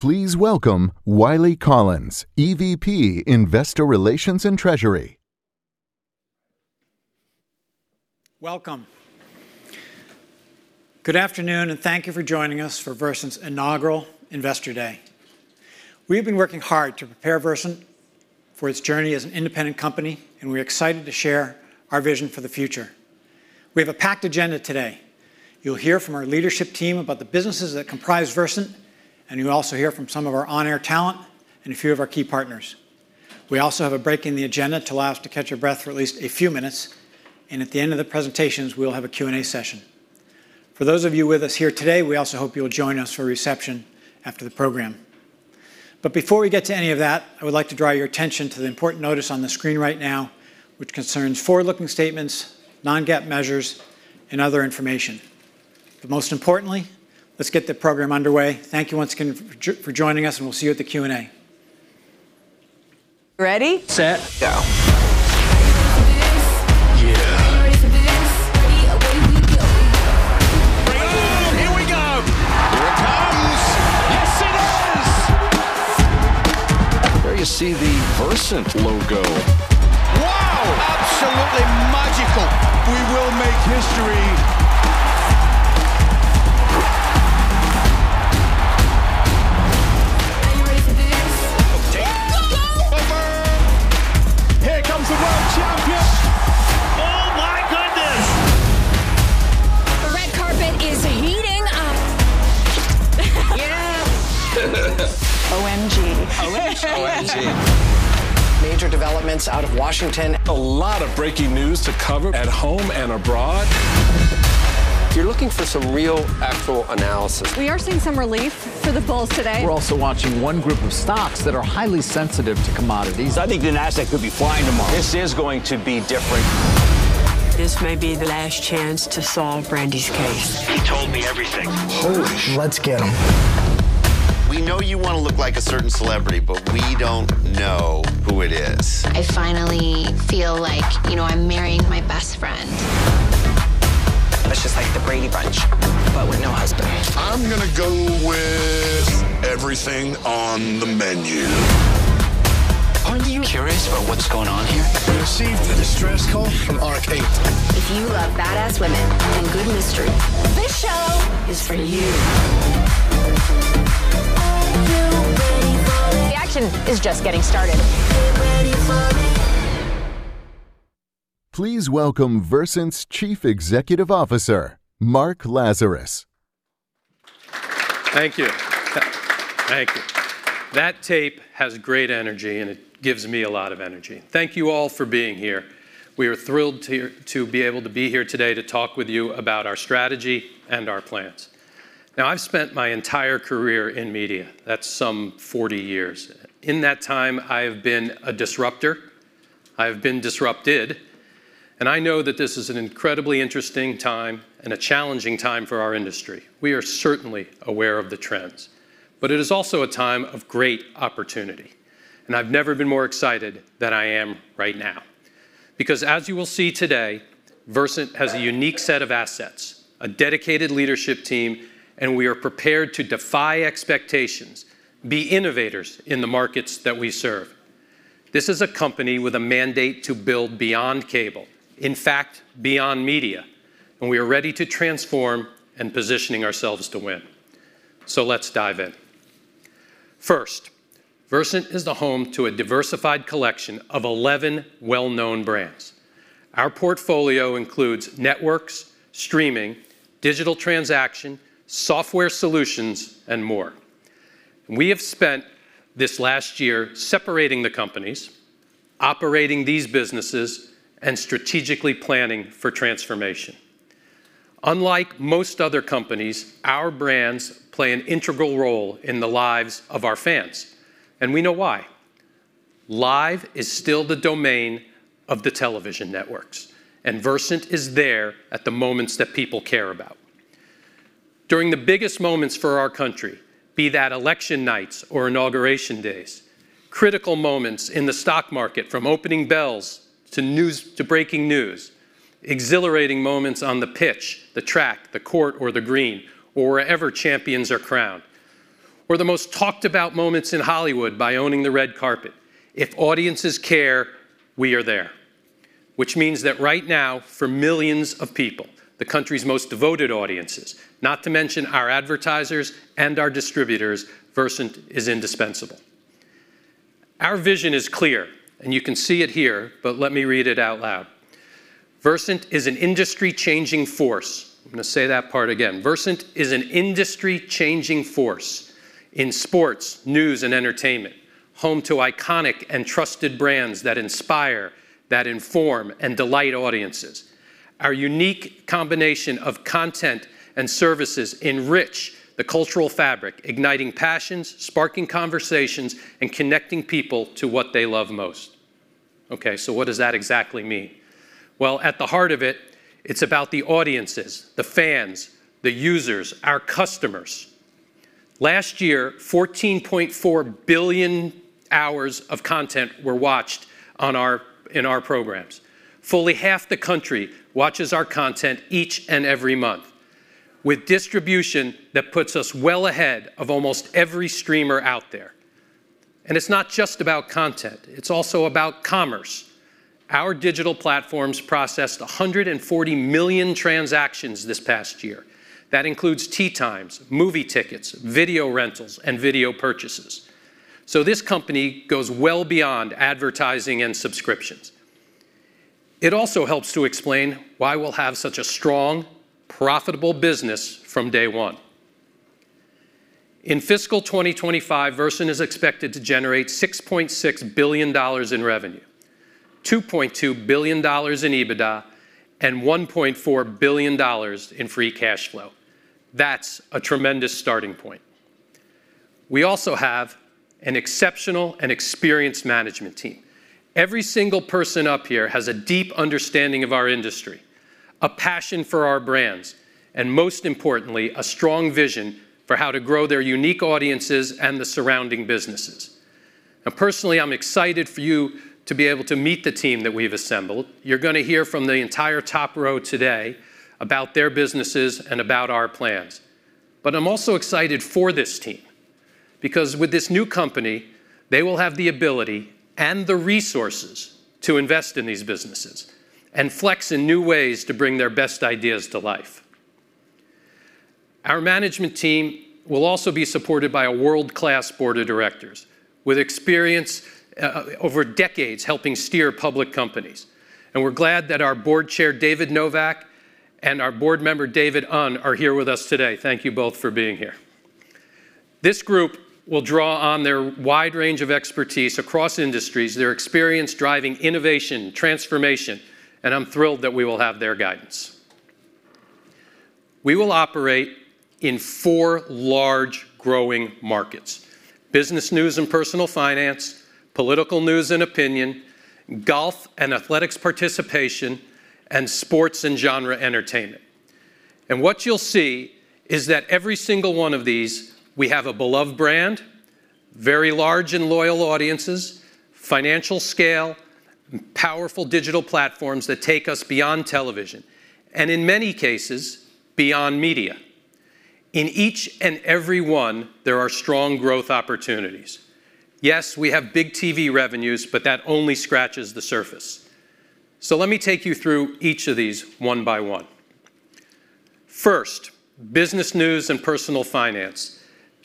Please welcome Wylie Collins, EVP Investor Relations and Treasury. Welcome. Good afternoon, and thank you for joining us for Versant's inaugural Investor Day. We've been working hard to prepare Versant for its journey as an independent company, and we're excited to share our vision for the future. We have a packed agenda today. You'll hear from our leadership team about the businesses that comprise Versant, and you'll also hear from some of our on-air talent and a few of our key partners. We also have a break in the agenda to allow us to catch your breath for at least a few minutes, and at the end of the presentations, we'll have a Q&A session. For those of you with us here today, we also hope you'll join us for a reception after the program. But before we get to any of that, I would like to draw your attention to the important notice on the screen right now, which concerns forward-looking statements, non-GAAP measures, and other information. But most importantly, let's get the program underway. Thank you once again for joining us, and we'll see you at the Q&A. Ready? Set. Go. Yeah. Here we go. Here it comes. Yes, it is. There you see the Versant logo. Wow. Absolutely magical. We will make history. Are you ready to dance? Go, go, go. Here comes the world champion. Oh, my goodness. The red carpet is heating up. Yeah. OMG. OMG. Major developments out of Washington. A lot of breaking news to cover at home and abroad. You're looking for some real actual analysis. We are seeing some relief for the bulls today. We're also watching one group of stocks that are highly sensitive to commodities. I think the Nasdaq could be flying tomorrow. This is going to be different. This may be the last chance to solve Brandy's case. He told me everything. Holy. Let's get him. We know you want to look like a certain celebrity, but we don't know who it is. I finally feel like, you know, I'm marrying my best friend. That's just like the Brady Bunch, but with no husband. I'm going to go with everything on the menu. Aren't you curious about what's going on here? We received a distress call from Arc 8. If you love badass women and good mystery, this show is for you. Are you ready for? Reaction is just getting started. Please welcome Versant's Chief Executive Officer, Marc Lazarus. Thank you. Thank you. That tape has great energy, and it gives me a lot of energy. Thank you all for being here. We are thrilled to be able to be here today to talk with you about our strategy and our plans. Now, I've spent my entire career in media. That's some 40 years. In that time, I have been a disruptor. I have been disrupted. And I know that this is an incredibly interesting time and a challenging time for our industry. We are certainly aware of the trends, but it is also a time of great opportunity. And I've never been more excited than I am right now. Because as you will see today, Versant has a unique set of assets, a dedicated leadership team, and we are prepared to defy expectations, be innovators in the markets that we serve. This is a company with a mandate to build beyond cable, in fact, beyond media, and we are ready to transform and position ourselves to win, so let's dive in. First, Versant is the home to a diversified collection of 11 well-known brands. Our portfolio includes networks, streaming, digital transaction, software solutions, and more. We have spent this last year separating the companies, operating these businesses, and strategically planning for transformation. Unlike most other companies, our brands play an integral role in the lives of our fans, and we know why. Live is still the domain of the television networks, and Versant is there at the moments that people care about. During the biggest moments for our country, be that election nights or inauguration days, critical moments in the stock market from opening bells to breaking news, exhilarating moments on the pitch, the track, the court, or the green, or wherever Champions are crowned, or the most talked-about moments in Hollywood by owning the red carpet, if audiences care, we are there. Which means that right now, for millions of people, the country's most devoted audiences, not to mention our advertisers and our distributors, Versant is indispensable. Our vision is clear, and you can see it here, but let me read it out loud. Versant is an industry-changing force. I'm going to say that part again. Versant is an industry-changing force in sports, news, and entertainment, home to iconic and trusted brands that inspire, that inform, and delight audiences. Our unique combination of content and services enrich the cultural fabric, igniting passions, sparking conversations, and connecting people to what they love most. Okay, so what does that exactly mean? Well, at the heart of it, it's about the audiences, the fans, the users, our customers. Last year, 14.4 billion hours of content were watched in our programs. Fully half the country watches our content each and every month, with distribution that puts us well ahead of almost every streamer out there. And it's not just about content. It's also about commerce. Our digital platforms processed 140 million transactions this past year. That includes tee times, movie tickets, video rentals, and video purchases. So this company goes well beyond advertising and subscriptions. It also helps to explain why we'll have such a strong, profitable business from day one. In fiscal 2025, Versant is expected to generate $6.6 billion in revenue, $2.2 billion in EBITDA, and $1.4 billion in free cash flow. That's a tremendous starting point. We also have an exceptional and experienced management team. Every single person up here has a deep understanding of our industry, a passion for our brands, and most importantly, a strong vision for how to grow their unique audiences and the surrounding businesses. Now, personally, I'm excited for you to be able to meet the team that we've assembled. You're going to hear from the entire top row today about their businesses and about our plans. But I'm also excited for this team because with this new company, they will have the ability and the resources to invest in these businesses and flex in new ways to bring their best ideas to life. Our management team will also be supported by a world-class board of directors with experience over decades helping steer public companies, and we're glad that our board chair, David Novak, and our board member, David Eun, are here with us today. Thank you both for being here. This group will draw on their wide range of expertise across industries, their experience driving innovation and transformation, and I'm thrilled that we will have their guidance. We will operate in four large growing markets: business news and personal finance, political news and opinion, golf and athletics participation, and sports and genre entertainment, and what you'll see is that every single one of these, we have a beloved brand, very large and loyal audiences, financial scale, powerful digital platforms that take us beyond television, and in many cases, beyond media. In each and every one, there are strong growth opportunities. Yes, we have big TV revenues, but that only scratches the surface. So let me take you through each of these one by one. First, business news and personal finance.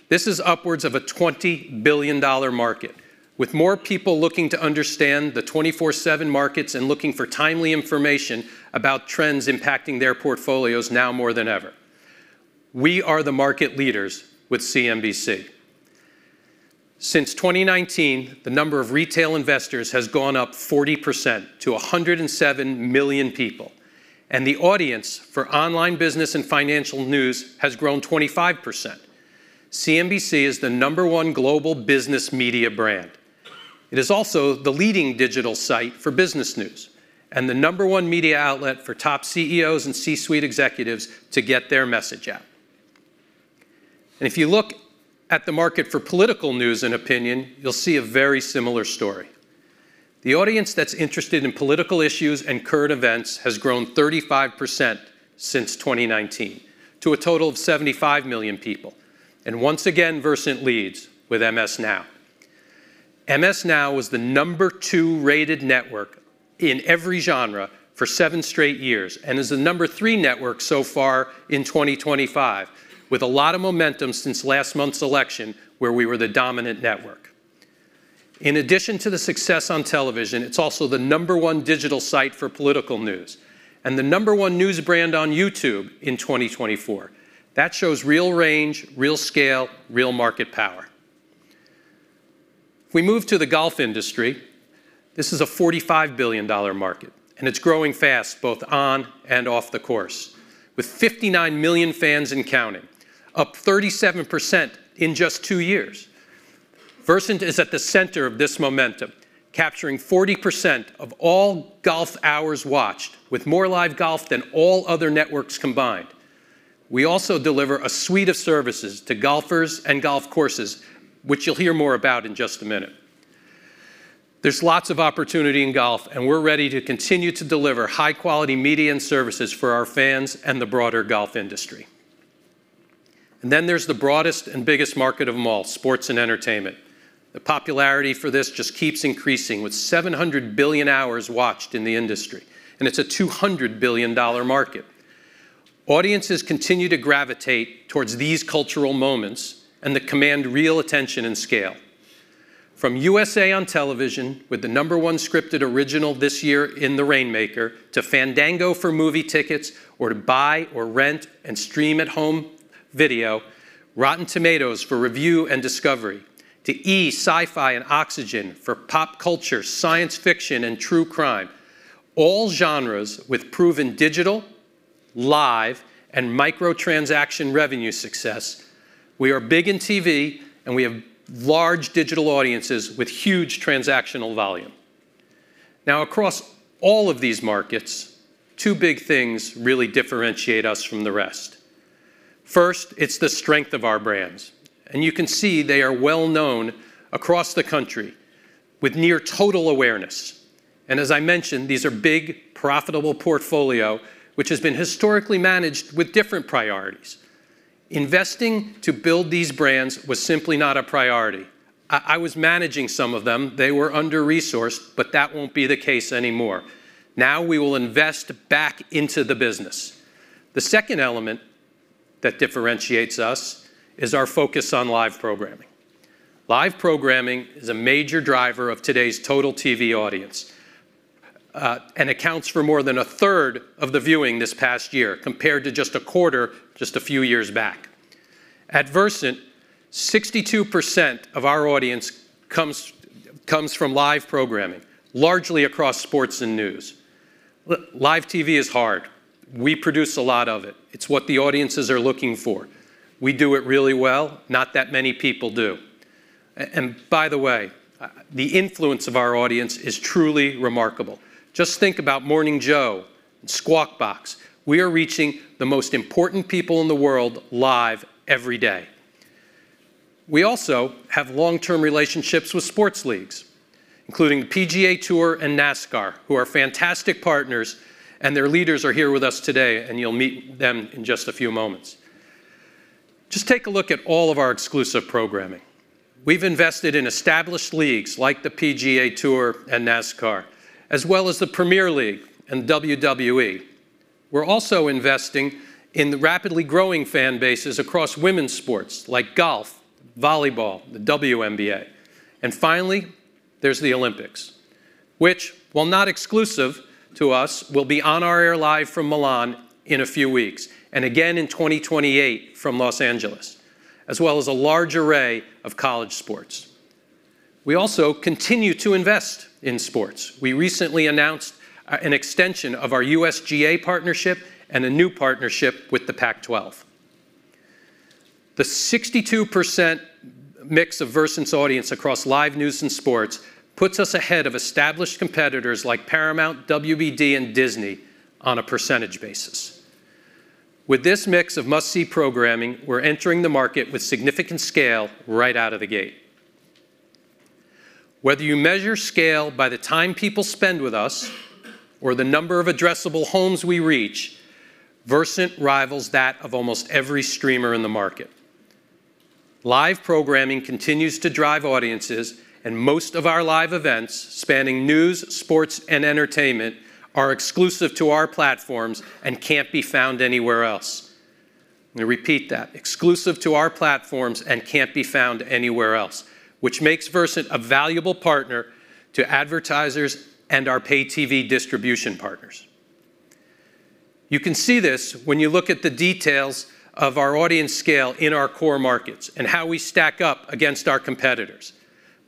This is upwards of a $20 billion market, with more people looking to understand the 24/7 markets and looking for timely information about trends impacting their portfolios now more than ever. We are the market leaders with CNBC. Since 2019, the number of retail investors has gone up 40% to 107 million people, and the audience for online business and financial news has grown 25%. CNBC is the number one global business media brand. It is also the leading digital site for business news and the number one media outlet for top CEOs and C-suite executives to get their message out. And if you look at the market for political news and opinion, you'll see a very similar story. The audience that's interested in political issues and current events has grown 35% since 2019 to a total of 75 million people, and once again, Versant leads with MS NOW. MS NOW was the number two rated network in every genre for seven straight years and is the number three network so far in 2025, with a lot of momentum since last month's election, where we were the dominant network. In addition to the success on television, it's also the number one digital site for political news and the number one news brand on YouTube in 2024. That shows real range, real scale, real market power. We move to the golf industry. This is a $45 billion market, and it's growing fast both on and off the course, with 59 million fans and counting, up 37% in just two years. Versant is at the center of this momentum, capturing 40% of all golf hours watched, with more live golf than all other networks combined. We also deliver a suite of services to golfers and golf courses, which you'll hear more about in just a minute. There's lots of opportunity in golf, and we're ready to continue to deliver high-quality media and services for our fans and the broader golf industry. And then there's the broadest and biggest market of them all, sports and entertainment. The popularity for this just keeps increasing with 700 billion hours watched in the industry, and it's a $200 billion market. Audiences continue to gravitate towards these cultural moments and that command real attention and scale. From USA on television, with the number one scripted original this year in the Rainmaker, to Fandango for movie tickets or to buy or rent and stream at home video, Rotten Tomatoes for review and discovery, to E! SYFY and Oxygen for pop culture, science fiction, and true crime, all genres with proven digital, live, and microtransaction revenue success, we are big in TV, and we have large digital audiences with huge transactional volume. Now, across all of these markets, two big things really differentiate us from the rest. First, it's the strength of our brands. And you can see they are well-known across the country with near total awareness. And as I mentioned, these are big, profitable portfolios, which have been historically managed with different priorities. Investing to build these brands was simply not a priority. I was managing some of them. They were under-resourced, but that won't be the case anymore. Now we will invest back into the business. The second element that differentiates us is our focus on live programming. Live programming is a major driver of today's total TV audience and accounts for more than a third of the viewing this past year compared to just a quarter just a few years back. At Versant, 62% of our audience comes from live programming, largely across sports and news. Live TV is hard. We produce a lot of it. It's what the audiences are looking for. We do it really well. Not that many people do, and by the way, the influence of our audience is truly remarkable. Just think about Morning Joe and Squawk Box. We are reaching the most important people in the world live every day. We also have long-term relationships with sports leagues, including the PGA Tour and NASCAR, who are fantastic partners, and their leaders are here with us today, and you'll meet them in just a few moments. Just take a look at all of our exclusive programming. We've invested in established leagues like the PGA Tour and NASCAR, as well as the Premier League and WWE. We're also investing in the rapidly growing fan bases across women's sports like golf, volleyball, the WNBA. And finally, there's the Olympics, which, while not exclusive to us, will be on our air live from Milan in a few weeks, and again in 2028 from Los Angeles, as well as a large array of college sports. We also continue to invest in sports. We recently announced an extension of our USGA partnership and a new partnership with the Pac-12. The 62% mix of Versant's audience across live news and sports puts us ahead of established competitors like Paramount, WBD, and Disney on a percentage basis. With this mix of must-see programming, we're entering the market with significant scale right out of the gate. Whether you measure scale by the time people spend with us or the number of addressable homes we reach, Versant rivals that of almost every streamer in the market. Live programming continues to drive audiences, and most of our live events spanning news, sports, and entertainment are exclusive to our platforms and can't be found anywhere else. I'm going to repeat that: exclusive to our platforms and can't be found anywhere else, which makes Versant a valuable partner to advertisers and our pay-TV distribution partners. You can see this when you look at the details of our audience scale in our core markets and how we stack up against our competitors,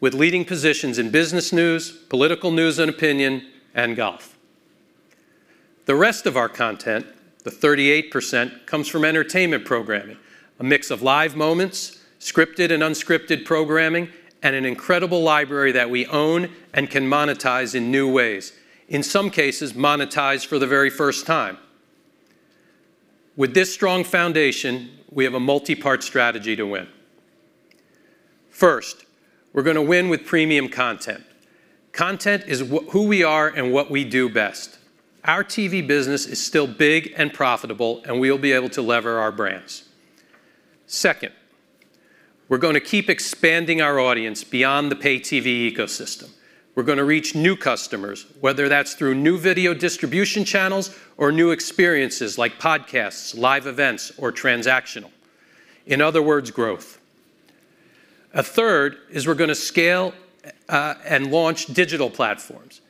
with leading positions in business news, political news and opinion, and golf. The rest of our content, the 38%, comes from entertainment programming, a mix of live moments, scripted and unscripted programming, and an incredible library that we own and can monetize in new ways, in some cases monetized for the very first time. With this strong foundation, we have a multi-part strategy to win. First, we're going to win with premium content. Content is who we are and what we do best. Our TV business is still big and profitable, and we will be able to leverage our brands. Second, we're going to keep expanding our audience beyond the pay-TV ecosystem. We're going to reach new customers, whether that's through new video distribution channels or new experiences like podcasts, live events, or transactional. In other words, growth. A third is we're going to scale and launch digital platforms,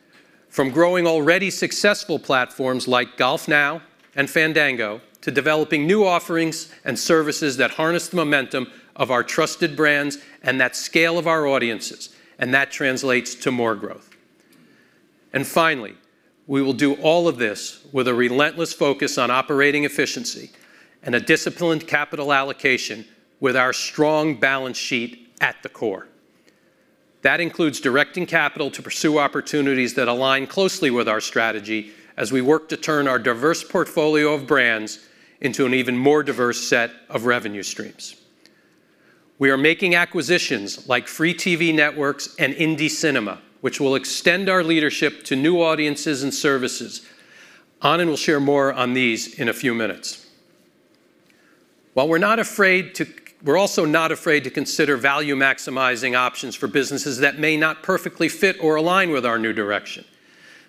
from growing already successful platforms like GolfNow and Fandango to developing new offerings and services that harness the momentum of our trusted brands and that scale of our audiences, and that translates to more growth. And finally, we will do all of this with a relentless focus on operating efficiency and a disciplined capital allocation with our strong balance sheet at the core. That includes directing capital to pursue opportunities that align closely with our strategy as we work to turn our diverse portfolio of brands into an even more diverse set of revenue streams. We are making acquisitions like Free TV Networks and Indie Cinema, which will extend our leadership to new audiences and services. Anand will share more on these in a few minutes. While we're not afraid to, we're also not afraid to consider value-maximizing options for businesses that may not perfectly fit or align with our new direction.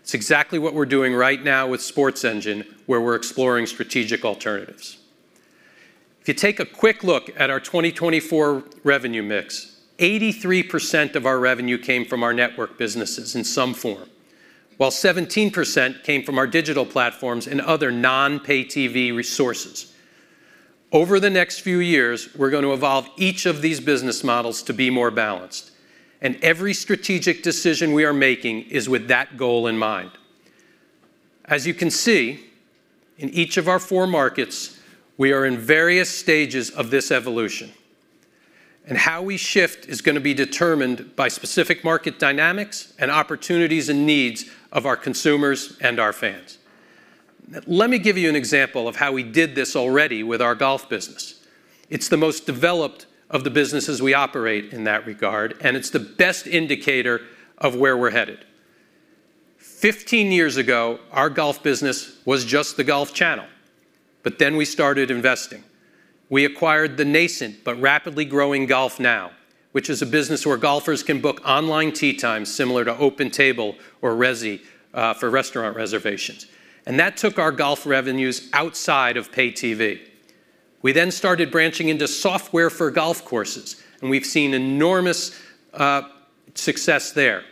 It's exactly what we're doing right now with SportsEngine, where we're exploring strategic alternatives. If you take a quick look at our 2024 revenue mix, 83% of our revenue came from our network businesses in some form, while 17% came from our digital platforms and other non-pay-TV resources. Over the next few years, we're going to evolve each of these business models to be more balanced, and every strategic decision we are making is with that goal in mind. As you can see, in each of our four markets, we are in various stages of this evolution, and how we shift is going to be determined by specific market dynamics and opportunities and needs of our consumers and our fans. Let me give you an example of how we did this already with our golf business. It's the most developed of the businesses we operate in that regard, and it's the best indicator of where we're headed. Fifteen years ago, our golf business was just the Golf Channel, but then we started investing. We acquired the nascent but rapidly growing GolfNow, which is a business where golfers can book online tee times similar to OpenTable or Resy for restaurant reservations. And that took our golf revenues outside of pay-TV. We then started branching into software for golf courses, and we've seen enormous success there.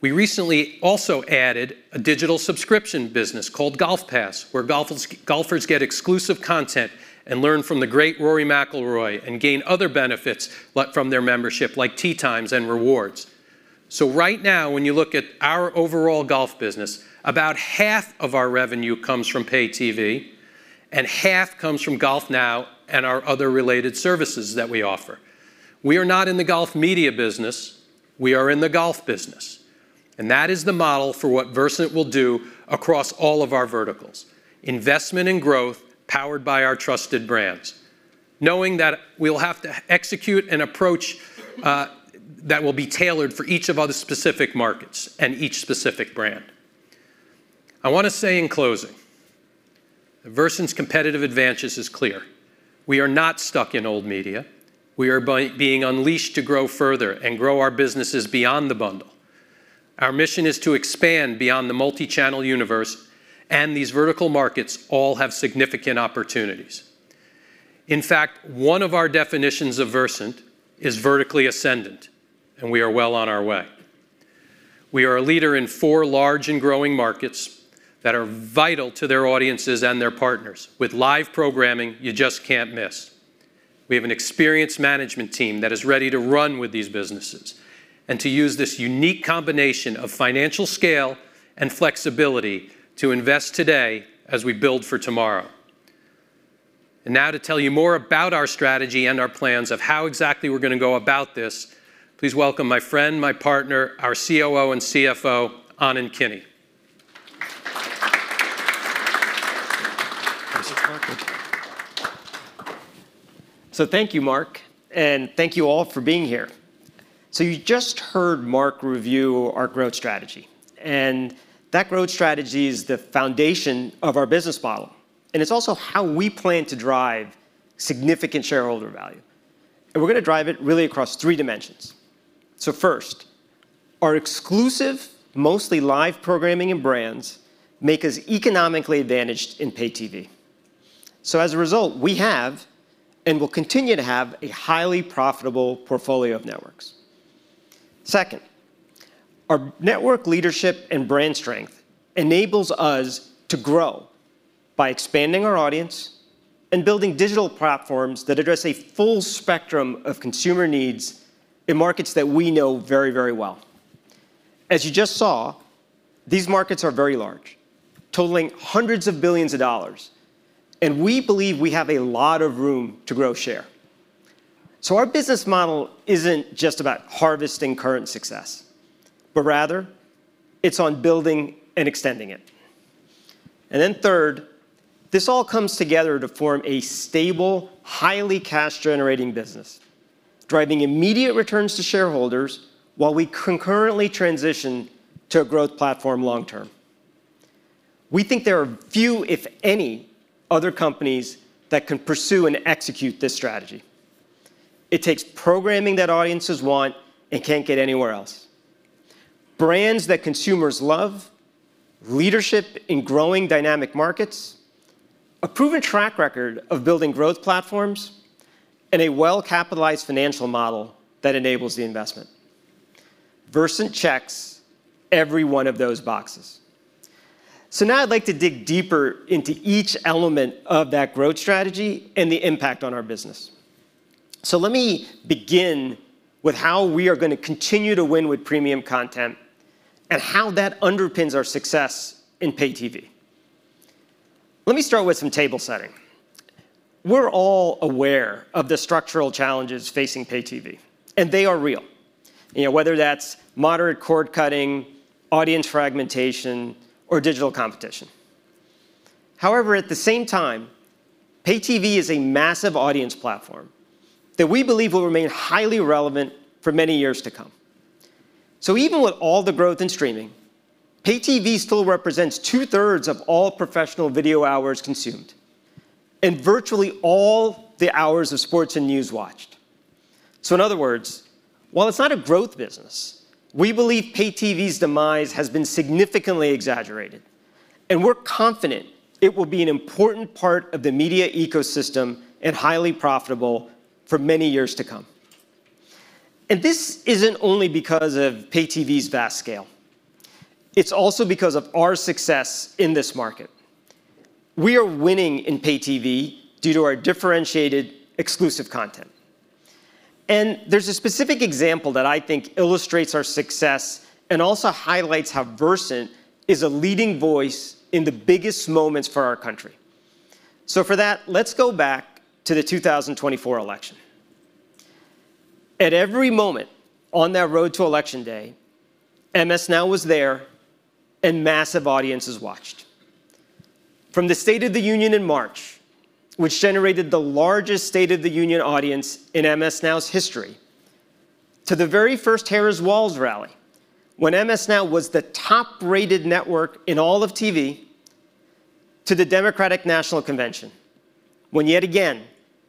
We recently also added a digital subscription business called GolfPass, where golfers get exclusive content and learn from the great Rory McIlroy and gain other benefits from their membership, like tee times and rewards. So right now, when you look at our overall golf business, about half of our revenue comes from pay-TV, and half comes from GolfNow and our other related services that we offer. We are not in the golf media business. We are in the golf business. And that is the model for what Versant will do across all of our verticals: investment and growth powered by our trusted brands, knowing that we'll have to execute an approach that will be tailored for each of our specific markets and each specific brand. I want to say in closing, Versant's competitive advantage is clear. We are not stuck in old media. We are being unleashed to grow further and grow our businesses beyond the bundle. Our mission is to expand beyond the multi-channel universe, and these vertical markets all have significant opportunities. In fact, one of our definitions of Versant is vertically ascendant, and we are well on our way. We are a leader in four large and growing markets that are vital to their audiences and their partners, with live programming you just can't miss. We have an experienced management team that is ready to run with these businesses and to use this unique combination of financial scale and flexibility to invest today as we build for tomorrow. And now, to tell you more about our strategy and our plans of how exactly we're going to go about this, please welcome my friend, my partner, our COO and CFO, Anand Kini. Thank you, Wylie, and thank you all for being here. You just heard Wylie review our growth strategy. That growth strategy is the foundation of our business model, and it's also how we plan to drive significant shareholder value. We're going to drive it really across three dimensions. First, our exclusive, mostly live programming and brands make us economically advantaged in pay-TV. As a result, we have and will continue to have a highly profitable portfolio of networks. Second, our network leadership and brand strength enables us to grow by expanding our audience and building digital platforms that address a full spectrum of consumer needs in markets that we know very, very well. As you just saw, these markets are very large, totaling $hundreds of billions, and we believe we have a lot of room to grow share. So our business model isn't just about harvesting current success, but rather it's on building and extending it. And then third, this all comes together to form a stable, highly cash-generating business, driving immediate returns to shareholders while we concurrently transition to a growth platform long-term. We think there are few, if any, other companies that can pursue and execute this strategy. It takes programming that audiences want and can't get anywhere else: brands that consumers love, leadership in growing dynamic markets, a proven track record of building growth platforms, and a well-capitalized financial model that enables the investment. Versant checks every one of those boxes. So now I'd like to dig deeper into each element of that growth strategy and the impact on our business. So let me begin with how we are going to continue to win with premium content and how that underpins our success in pay-TV. Let me start with some table setting. We're all aware of the structural challenges facing pay-TV, and they are real, whether that's moderate cord cutting, audience fragmentation, or digital competition. However, at the same time, pay-TV is a massive audience platform that we believe will remain highly relevant for many years to come, so even with all the growth in streaming, pay-TV still represents two-thirds of all professional video hours consumed and virtually all the hours of sports and news watched, so in other words, while it's not a growth business, we believe pay-TV's demise has been significantly exaggerated, and we're confident it will be an important part of the media ecosystem and highly profitable for many years to come, and this isn't only because of pay-TV's vast scale. It's also because of our success in this market. We are winning in pay-TV due to our differentiated exclusive content. And there's a specific example that I think illustrates our success and also highlights how Versant is a leading voice in the biggest moments for our country. So for that, let's go back to the 2024 election. At every moment on that road to election day, MS NOW was there and massive audiences watched. From the State of the Union in March, which generated the largest State of the Union audience in MS NOW's history, to the very first Harris-Walz rally when MS NOW was the top-rated network in all of TV, to the Democratic National Convention when yet again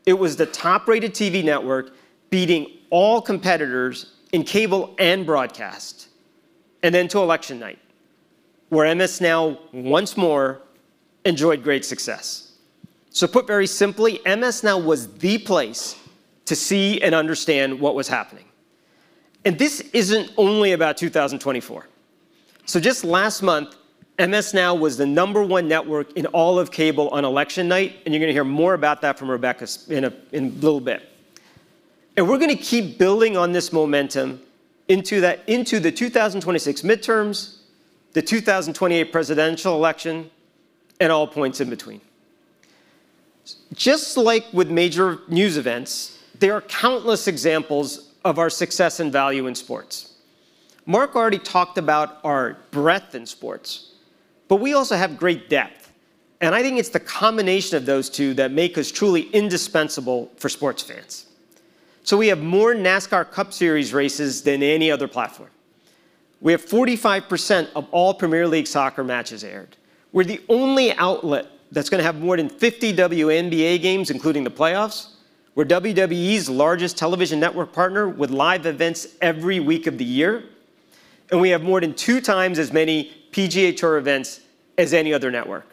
it was the top-rated TV network beating all competitors in cable and broadcast, and then to election night, where MS NOW once more enjoyed great success. So put very simply, MS NOW was the place to see and understand what was happening. And this isn't only about 2024. So just last month, MS NOW was the number one network in all of cable on election night, and you're going to hear more about that from Rebecca in a little bit. And we're going to keep building on this momentum into the 2026 midterms, the 2028 presidential election, and all points in between. Just like with major news events, there are countless examples of our success and value in sports. Mark already talked about our breadth in sports, but we also have great depth, and I think it's the combination of those two that make us truly indispensable for sports fans. So we have more NASCAR Cup Series races than any other platform. We have 45% of all Premier League soccer matches aired. We're the only outlet that's going to have more than 50 WNBA games, including the playoffs. We're WWE's largest television network partner with live events every week of the year, and we have more than two times as many PGA Tour events as any other network.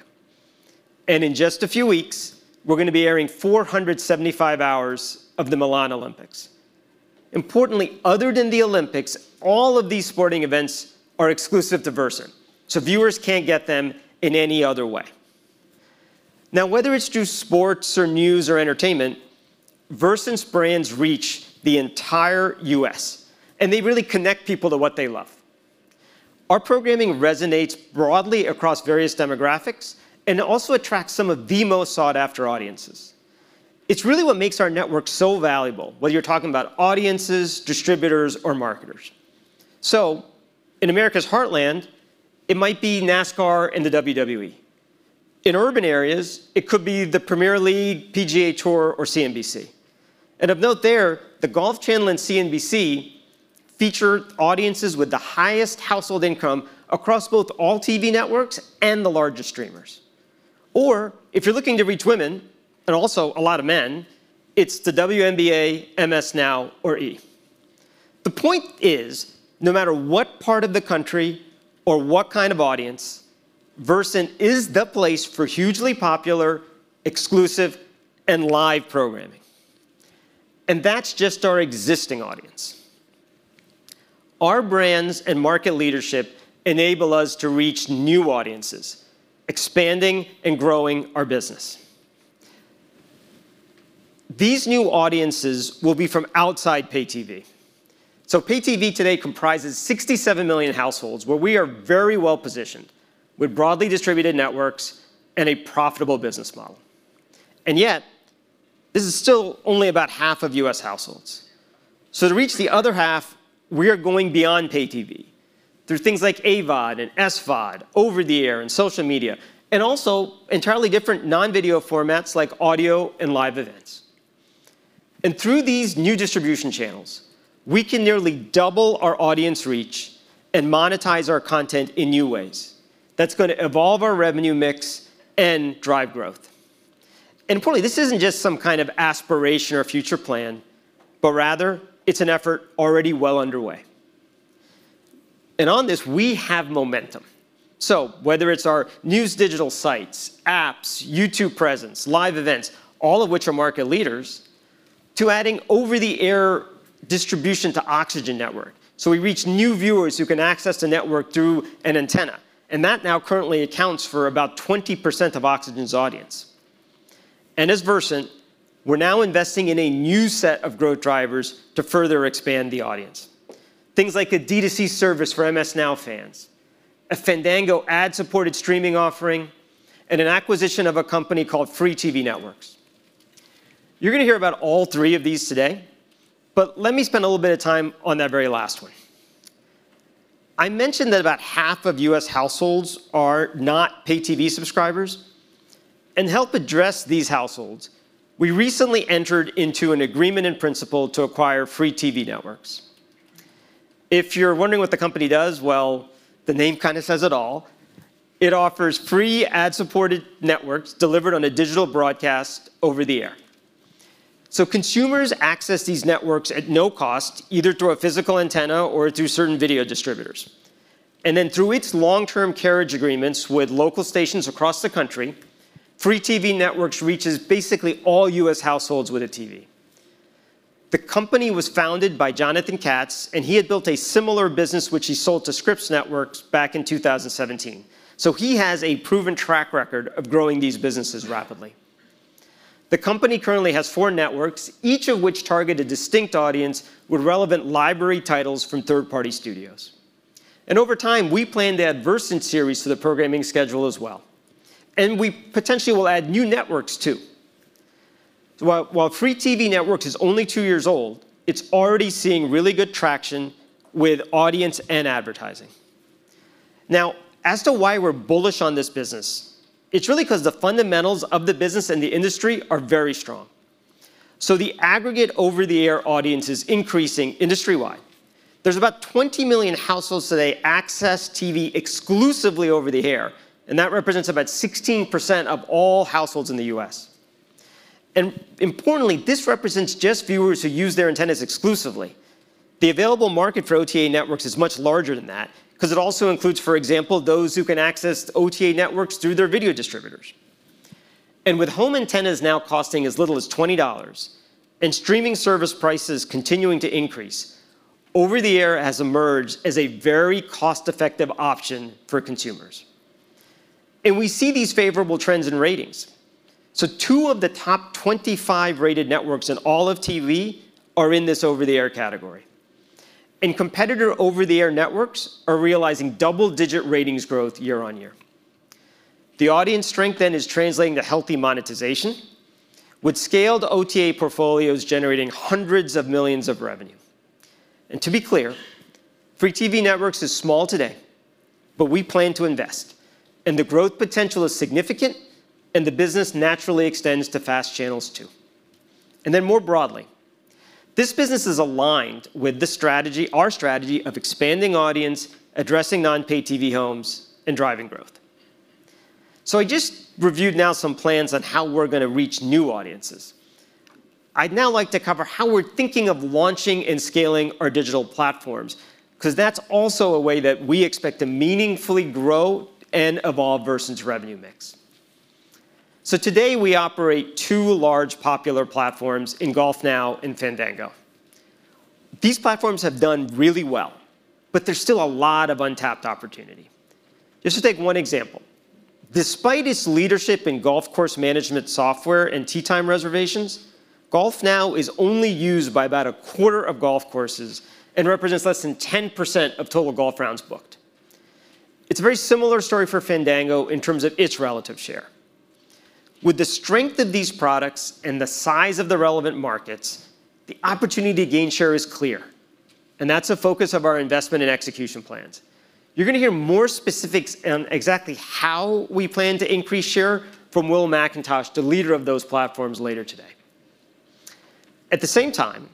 And in just a few weeks, we're going to be airing 475 hours of the Milan Olympics. Importantly, other than the Olympics, all of these sporting events are exclusive to Versant, so viewers can't get them in any other way. Now, whether it's through sports or news or entertainment, Versant's brands reach the entire U.S., and they really connect people to what they love. Our programming resonates broadly across various demographics and also attracts some of the most sought-after audiences. It's really what makes our network so valuable, whether you're talking about audiences, distributors, or marketers. So in America's heartland, it might be NASCAR and the WWE. In urban areas, it could be the Premier League, PGA Tour, or CNBC. Of note there, the Golf Channel and CNBC feature audiences with the highest household income across both all TV networks and the largest streamers. If you're looking to reach women and also a lot of men, it's the WNBA, MS NOW, or E! The point is, no matter what part of the country or what kind of audience, Versant is the place for hugely popular, exclusive, and live programming. That's just our existing audience. Our brands and market leadership enable us to reach new audiences, expanding and growing our business. These new audiences will be from outside pay-TV. Pay-TV today comprises 67 million households where we are very well positioned with broadly distributed networks and a profitable business model. Yet, this is still only about half of U.S. households. To reach the other half, we are going beyond pay-TV through things like AVOD and SVOD, over-the-air and social media, and also entirely different non-video formats like audio and live events. Through these new distribution channels, we can nearly double our audience reach and monetize our content in new ways. That's going to evolve our revenue mix and drive growth. Importantly, this isn't just some kind of aspiration or future plan, but rather it's an effort already well underway. On this, we have momentum. Whether it's our news digital sites, apps, YouTube presence, live events, all of which are market leaders, to adding over-the-air distribution to Oxygen Network. We reach new viewers who can access the network through an antenna, and that now currently accounts for about 20% of Oxygen's audience. As Versant, we're now investing in a new set of growth drivers to further expand the audience. Things like a D2C service for MS NOW fans, a Fandango ad-supported streaming offering, and an acquisition of a company called Free TV Networks. You're going to hear about all three of these today, but let me spend a little bit of time on that very last one. I mentioned that about half of U.S. households are not pay-TV subscribers. To help address these households, we recently entered into an agreement in principle to acquire Free TV Networks. If you're wondering what the company does, well, the name kind of says it all. It offers free ad-supported networks delivered on a digital broadcast over the air. Consumers access these networks at no cost, either through a physical antenna or through certain video distributors. And then through its long-term carriage agreements with local stations across the country, Free TV Networks reaches basically all U.S. households with a TV. The company was founded by Jonathan Katz, and he had built a similar business, which he sold to Scripps Networks back in 2017. So he has a proven track record of growing these businesses rapidly. The company currently has four networks, each of which target a distinct audience with relevant library titles from third-party studios. And over time, we plan to add Versant series to the programming schedule as well. And we potentially will add new networks too. While Free TV Networks is only two years old, it's already seeing really good traction with audience and advertising. Now, as to why we're bullish on this business, it's really because the fundamentals of the business and the industry are very strong. The aggregate over-the-air audience is increasing industry-wide. There's about 20 million households today access TV exclusively over the air, and that represents about 16% of all households in the U.S. Importantly, this represents just viewers who use their antennas exclusively. The available market for OTA networks is much larger than that because it also includes, for example, those who can access OTA networks through their video distributors. With home antennas now costing as little as $20 and streaming service prices continuing to increase, over-the-air has emerged as a very cost-effective option for consumers. We see these favorable trends in ratings. Two of the top 25 rated networks in all of TV are in this over-the-air category. Competitor over-the-air networks are realizing double-digit ratings growth year-on-year. The audience strength then is translating to healthy monetization, with scaled OTA portfolios generating hundreds of millions of revenue, and to be clear, Free TV Networks is small today, but we plan to invest, and the growth potential is significant, and the business naturally extends to FAST channels too, and then more broadly, this business is aligned with our strategy of expanding audience, addressing non-pay-TV homes, and driving growth, so I just reviewed now some plans on how we're going to reach new audiences. I'd now like to cover how we're thinking of launching and scaling our digital platforms because that's also a way that we expect to meaningfully grow and evolve Versant's revenue mix, so today we operate two large popular platforms in GolfNow and Fandango. These platforms have done really well, but there's still a lot of untapped opportunity. Just to take one example, despite its leadership in golf course management software and tee time reservations, GolfNow is only used by about a quarter of golf courses and represents less than 10% of total golf rounds booked. It's a very similar story for Fandango in terms of its relative share. With the strength of these products and the size of the relevant markets, the opportunity to gain share is clear, and that's a focus of our investment and execution plans. You're going to hear more specifics on exactly how we plan to increase share from Will McIntosh, the leader of those platforms, later today. At the same time,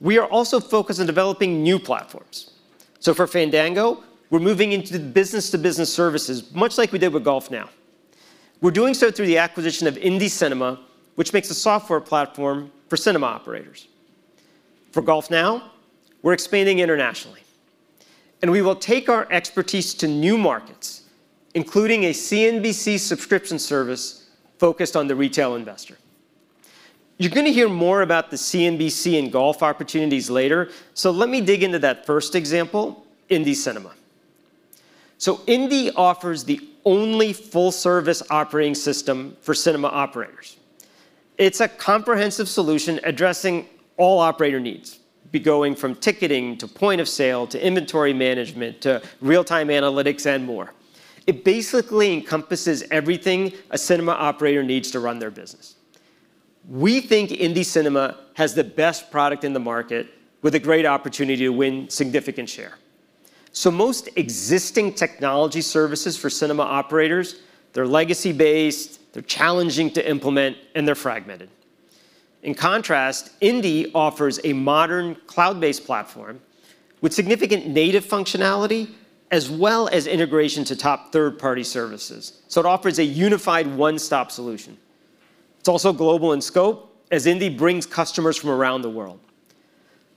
we are also focused on developing new platforms. So for Fandango, we're moving into the business-to-business services, much like we did with GolfNow. We're doing so through the acquisition of Indie Cinema, which makes a software platform for cinema operators. For GolfNow, we're expanding internationally, and we will take our expertise to new markets, including a CNBC subscription service focused on the retail investor. You're going to hear more about the CNBC and golf opportunities later, so let me dig into that first example, Indie Cinema, so Indie offers the only full-service operating system for cinema operators. It's a comprehensive solution addressing all operator needs, going from ticketing to point of sale to inventory management to real-time analytics and more. It basically encompasses everything a cinema operator needs to run their business. We think Indie Cinema has the best product in the market with a great opportunity to win significant share, so most existing technology services for cinema operators, they're legacy-based, they're challenging to implement, and they're fragmented. In contrast, Indie offers a modern cloud-based platform with significant native functionality as well as integration to top third-party services. So it offers a unified one-stop solution. It's also global in scope as Indie brings customers from around the world.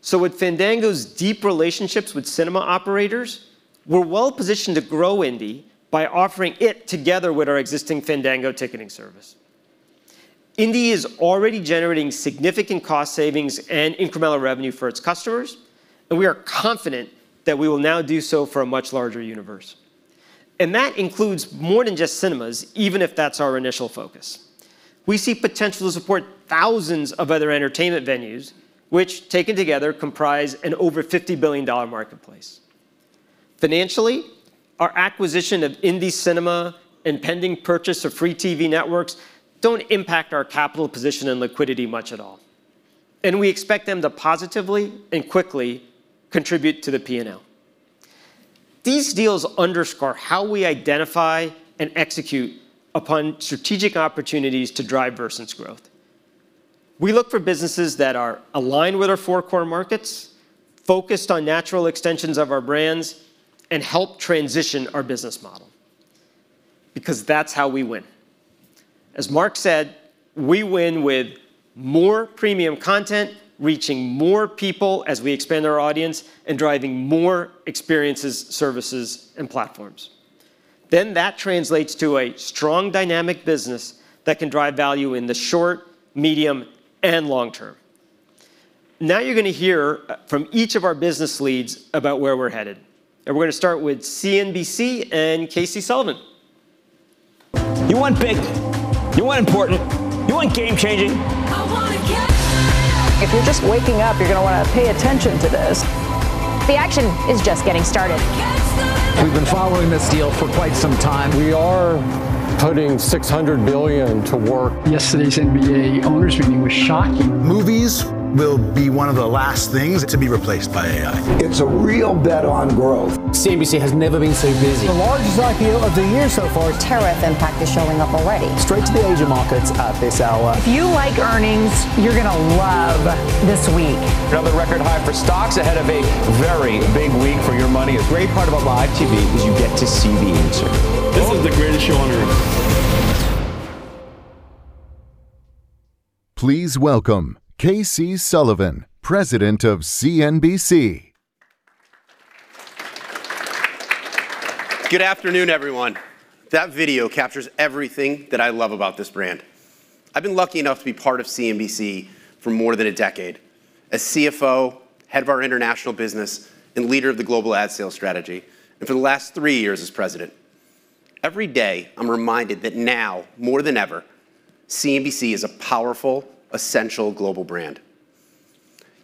So with Fandango's deep relationships with cinema operators, we're well positioned to grow Indie by offering it together with our existing Fandango ticketing service. Indie is already generating significant cost savings and incremental revenue for its customers, and we are confident that we will now do so for a much larger universe. And that includes more than just cinemas, even if that's our initial focus. We see potential to support thousands of other entertainment venues, which taken together comprise an over $50 billion marketplace. Financially, our acquisition of Indie Cinema and pending purchase of Free TV Networks don't impact our capital position and liquidity much at all. And we expect them to positively and quickly contribute to the P&L. These deals underscore how we identify and execute upon strategic opportunities to drive Versant's growth. We look for businesses that are aligned with our four-core markets, focused on natural extensions of our brands, and help transition our business model because that's how we win. As Mark said, we win with more premium content reaching more people as we expand our audience and driving more experiences, services, and platforms, then that translates to a strong dynamic business that can drive value in the short, medium, and long term. Now you're going to hear from each of our business leads about where we're headed, and we're going to start with CNBC and KC Sullivan. You want big. You want important. You want game-changing. If you're just waking up, you're going to want to pay attention to this. The action is just getting started. We've been following this deal for quite some time. We are putting $600 billion to work. Yesterday's NBA owners' meeting was shocking. Movies will be one of the last things to be replaced by AI. It's a real bet on growth. CNBC has never been so busy. The largest IPO of the year so far. Tariff impact is showing up already. Straight to the Asia markets at this hour. If you like earnings, you're going to love this week. Another record high for stocks ahead of a very big week for your money. A great part about live TV is you get to see the answer. This is the greatest show on earth. Please welcome KC Sullivan, President of CNBC. Good afternoon, everyone. That video captures everything that I love about this brand. I've been lucky enough to be part of CNBC for more than a decade as CFO, head of our international business, and leader of the global ad sales strategy, and for the last three years as President. Every day, I'm reminded that now, more than ever, CNBC is a powerful, essential global brand.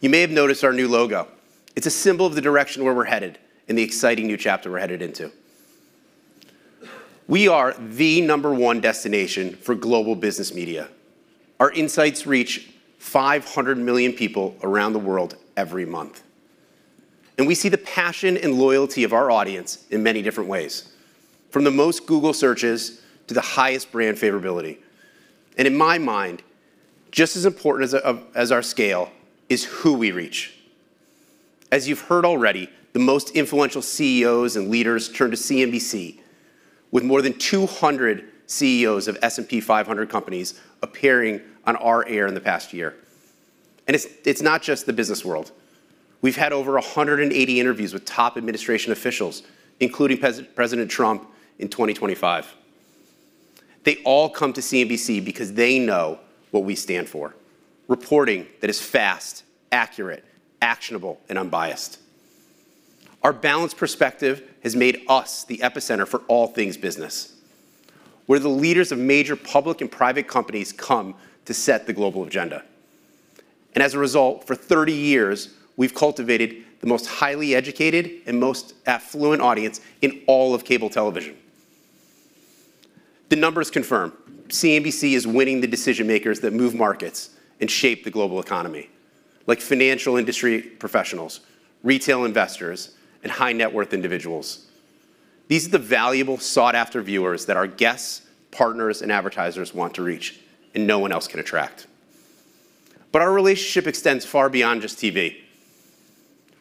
You may have noticed our new logo. It's a symbol of the direction where we're headed and the exciting new chapter we're headed into. We are the number one destination for global business media. Our insights reach 500 million people around the world every month. And we see the passion and loyalty of our audience in many different ways, from the most Google searches to the highest brand favorability. And in my mind, just as important as our scale is who we reach. As you've heard already, the most influential CEOs and leaders turn to CNBC, with more than 200 CEOs of S&P 500 companies appearing on our air in the past year, and it's not just the business world. We've had over 180 interviews with top administration officials, including President Trump in 2025. They all come to CNBC because they know what we stand for: reporting that is fast, accurate, actionable, and unbiased. Our balanced perspective has made us the epicenter for all things business, where the leaders of major public and private companies come to set the global agenda, and as a result, for 30 years, we've cultivated the most highly educated and most affluent audience in all of cable television. The numbers confirm CNBC is winning the decision-makers that move markets and shape the global economy, like financial industry professionals, retail investors, and high-net-worth individuals. These are the valuable, sought-after viewers that our guests, partners, and advertisers want to reach, and no one else can attract. But our relationship extends far beyond just TV.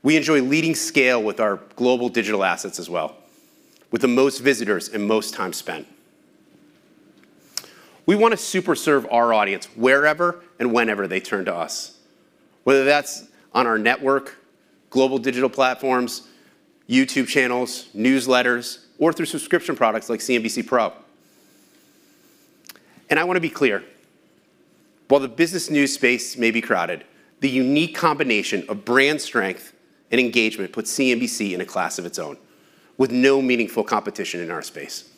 We enjoy leading scale with our global digital assets as well, with the most visitors and most time spent. We want to super serve our audience wherever and whenever they turn to us, whether that's on our network, global digital platforms, YouTube channels, newsletters, or through subscription products like CNBC Pro. And I want to be clear. While the business news space may be crowded, the unique combination of brand strength and engagement puts CNBC in a class of its own, with no meaningful competition in our space.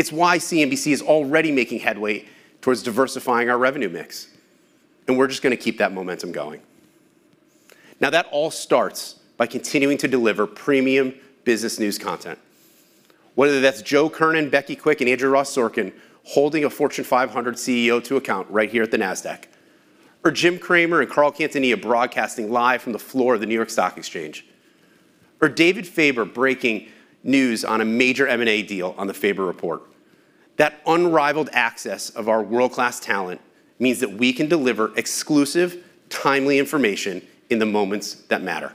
It's why CNBC is already making headway towards diversifying our revenue mix, and we're just going to keep that momentum going. Now, that all starts by continuing to deliver premium business news content, whether that's Joe Kernan, Becky Quick, and Andrew Ross Sorkin holding a Fortune 500 CEO to account right here at the NASDAQ, or Jim Cramer and Carl Quintanilla broadcasting live from the floor of the New York Stock Exchange, or David Faber breaking news on a major M&A deal on The Faber Report. That unrivaled access of our world-class talent means that we can deliver exclusive, timely information in the moments that matter.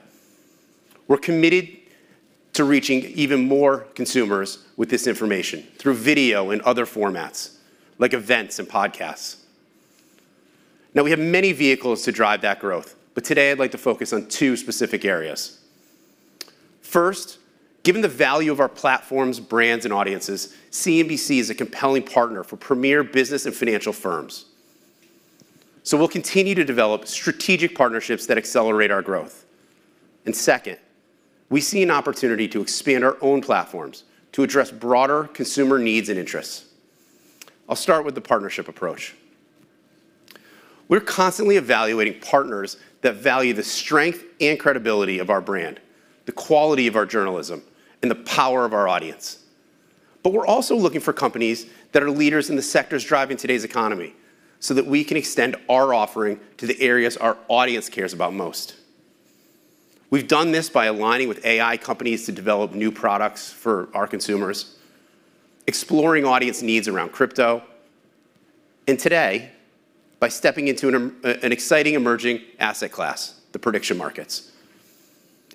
We're committed to reaching even more consumers with this information through video and other formats, like events and podcasts. Now, we have many vehicles to drive that growth, but today I'd like to focus on two specific areas. First, given the value of our platforms, brands, and audiences, CNBC is a compelling partner for premier business and financial firms. We'll continue to develop strategic partnerships that accelerate our growth. Second, we see an opportunity to expand our own platforms to address broader consumer needs and interests. I'll start with the partnership approach. We're constantly evaluating partners that value the strength and credibility of our brand, the quality of our journalism, and the power of our audience. We're also looking for companies that are leaders in the sectors driving today's economy so that we can extend our offering to the areas our audience cares about most. We've done this by aligning with AI companies to develop new products for our consumers, exploring audience needs around crypto, and today by stepping into an exciting emerging asset class, the prediction markets.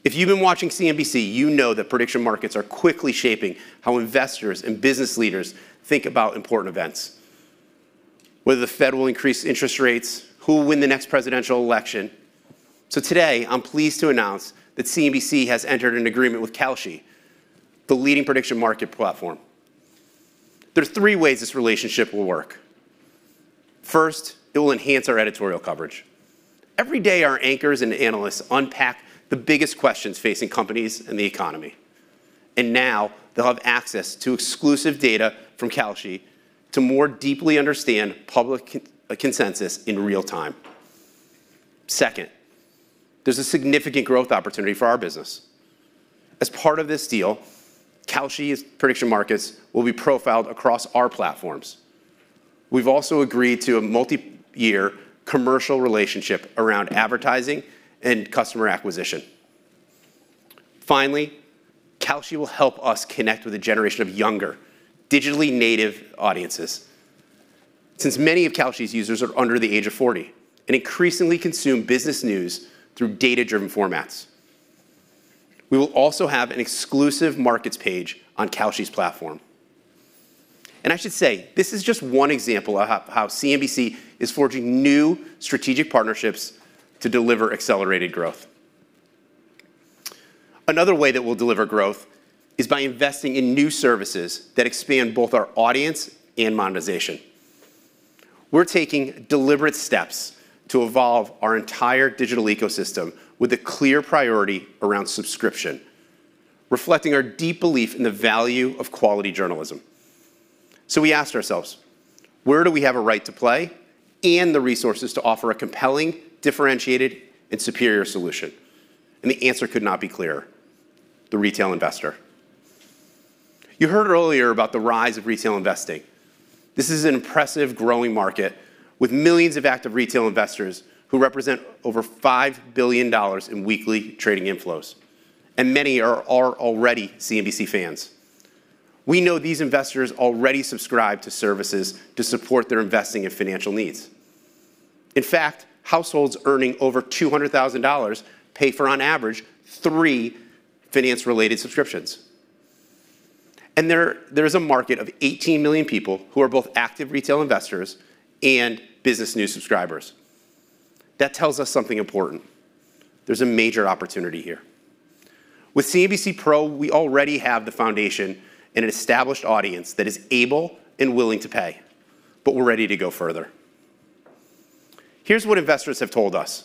If you've been watching CNBC, you know that prediction markets are quickly shaping how investors and business leaders think about important events, whether the Fed will increase interest rates, who will win the next presidential election. So today, I'm pleased to announce that CNBC has entered an agreement with Kalshi, the leading prediction market platform. There are three ways this relationship will work. First, it will enhance our editorial coverage. Every day, our anchors and analysts unpack the biggest questions facing companies and the economy. And now they'll have access to exclusive data from Kalshi to more deeply understand public consensus in real time. Second, there's a significant growth opportunity for our business. As part of this deal, Kalshi's prediction markets will be profiled across our platforms. We've also agreed to a multi-year commercial relationship around advertising and customer acquisition. Finally, Kalshi will help us connect with a generation of younger, digitally native audiences since many of Kalshi's users are under the age of 40 and increasingly consume business news through data-driven formats. We will also have an exclusive markets page on Kalshi's platform, and I should say this is just one example of how CNBC is forging new strategic partnerships to deliver accelerated growth. Another way that we'll deliver growth is by investing in new services that expand both our audience and monetization. We're taking deliberate steps to evolve our entire digital ecosystem with a clear priority around subscription, reflecting our deep belief in the value of quality journalism, so we asked ourselves, where do we have a right to play and the resources to offer a compelling, differentiated, and superior solution? And the answer could not be clearer: the retail investor. You heard earlier about the rise of retail investing. This is an impressive growing market with millions of active retail investors who represent over $5 billion in weekly trading inflows, and many are already CNBC fans. We know these investors already subscribe to services to support their investing and financial needs. In fact, households earning over $200,000 pay for, on average, three finance-related subscriptions, and there is a market of 18 million people who are both active retail investors and business news subscribers. That tells us something important. There's a major opportunity here. With CNBC Pro, we already have the foundation and an established audience that is able and willing to pay, but we're ready to go further. Here's what investors have told us.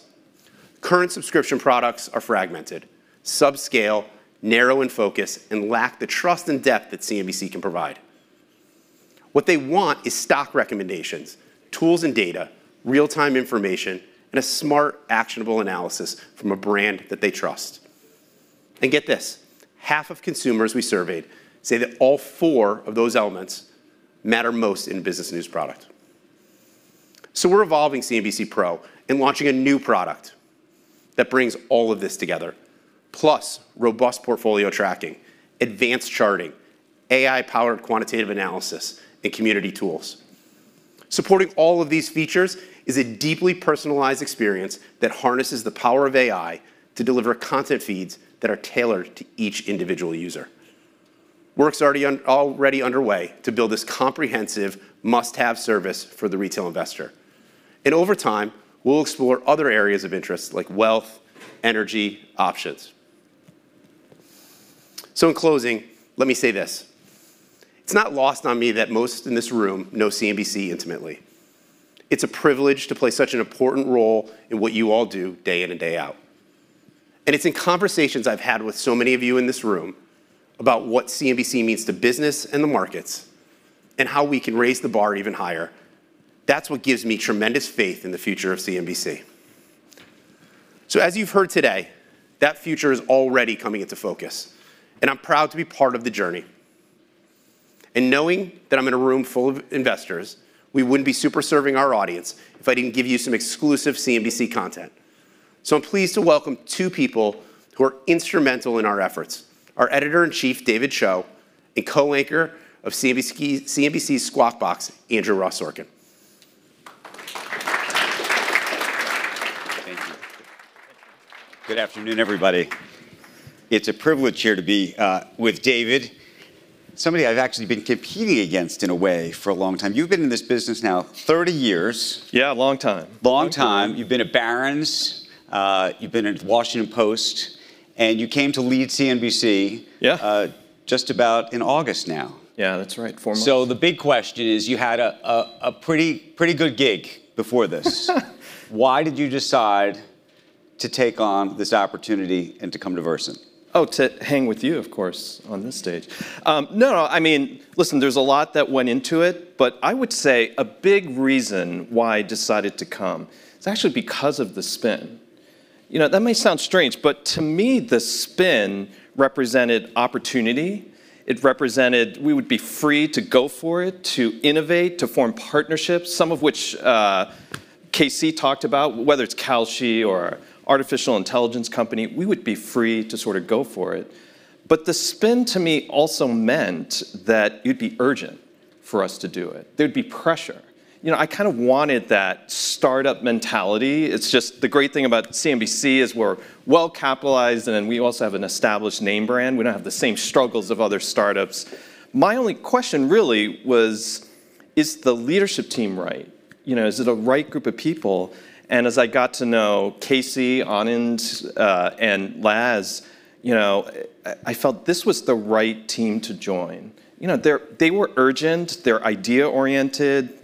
Current subscription products are fragmented, subscale, narrow in focus, and lack the trust and depth that CNBC can provide. What they want is stock recommendations, tools and data, real-time information, and a smart, actionable analysis from a brand that they trust. And get this: half of consumers we surveyed say that all four of those elements matter most in a business news product. So we're evolving CNBC Pro and launching a new product that brings all of this together, plus robust portfolio tracking, advanced charting, AI-powered quantitative analysis, and community tools. Supporting all of these features is a deeply personalized experience that harnesses the power of AI to deliver content feeds that are tailored to each individual user. Work's already underway to build this comprehensive must-have service for the retail investor. And over time, we'll explore other areas of interest like wealth, energy, options. So in closing, let me say this: it's not lost on me that most in this room know CNBC intimately. It's a privilege to play such an important role in what you all do day in and day out. And it's in conversations I've had with so many of you in this room about what CNBC means to business and the markets and how we can raise the bar even higher. That's what gives me tremendous faith in the future of CNBC. So as you've heard today, that future is already coming into focus. And I'm proud to be part of the journey. And knowing that I'm in a room full of investors, we wouldn't be super serving our audience if I didn't give you some exclusive CNBC content. So I'm pleased to welcome two people who are instrumental in our efforts: our Editor-in-Chief, David Cho, and co-anchor of CNBC's Squawk Box, Andrew Ross Sorkin. Thank you. Good afternoon, everybody. It's a privilege here to be with David, somebody I've actually been competing against in a way for a long time. You've been in this business now 30 years. Yeah, long time. Long time. You've been at Barron's, you've been at Washington Post, and you came to lead CNBC. Yeah. Just about in August now. Yeah, that's right. Four months. So the big question is you had a pretty good gig before this. Why did you decide to take on this opportunity and to come to Versant? Oh, to hang with you, of course, on this stage. No, no. I mean, listen, there's a lot that went into it, but I would say a big reason why I decided to come is actually because of the spin. You know, that may sound strange, but to me, the spin represented opportunity. It represented we would be free to go for it, to innovate, to form partnerships, some of which Casey talked about, whether it's Kalshi or an artificial intelligence company. We would be free to sort of go for it. But the spin, to me, also meant that it'd be urgent for us to do it. There'd be pressure. You know, I kind of wanted that startup mentality. It's just the great thing about CNBC is we're well-capitalized, and then we also have an established name brand. We don't have the same struggles of other startups. My only question really was, is the leadership team right? You know, is it a right group of people? And as I got to know Casey, Anand, and Laz, you know, I felt this was the right team to join. You know, they were urgent, they're idea-oriented,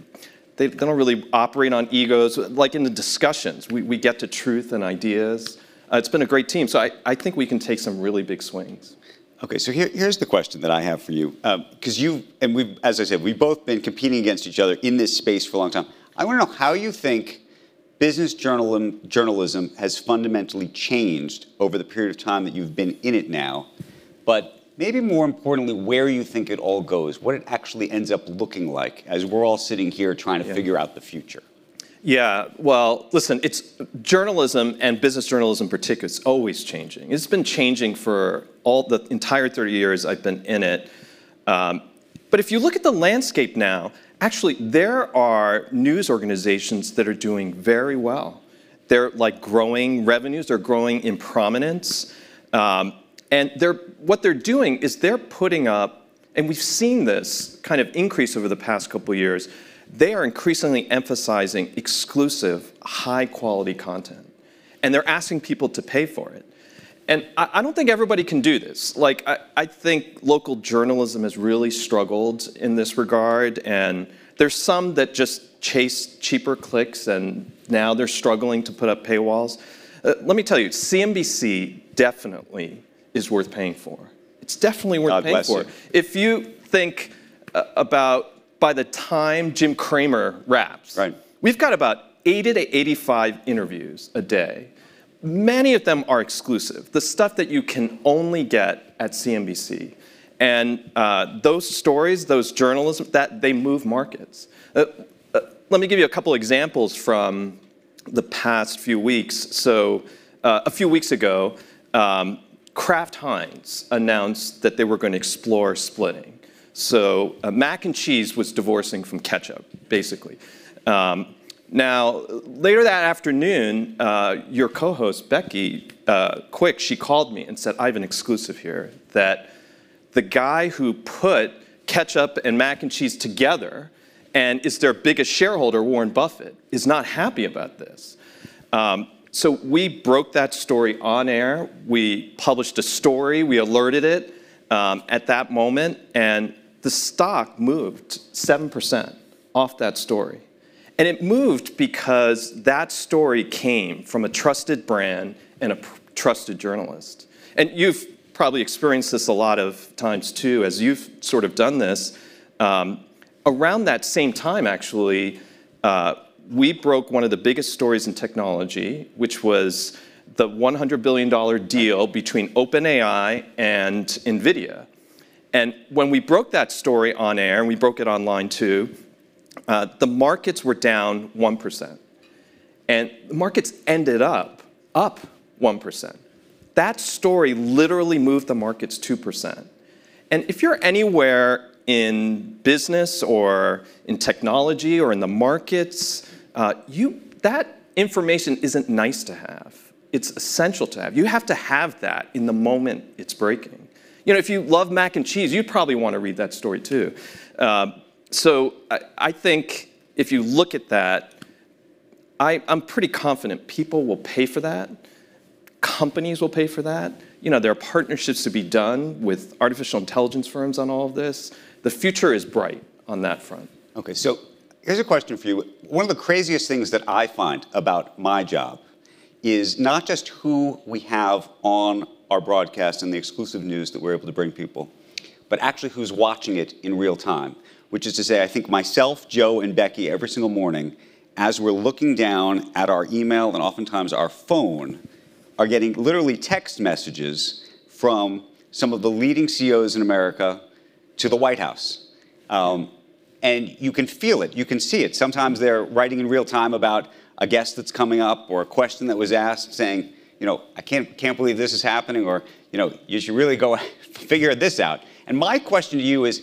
they don't really operate on egos. Like in the discussions, we get to truth and ideas. It's been a great team. So I think we can take some really big swings. Okay, so here's the question that I have for you. Because you've, and we've, as I said, we've both been competing against each other in this space for a long time. I want to know how you think business journalism has fundamentally changed over the period of time that you've been in it now, but maybe more importantly, where you think it all goes, what it actually ends up looking like as we're all sitting here trying to figure out the future. Yeah, well, listen, it's journalism and business journalism in particular, it's always changing. It's been changing for all the entire 30 years I've been in it. But if you look at the landscape now, actually, there are news organizations that are doing very well. They're like growing revenues, they're growing in prominence. And what they're doing is they're putting up, and we've seen this kind of increase over the past couple of years, they are increasingly emphasizing exclusive, high-quality content. And they're asking people to pay for it. And I don't think everybody can do this. Like, I think local journalism has really struggled in this regard. And there's some that just chase cheaper clicks, and now they're struggling to put up paywalls. Let me tell you, CNBC definitely is worth paying for. It's definitely worth paying for. If you think about by the time Jim Cramer wraps, we've got about 80-85 interviews a day. Many of them are exclusive, the stuff that you can only get at CNBC. Those stories, that journalism, they move markets. Let me give you a couple of examples from the past few weeks. A few weeks ago, Kraft Heinz announced that they were going to explore splitting. Mac and Cheese was divorcing from ketchup, basically. Later that afternoon, your co-host, Becky Quick, she called me and said, "I have an exclusive here that the guy who put ketchup and Mac and Cheese together and is their biggest shareholder, Warren Buffett, is not happy about this." We broke that story on air. We published a story, we alerted it at that moment, and the stock moved 7% off that story. It moved because that story came from a trusted brand and a trusted journalist. You've probably experienced this a lot of times too, as you've sort of done this. Around that same time, actually, we broke one of the biggest stories in technology, which was the $100 billion deal between OpenAI and NVIDIA, and when we broke that story on air, and we broke it online too, the markets were down 1%, and the markets ended up up 1%. That story literally moved the markets 2%. And if you're anywhere in business or in technology or in the markets, that information isn't nice to have. It's essential to have. You have to have that in the moment it's breaking. You know, if you love Mac and Cheese, you'd probably want to read that story too, so I think if you look at that, I'm pretty confident people will pay for that. Companies will pay for that. You know, there are partnerships to be done with artificial intelligence firms on all of this. The future is bright on that front. Okay, so here's a question for you. One of the craziest things that I find about my job is not just who we have on our broadcast and the exclusive news that we're able to bring people, but actually who's watching it in real time. Which is to say, I think myself, Joe, and Becky every single morning, as we're looking down at our email and oftentimes our phone, are getting literally text messages from some of the leading CEOs in America to the White House. And you can feel it, you can see it. Sometimes they're writing in real time about a guest that's coming up or a question that was asked, saying, you know, "I can't believe this is happening," or, you know, "You should really go figure this out." And my question to you is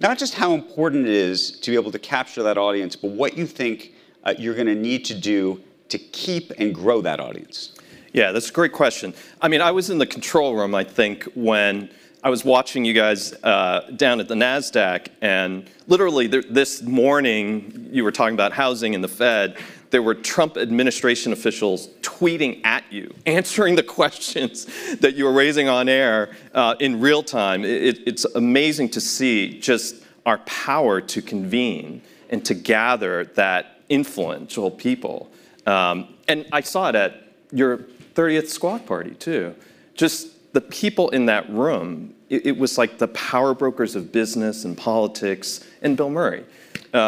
not just how important it is to be able to capture that audience, but what you think you're going to need to do to keep and grow that audience. Yeah, that's a great question. I mean, I was in the control room, I think, when I was watching you guys down at the Nasdaq. And literally this morning, you were talking about housing and the Fed. There were Trump administration officials tweeting at you, answering the questions that you were raising on air in real time. It's amazing to see just our power to convene and to gather that influential people. And I saw it at your 30th Squawk party too. Just the people in that room, it was like the power brokers of business and politics and Bill Murray. You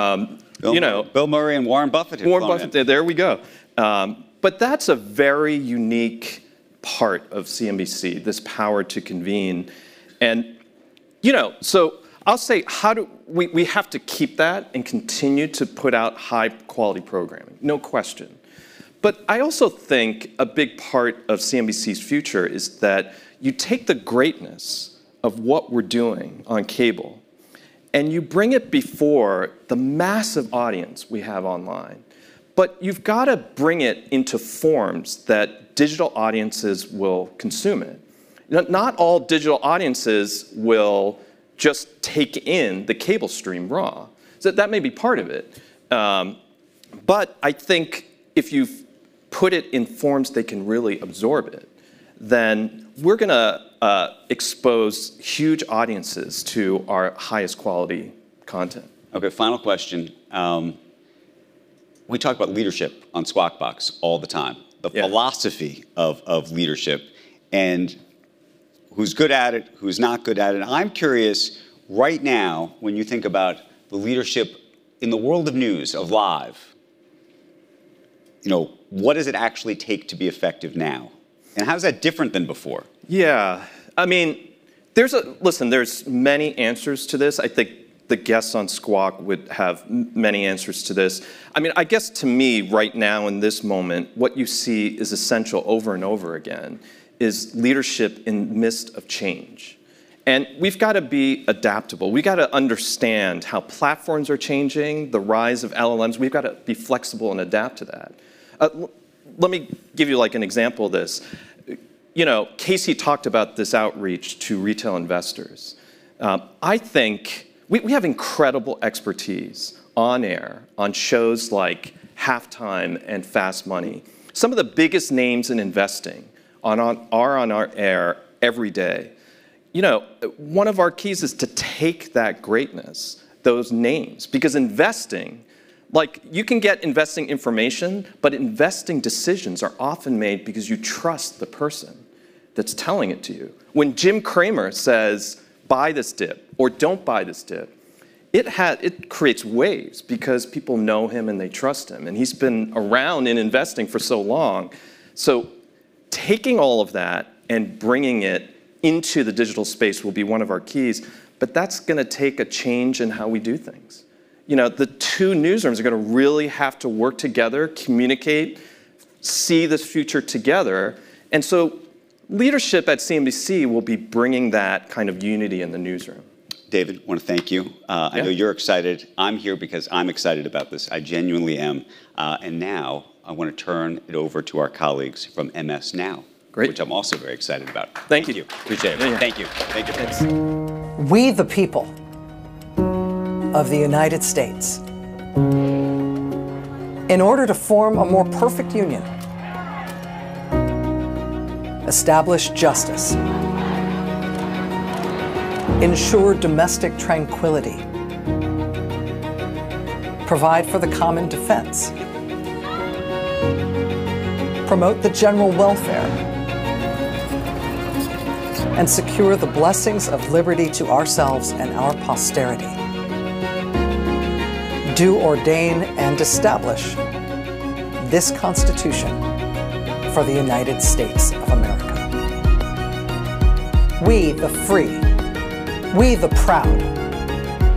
know, Bill Murray and Warren Buffett as well. Warren Buffett, there we go. But that's a very unique part of CNBC, this power to convene. And, you know, so I'll say how do we have to keep that and continue to put out high-quality programming, no question. But I also think a big part of CNBC's future is that you take the greatness of what we're doing on cable and you bring it before the massive audience we have online. But you've got to bring it into forms that digital audiences will consume it. Not all digital audiences will just take in the cable stream raw. So that may be part of it. But I think if you put it in forms they can really absorb it, then we're going to expose huge audiences to our highest quality content. Okay, final question. We talk about leadership on Squawk Box all the time, the philosophy of leadership and who's good at it, who's not good at it. I'm curious right now, when you think about the leadership in the world of news, of live, you know, what does it actually take to be effective now? And how's that different than before? Yeah, I mean, listen, there's many answers to this. I think the guests on Squawk would have many answers to this. I mean, I guess to me right now in this moment, what you see is essential over and over again is leadership in the midst of change. And we've got to be adaptable. We've got to understand how platforms are changing, the rise of LLMs. We've got to be flexible and adapt to that. Let me give you like an example of this. You know, Casey talked about this outreach to retail investors. I think we have incredible expertise on air on shows like Halftime and Fast Money. Some of the biggest names in investing are on our air every day. You know, one of our keys is to take that greatness, those names, because investing, like you can get investing information, but investing decisions are often made because you trust the person that's telling it to you. When Jim Cramer says, "Buy this dip," or "Don't buy this dip," it creates waves because people know him and they trust him, and he's been around in investing for so long. So taking all of that and bringing it into the digital space will be one of our keys. But that's going to take a change in how we do things. You know, the two newsrooms are going to really have to work together, communicate, see this future together. And so leadership at CNBC will be bringing that kind of unity in the newsroom. David, I want to thank you. I know you're excited. I'm here because I'm excited about this. I genuinely am. And now I want to turn it over to our colleagues from MS NOW, which I'm also very excited about. Thank you. Appreciate it. Thank you. Thank you. Thanks. We the people of the United States, in order to form a more perfect union, establish justice, ensure domestic tranquility, provide for the common defense, promote the general welfare, and secure the blessings of liberty to ourselves and our posterity, do ordain and establish this Constitution for the United States of America. We the free, we the proud,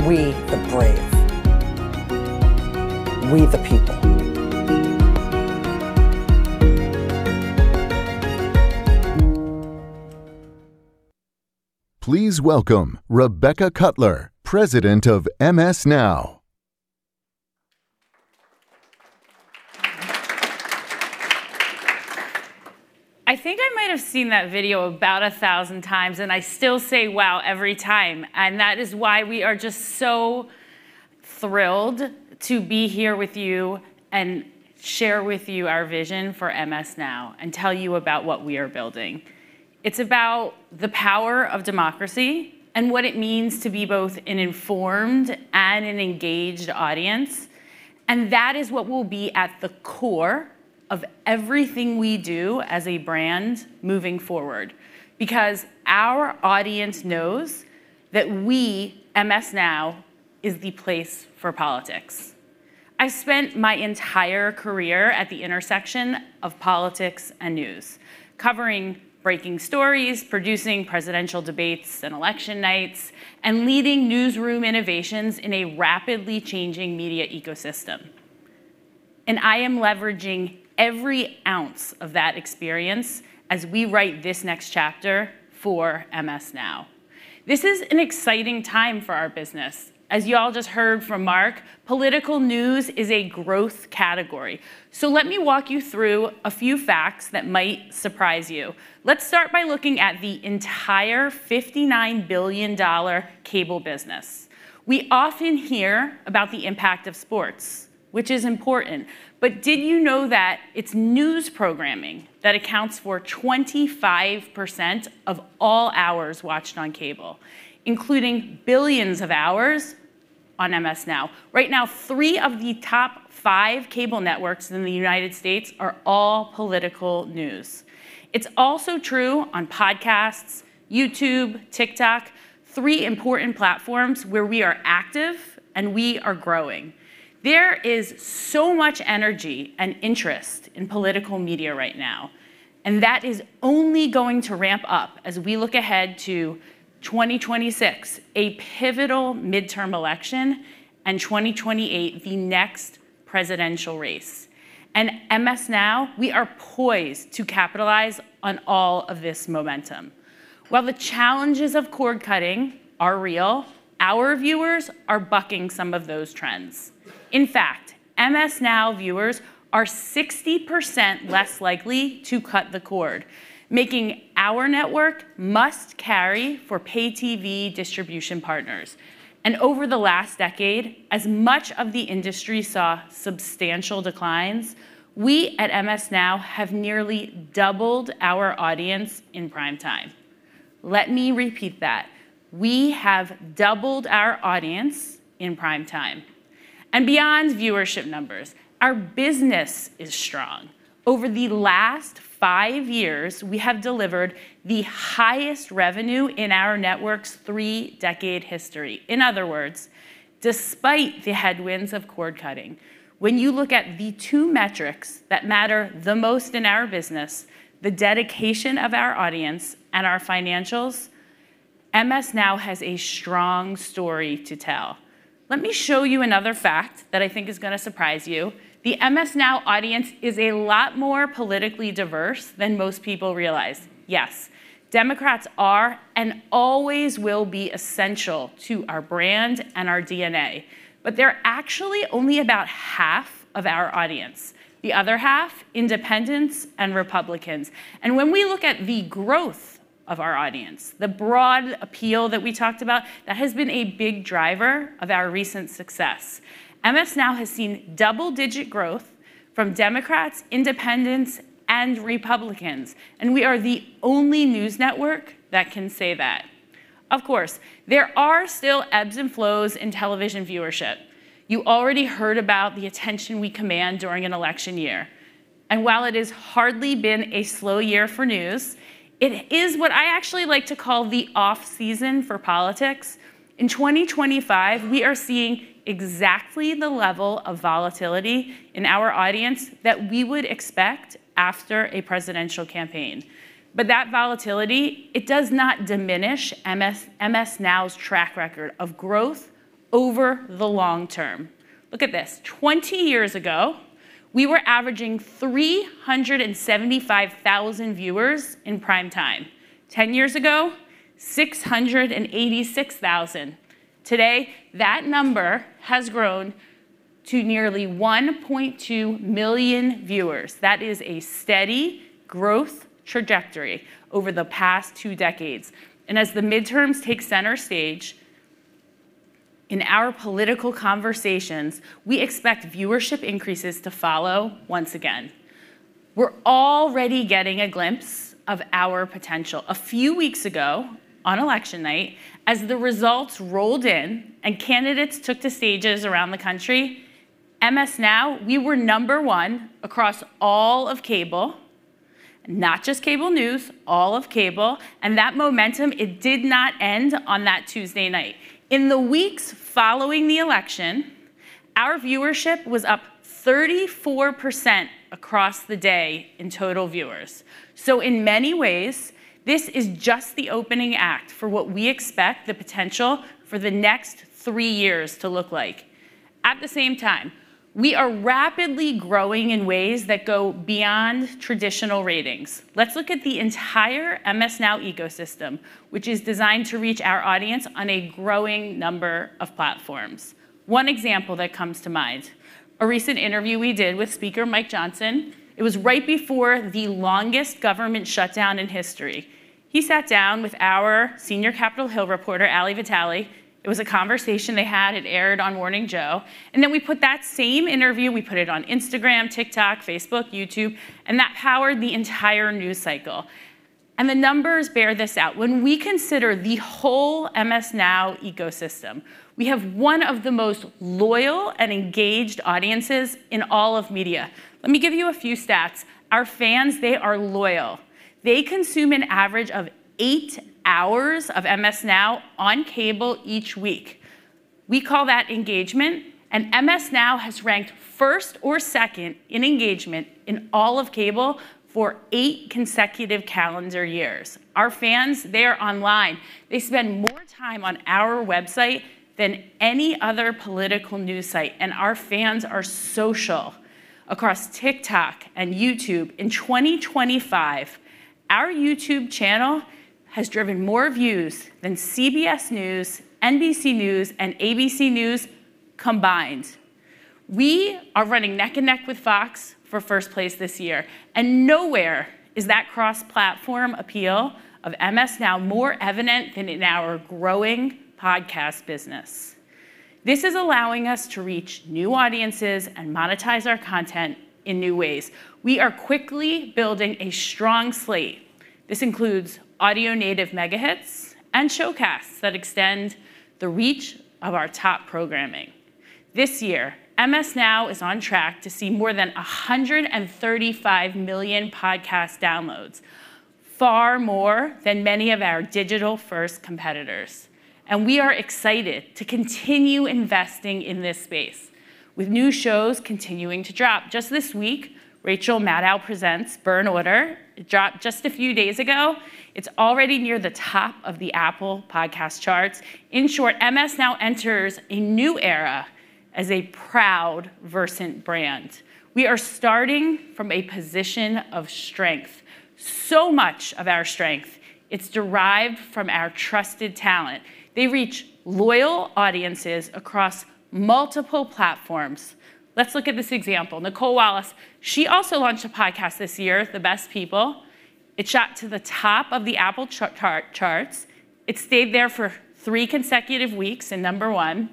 we the brave, we the people. Please welcome Rebecca Kutler, President of MS NOW. I think I might have seen that video about a thousand times, and I still say wow every time. And that is why we are just so thrilled to be here with you and share with you our vision for MS NOW and tell you about what we are building. It's about the power of democracy and what it means to be both an informed and an engaged audience. And that is what will be at the core of everything we do as a brand moving forward. Because our audience knows that we, MS NOW, is the place for politics. I spent my entire career at the intersection of politics and news, covering breaking stories, producing presidential debates and election nights, and leading newsroom innovations in a rapidly changing media ecosystem. And I am leveraging every ounce of that experience as we write this next chapter for MS NOW. This is an exciting time for our business. As you all just heard from Mark, political news is a growth category. So let me walk you through a few facts that might surprise you. Let's start by looking at the entire $59 billion cable business. We often hear about the impact of sports, which is important. Did you know that it's news programming that accounts for 25% of all hours watched on cable, including billions of hours on MS NOW? Right now, three of the top five cable networks in the United States are all political news. It's also true on podcasts, YouTube, TikTok, three important platforms where we are active and we are growing. There is so much energy and interest in political media right now. That is only going to ramp up as we look ahead to 2026, a pivotal midterm election, and 2028, the next presidential race. MS NOW, we are poised to capitalize on all of this momentum. While the challenges of cord cutting are real, our viewers are bucking some of those trends. In fact, MS NOW viewers are 60% less likely to cut the cord, making our network must carry for pay TV distribution partners. And over the last decade, as much of the industry saw substantial declines, we at MS NOW have nearly doubled our audience in prime time. Let me repeat that. We have doubled our audience in prime time. And beyond viewership numbers, our business is strong. Over the last five years, we have delivered the highest revenue in our network's three-decade history. In other words, despite the headwinds of cord cutting, when you look at the two metrics that matter the most in our business, the dedication of our audience and our financials, MS NOW has a strong story to tell. Let me show you another fact that I think is going to surprise you. The MS NOW audience is a lot more politically diverse than most people realize. Yes, Democrats are and always will be essential to our brand and our DNA. But they're actually only about half of our audience. The other half, independents and Republicans. And when we look at the growth of our audience, the broad appeal that we talked about, that has been a big driver of our recent success. MS NOW has seen double-digit growth from Democrats, independents, and Republicans. And we are the only news network that can say that. Of course, there are still ebbs and flows in television viewership. You already heard about the attention we command during an election year. And while it has hardly been a slow year for news, it is what I actually like to call the off-season for politics. In 2025, we are seeing exactly the level of volatility in our audience that we would expect after a presidential campaign. But that volatility, it does not diminish MS NOW's track record of growth over the long term. Look at this. 20 years ago, we were averaging 375,000 viewers in prime time. 10 years ago, 686,000. Today, that number has grown to nearly 1.2 million viewers. That is a steady growth trajectory over the past two decades, and as the midterms take center stage in our political conversations, we expect viewership increases to follow once again. We're already getting a glimpse of our potential. A few weeks ago on election night, as the results rolled in and candidates took to stages around the country, MS NOW, we were number one across all of cable, not just cable news, all of cable, and that momentum, it did not end on that Tuesday night. In the weeks following the election, our viewership was up 34% across the day in total viewers. So in many ways, this is just the opening act for what we expect the potential for the next three years to look like. At the same time, we are rapidly growing in ways that go beyond traditional ratings. Let's look at the entire MS NOW ecosystem, which is designed to reach our audience on a growing number of platforms. One example that comes to mind, a recent interview we did with Speaker Mike Johnson, it was right before the longest government shutdown in history. He sat down with our senior Capitol Hill reporter, Ali Vitali. It was a conversation they had. It aired on Morning Joe. And then we put that same interview, we put it on Instagram, TikTok, Facebook, YouTube, and that powered the entire news cycle. And the numbers bear this out. When we consider the whole MS NOW ecosystem, we have one of the most loyal and engaged audiences in all of media. Let me give you a few stats. Our fans, they are loyal. They consume an average of eight hours of MS NOW on cable each week. We call that engagement, and MS NOW has ranked first or second in engagement in all of cable for eight consecutive calendar years. Our fans, they are online. They spend more time on our website than any other political news site, and our fans are social across TikTok and YouTube. In 2025, our YouTube channel has driven more views than CBS News, NBC News, and ABC News combined. We are running neck and neck with Fox for first place this year, and nowhere is that cross-platform appeal of MS NOW more evident than in our growing podcast business. This is allowing us to reach new audiences and monetize our content in new ways. We are quickly building a strong slate. This includes audio-native megahits and showcasts that extend the reach of our top programming. This year, MS NOW is on track to see more than 135 million podcast downloads, far more than many of our digital-first competitors, and we are excited to continue investing in this space, with new shows continuing to drop. Just this week, Rachel Maddow presents Burn Order. It dropped just a few days ago. It's already near the top of the Apple Podcasts charts. In short, MS NOW enters a new era as a proud, Versant brand. We are starting from a position of strength. So much of our strength, it's derived from our trusted talent. They reach loyal audiences across multiple platforms. Let's look at this example. Nicolle Wallace, she also launched a podcast this year, The Best People. It shot to the top of the Apple charts. It stayed there for three consecutive weeks in number one,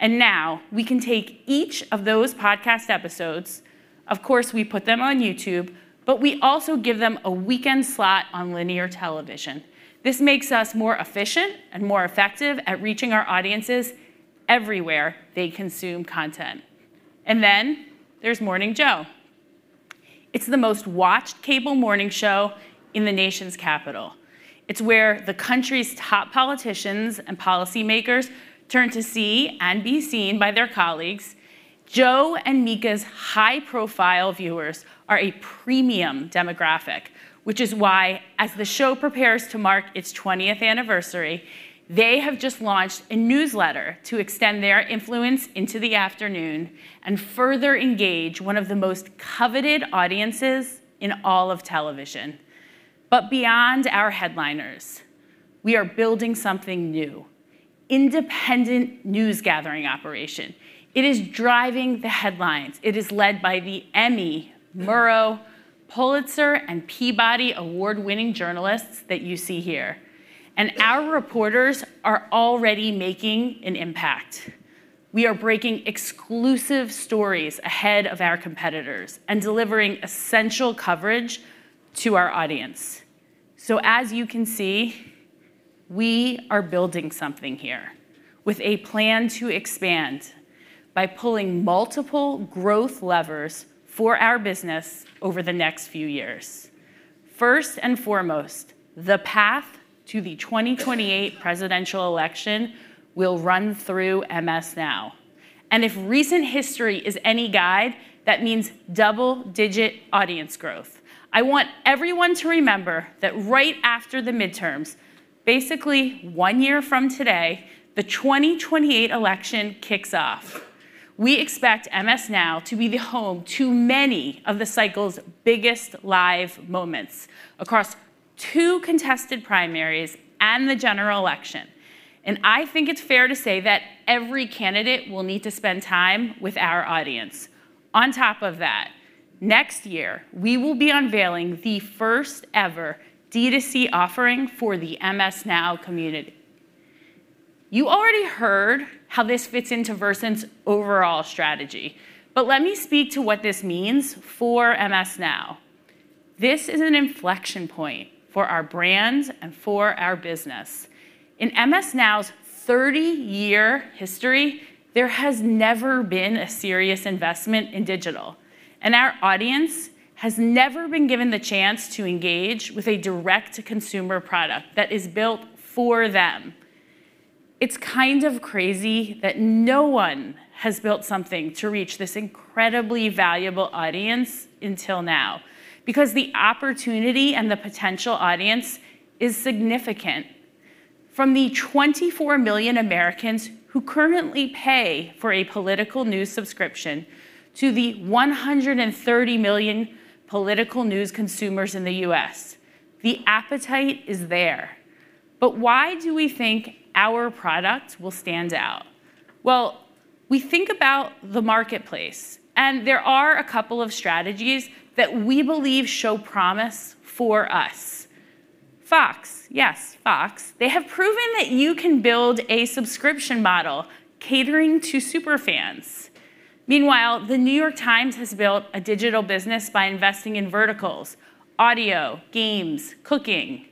and now we can take each of those podcast episodes. Of course, we put them on YouTube, but we also give them a weekend slot on linear television. This makes us more efficient and more effective at reaching our audiences everywhere they consume content, and then there's Morning Joe. It's the most watched cable morning show in the nation's capital. It's where the country's top politicians and policymakers turn to see and be seen by their colleagues. Joe and Mika's high-profile viewers are a premium demographic, which is why, as the show prepares to mark its 20th anniversary, they have just launched a newsletter to extend their influence into the afternoon and further engage one of the most coveted audiences in all of television, but beyond our headliners, we are building something new, an independent news-gathering operation. It is driving the headlines. It is led by the Emmy, Murrow, Pulitzer, and Peabody Award-winning journalists that you see here, and our reporters are already making an impact. We are breaking exclusive stories ahead of our competitors and delivering essential coverage to our audience, so as you can see, we are building something here with a plan to expand by pulling multiple growth levers for our business over the next few years. First and foremost, the path to the 2028 presidential election will run through MS NOW. If recent history is any guide, that means double-digit audience growth. I want everyone to remember that right after the midterms, basically one year from today, the 2028 election kicks off. We expect MS NOW to be the home to many of the cycle's biggest live moments across two contested primaries and the general election. I think it's fair to say that every candidate will need to spend time with our audience. On top of that, next year, we will be unveiling the first-ever D2C offering for the MS NOW community. You already heard how this fits into Versant's overall strategy. Let me speak to what this means for MS NOW. This is an inflection point for our brand and for our business. In MS NOW's 30-year history, there has never been a serious investment in digital. Our audience has never been given the chance to engage with a direct-to-consumer product that is built for them. It's kind of crazy that no one has built something to reach this incredibly valuable audience until now, because the opportunity and the potential audience is significant. From the 24 million Americans who currently pay for a political news subscription to the 130 million political news consumers in the U.S., the appetite is there. Why do we think our product will stand out? We think about the marketplace. There are a couple of strategies that we believe show promise for us. Fox, yes, Fox, they have proven that you can build a subscription model catering to superfans. Meanwhile, The New York Times has built a digital business by investing in verticals, audio, games, cooking.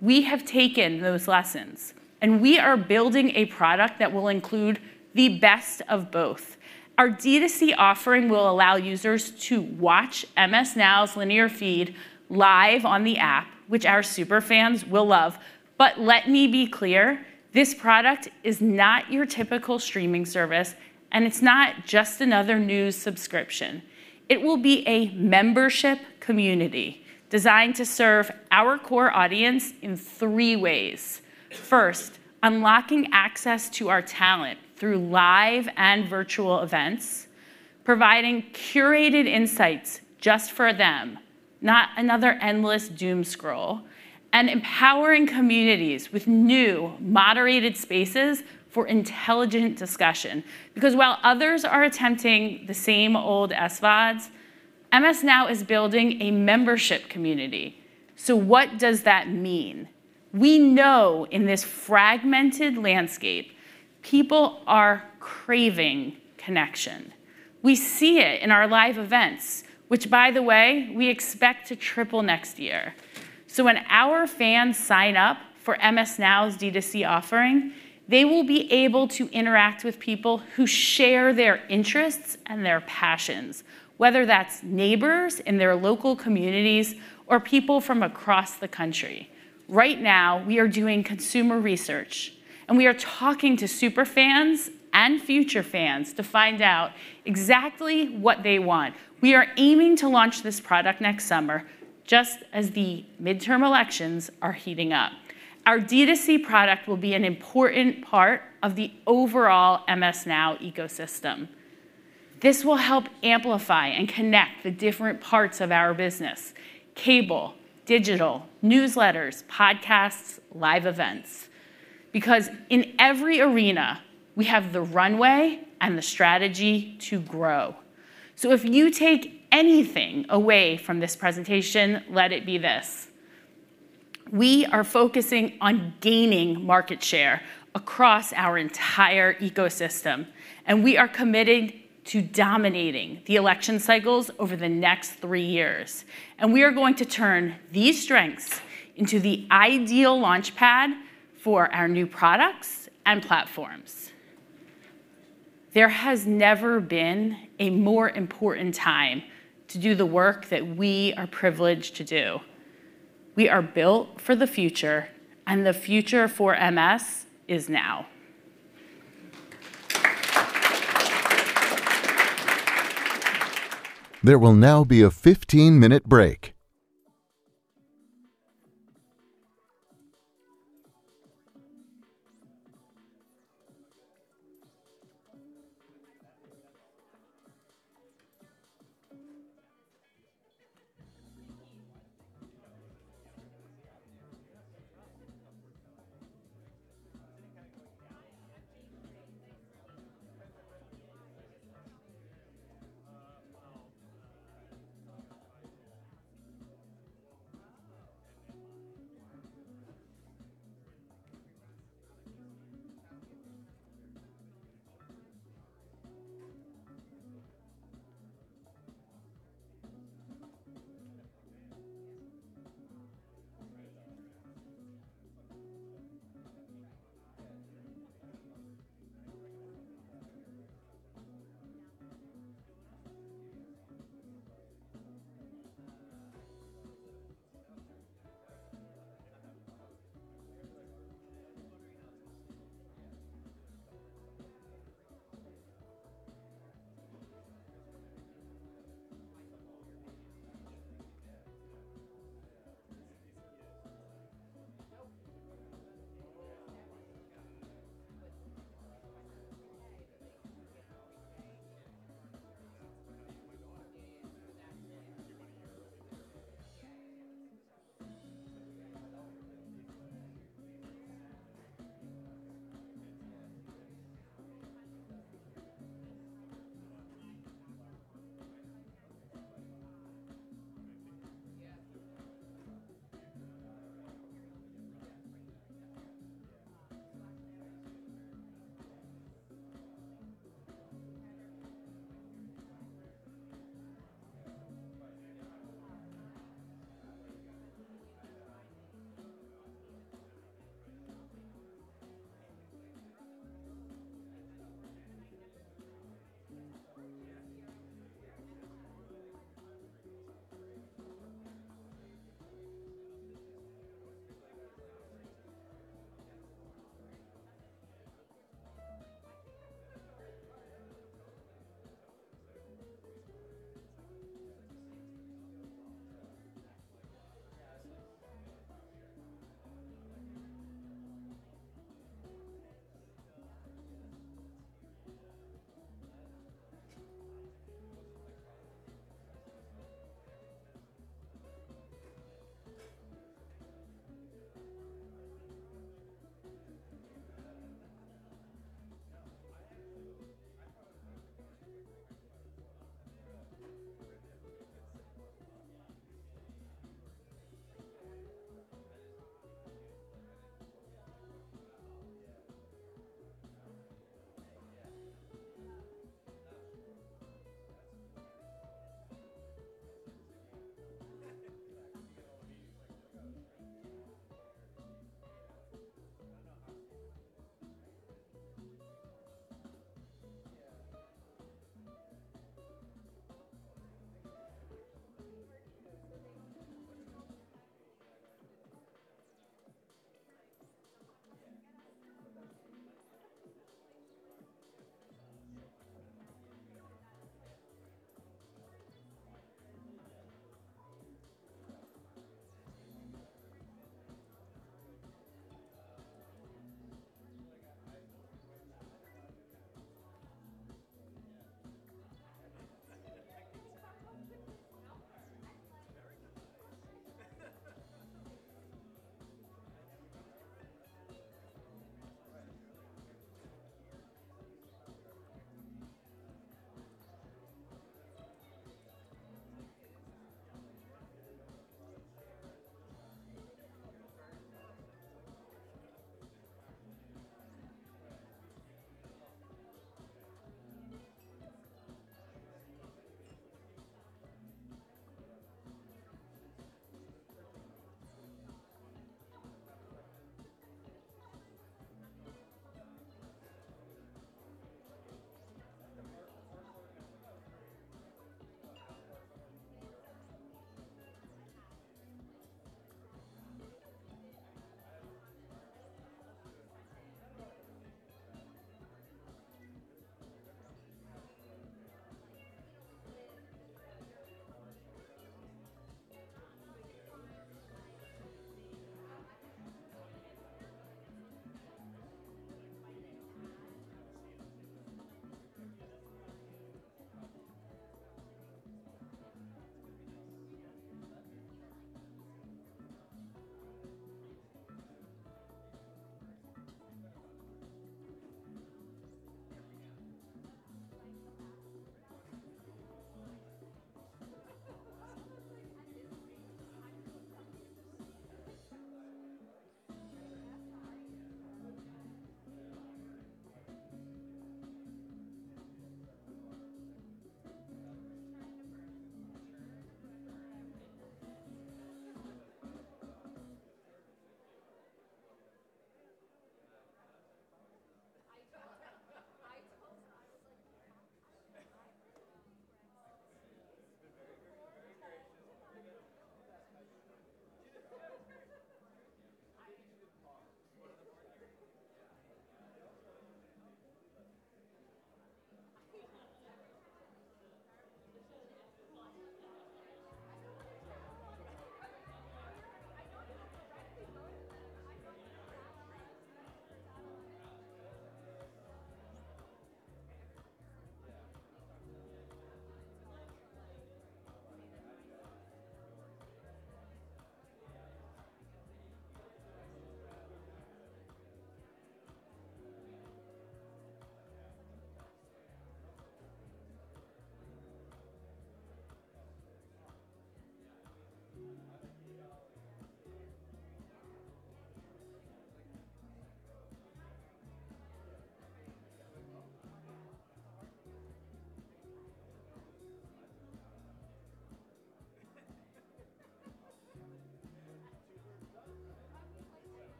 We have taken those lessons. We are building a product that will include the best of both. Our D2C offering will allow users to watch MS NOW's linear feed live on the app, which our superfans will love. Let me be clear, this product is not your typical streaming service. It's not just another news subscription. It will be a membership community designed to serve our core audience in three ways. First, unlocking access to our talent through live and virtual events, providing curated insights just for them, not another endless doom scroll, and empowering communities with new moderated spaces for intelligent discussion. Because while others are attempting the same old SVODs, MS NOW is building a membership community. What does that mean? We know in this fragmented landscape, people are craving connection. We see it in our live events, which, by the way, we expect to triple next year. So when our fans sign up for MS NOW's D2C offering, they will be able to interact with people who share their interests and their passions, whether that's neighbors in their local communities or people from across the country. Right now, we are doing consumer research. And we are talking to superfans and future fans to find out exactly what they want. We are aiming to launch this product next summer, just as the midterm elections are heating up. Our D2C product will be an important part of the overall MS NOW ecosystem. This will help amplify and connect the different parts of our business: cable, digital, newsletters, podcasts, live events. Because in every arena, we have the runway and the strategy to grow. So if you take anything away from this presentation, let it be this: we are focusing on gaining market share across our entire ecosystem. We are committed to dominating the election cycles over the next three years. We are going to turn these strengths into the ideal launchpad for our new products and platforms. There has never been a more important time to do the work that we are privileged to do. We are built for the future. The future for MS NOW is now. There will now be a 15-minute break.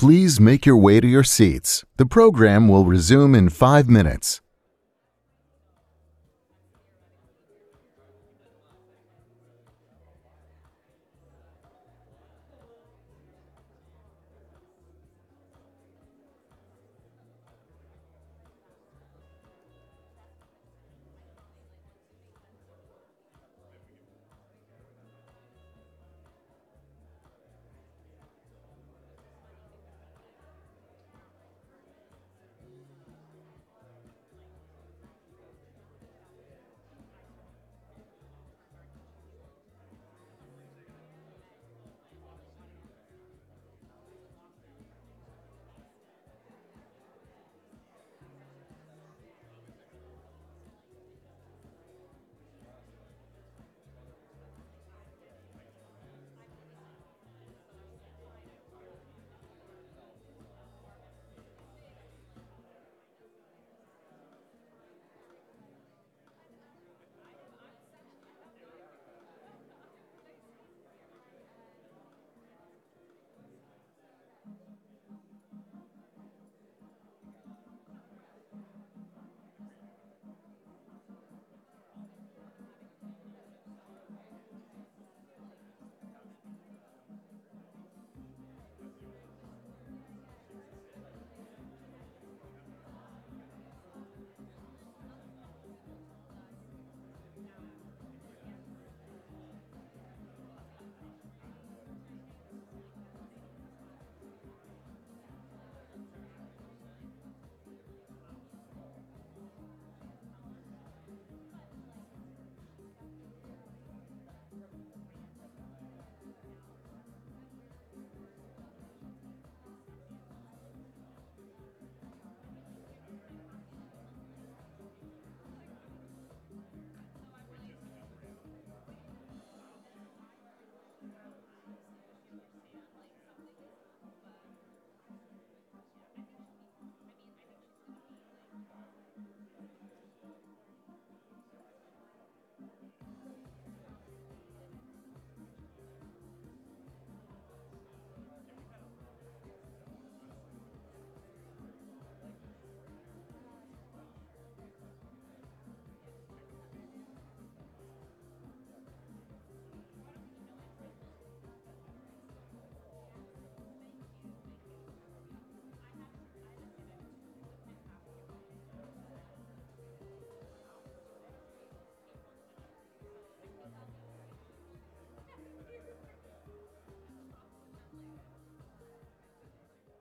Please make your way to your seats. The program will resume in five minutes.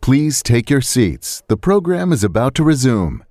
Please take your seats. The program is about to resume.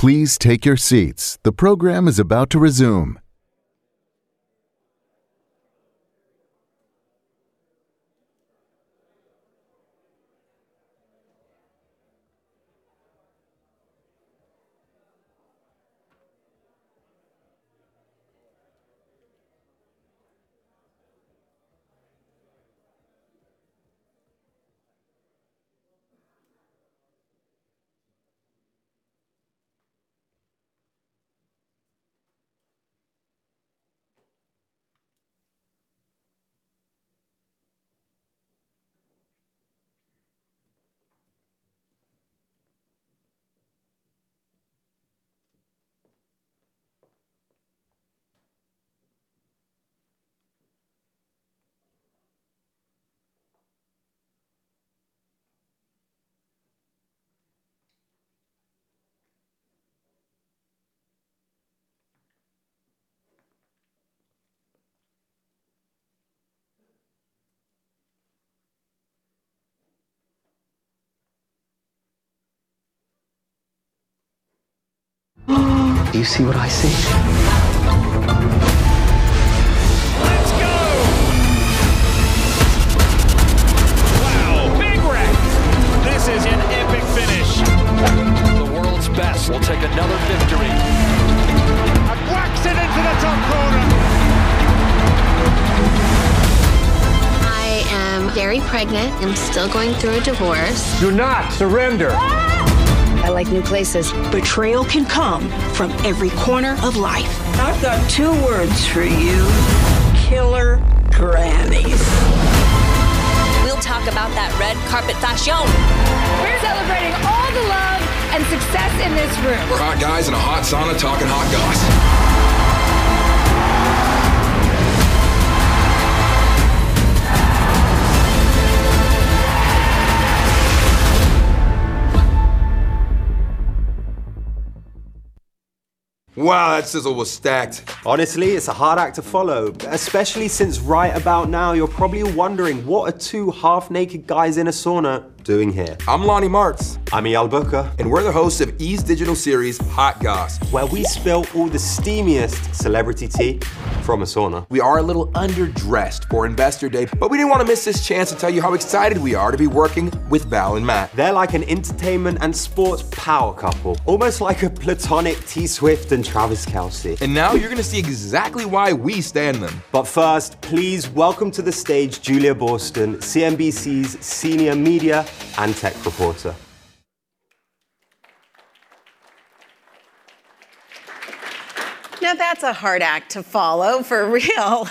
Please take your seats. The program is about to resume. Do you see what I see? Let's go! Wow, big wreck! This is an epic finish. The world's best will take another victory. I'm waxing into the Tacoma. I am very pregnant. I'm still going through a divorce. Do not surrender. I like new places. Betrayal can come from every corner of life. I've got two words for you: killer grannies. We'll talk about that red carpet fashion. We're celebrating all the love and success in this room. Hot guys in a hot sauna talking hot gossip. Wow, that sizzle was stacked. Honestly, it's a hard act to follow, especially since right about now you're probably wondering what are two half-naked guys in a sauna doing here? I'm Lonnie Marks. I'm Julia Boorstin. We're the hosts of E!'s digital series, Hot Gossip, where we spill all the steamiest celebrity tea from a sauna. We are a little underdressed for Investor Day, but we didn't want to miss this chance to tell you how excited we are to be working with Val and Matt. They're like an entertainment and sports power couple, almost like a platonic T. Swift and Travis Kelce. And now you're going to see exactly why we stan them. But first, please welcome to the stage Julia Boorstin, CNBC's senior media and tech reporter. Now, that's a hard act to follow for real.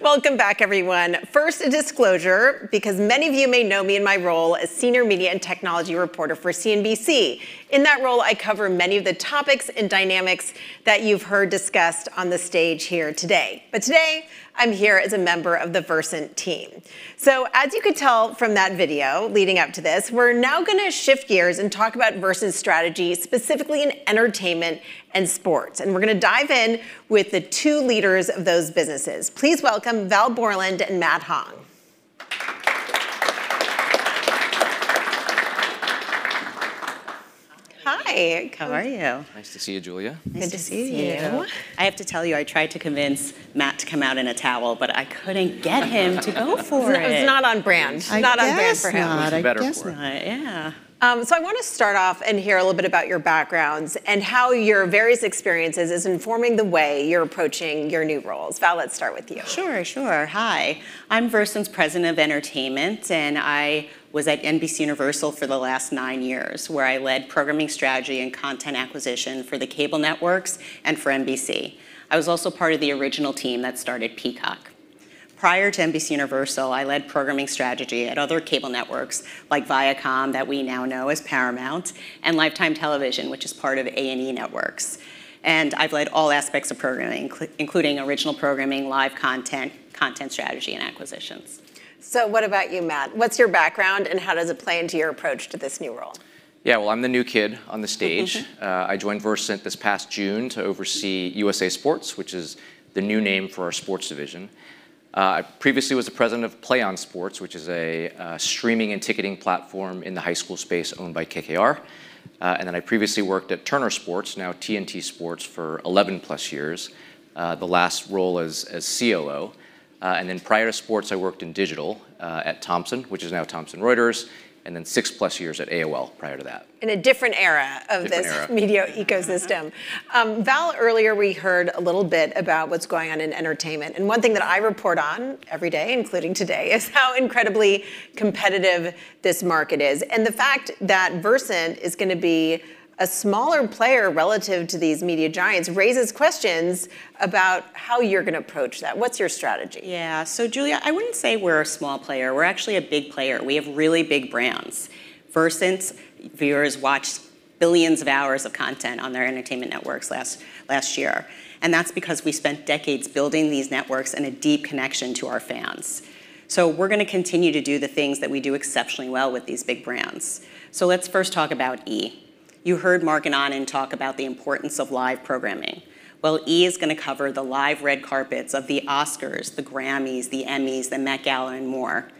Welcome back, everyone. First, a disclosure, because many of you may know me in my role as senior media and technology reporter for CNBC. In that role, I cover many of the topics and dynamics that you've heard discussed on the stage here today. But today, I'm here as a member of the Versant team. So, as you could tell from that video leading up to this, we're now going to shift gears and talk about Versant's strategy, specifically in entertainment and sports. And we're going to dive in with the two leaders of those businesses. Please welcome Val Boreland and Matt Hong. Hi. Hi. How are you? Nice to see you, Julia. Nice to see you. I have to tell you, I tried to convince Matt to come out in a towel, but I couldn't get him to go for it. It's not on brand. It's not on brand for him. It's not. It's better for him. It's just not. Yeah. So I want to start off and hear a little bit about your backgrounds and how your various experiences are informing the way you're approaching your new roles. Val, let's start with you. Sure, sure. Hi. I'm Versant's President of Entertainment, and I was at NBCUniversal for the last nine years, where I led programming strategy and content acquisition for the cable networks and for NBC. I was also part of the original team that started Peacock. Prior to NBCUniversal, I led programming strategy at other cable networks like Viacom, that we now know as Paramount, and Lifetime Television, which is part of A&E Networks. And I've led all aspects of programming, including original programming, live content, content strategy, and acquisitions. So what about you, Matt? What's your background, and how does it play into your approach to this new role? Yeah, well, I'm the new kid on the stage. I joined Versant this past June to oversee USA Sports, which is the new name for our sports division. I previously was the president of PlayOn Sports, which is a streaming and ticketing platform in the high school space owned by KKR. And then I previously worked at Turner Sports, now TNT Sports, for 11-plus years, the last role as COO. And then prior to sports, I worked in digital at Thomson Reuters, and then six-plus years at AOL prior to that. In a different era of this media ecosystem, Val, earlier we heard a little bit about what's going on in entertainment. And one thing that I report on every day, including today, is how incredibly competitive this market is. And the fact that Versant is going to be a smaller player relative to these media giants raises questions about how you're going to approach that. What's your strategy? Yeah. So Julia, I wouldn't say we're a small player. We're actually a big player. We have really big brands. Versant's viewers watched billions of hours of content on their entertainment networks last year. And that's because we spent decades building these networks and a deep connection to our fans. So we're going to continue to do the things that we do exceptionally well with these big brands. So let's first talk about E!. You heard Marc Lazarus talk about the importance of live programming. Well, E! is going to cover the live red carpets of the Oscars, the Grammys, the Emmys, the Met Gala and more.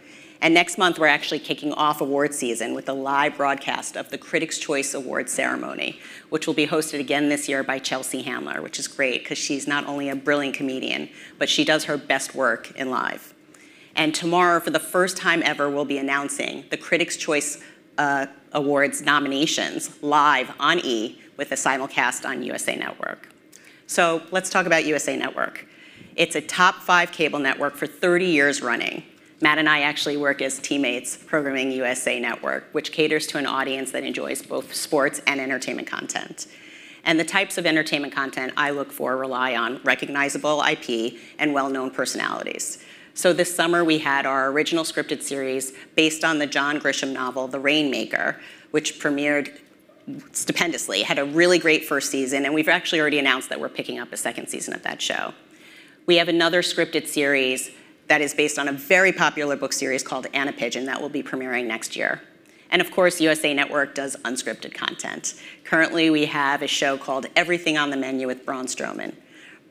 Next month, we're actually kicking off award season with a live broadcast of the Critics' Choice Awards ceremony, which will be hosted again this year by Chelsea Handler, which is great because she's not only a brilliant comedian, but she does her best work in live. Tomorrow, for the first time ever, we'll be announcing the Critics' Choice Awards nominations live on E! with a simulcast on USA Network. Let's talk about USA Network. It's a top-five cable network for 30 years running. Matt and I actually work as teammates programming USA Network, which caters to an audience that enjoys both sports and entertainment content. The types of entertainment content I look for rely on recognizable IP and well-known personalities. This summer, we had our original scripted series based on the John Grisham novel, The Rainmaker, which premiered stupendously, had a really great first season, and we've actually already announced that we're picking up a second season of that show. We have another scripted series that is based on a very popular book series called Anna Pigeon that will be premiering next year. Of course, USA Network does unscripted content. Currently, we have a show called Everything on the Menu with Braun Strowman.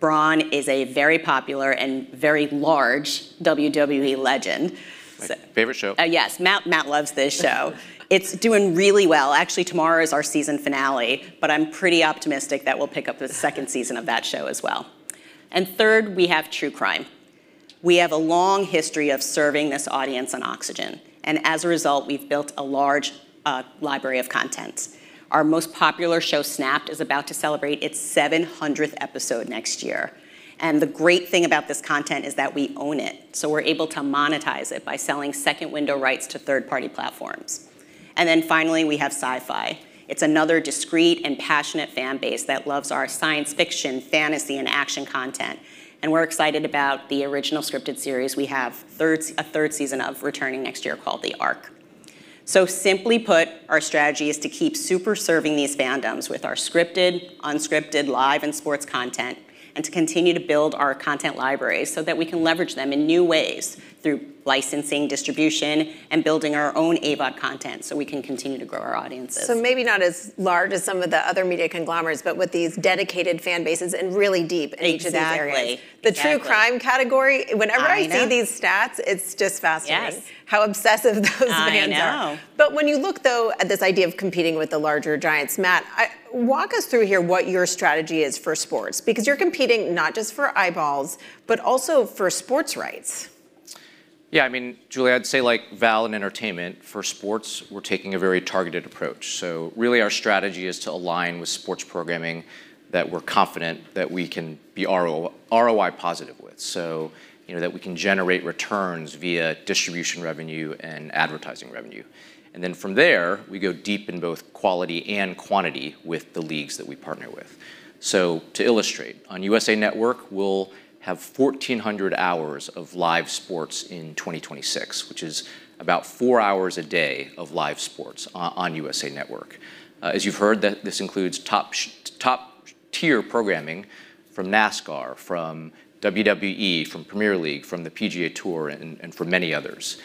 Braun is a very popular and very large WWE legend. My favorite show. Yes, Matt loves this show. It's doing really well. Actually, tomorrow is our season finale, but I'm pretty optimistic that we'll pick up the second season of that show as well and third, we have True Crime. We have a long history of serving this audience on Oxygen and as a result, we've built a large library of content. Our most popular show, Snapped, is about to celebrate its 700th episode next year and the great thing about this content is that we own it. So we're able to monetize it by selling second-window rights to third-party platforms and then finally, we have SYFY. It's another discrete and passionate fan base that loves our science fiction, fantasy, and action content and we're excited about the original scripted series. We have a third season of The Ark returning next year. Simply put, our strategy is to keep super-serving these fandoms with our scripted, unscripted, live, and sports content and to continue to build our content library so that we can leverage them in new ways through licensing, distribution, and building our own AVOD content so we can continue to grow our audiences. So, maybe not as large as some of the other media conglomerates, but with these dedicated fan bases and really deep in each of these areas. Exactly. The True Crime category, whenever I see these stats, it's just fascinating. Yes. How obsessive those fans are. I know. But when you look, though, at this idea of competing with the larger giants, Matt, walk us through here what your strategy is for sports, because you're competing not just for eyeballs, but also for sports rights. Yeah, I mean, Julia, I'd say like Val and Entertainment, for sports, we're taking a very targeted approach. So really, our strategy is to align with sports programming that we're confident that we can be ROI positive with, so that we can generate returns via distribution revenue and advertising revenue. And then from there, we go deep in both quality and quantity with the leagues that we partner with. So to illustrate, on USA Network, we'll have 1,400 hours of live sports in 2026, which is about four hours a day of live sports on USA Network. As you've heard, this includes top-tier programming from NASCAR, from WWE, from Premier League, from the PGA Tour, and from many others.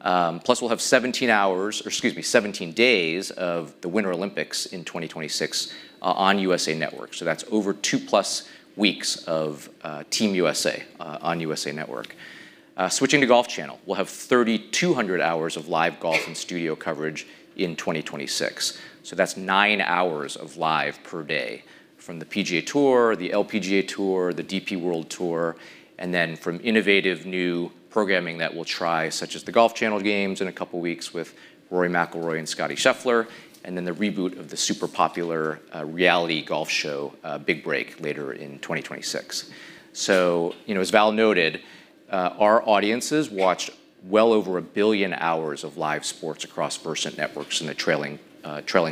Plus, we'll have 17 hours, or excuse me, 17 days of the Winter Olympics in 2026 on USA Network. So that's over two-plus weeks of Team USA on USA Network. Switching to Golf Channel, we'll have 3,200 hours of live golf and studio coverage in 2026. So that's nine hours of live per day from the PGA Tour, the LPGA Tour, the DP World Tour, and then from innovative new programming that we'll try, such as the Golf Channel Games in a couple of weeks with Rory McIlroy and Scottie Scheffler, and then the reboot of the super popular reality golf show, Big Break, later in 2026. So as Val noted, our audiences watched well over a billion hours of live sports across Versant networks in the trailing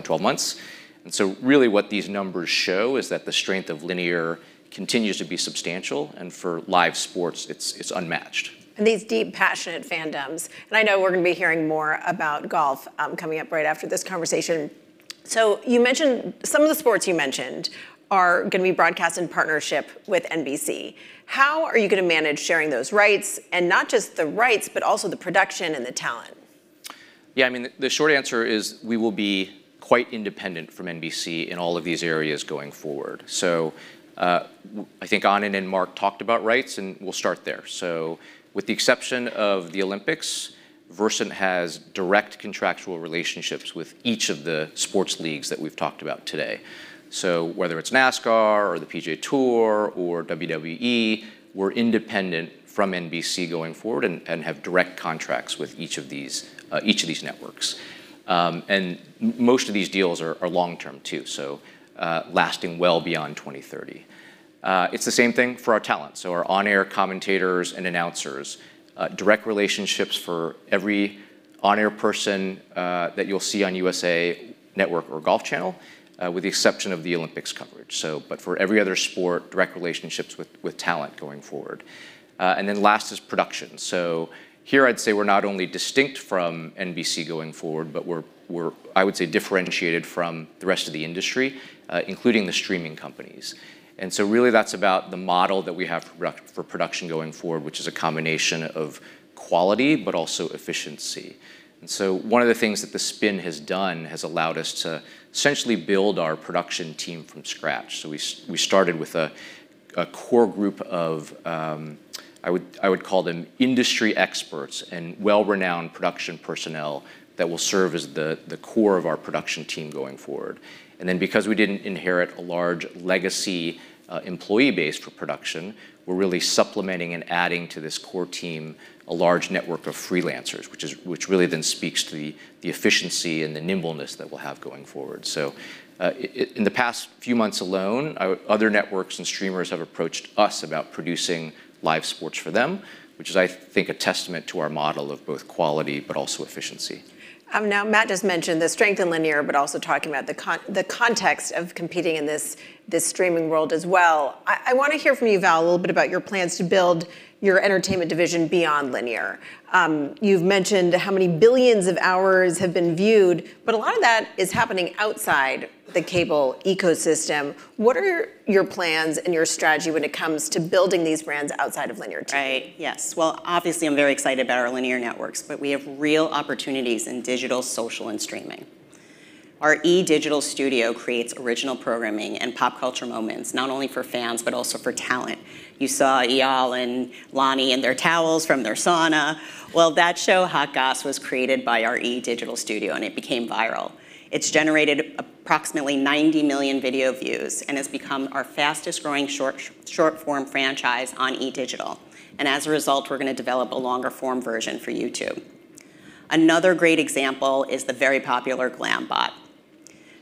12 months. And so really, what these numbers show is that the strength of linear continues to be substantial, and for live sports, it's unmatched. These deep, passionate fandoms, and I know we're going to be hearing more about golf coming up right after this conversation. You mentioned some of the sports are going to be broadcast in partnership with NBC. How are you going to manage sharing those rights, and not just the rights, but also the production and the talent? Yeah, I mean, the short answer is we will be quite independent from NBC in all of these areas going forward, so I think Anand and Marc talked about rights, and we'll start there. With the exception of the Olympics, Versant has direct contractual relationships with each of the sports leagues that we've talked about today. Whether it's NASCAR or the PGA Tour or WWE, we're independent from NBC going forward and have direct contracts with each of these networks. Most of these deals are long-term, too, so lasting well beyond 2030. It's the same thing for our talent, so our on-air commentators and announcers, direct relationships for every on-air person that you'll see on USA Network or Golf Channel, with the exception of the Olympics coverage. For every other sport, direct relationships with talent going forward, and then last is production. So here, I'd say we're not only distinct from NBC going forward, but we're, I would say, differentiated from the rest of the industry, including the streaming companies, and so really, that's about the model that we have for production going forward, which is a combination of quality but also efficiency, and so one of the things that the spin has done has allowed us to essentially build our production team from scratch, so we started with a core group of, I would call them, industry experts and well-renowned production personnel that will serve as the core of our production team going forward, and then because we didn't inherit a large legacy employee base for production, we're really supplementing and adding to this core team a large network of freelancers, which really then speaks to the efficiency and the nimbleness that we'll have going forward. In the past few months alone, other networks and streamers have approached us about producing live sports for them, which is, I think, a testament to our model of both quality but also efficiency. Now, Matt just mentioned the strength in linear, but also talking about the context of competing in this streaming world as well. I want to hear from you, Val, a little bit about your plans to build your entertainment division beyond linear. You've mentioned how many billions of hours have been viewed, but a lot of that is happening outside the cable ecosystem. What are your plans and your strategy when it comes to building these brands outside of linear? Right. Yes. Well, obviously, I'm very excited about our linear networks, but we have real opportunities in digital, social, and streaming. Our E! digital studio creates original programming and pop culture moments, not only for fans, but also for talent. You saw Eyal and Lonnie in their towels from their sauna. Well, that show, Hot Gossip, was created by our E! digital studio, and it became viral. It's generated approximately 90 million video views and has become our fastest-growing short-form franchise on E! digital. And as a result, we're going to develop a longer-form version for YouTube. Another great example is the very popular GlamBot.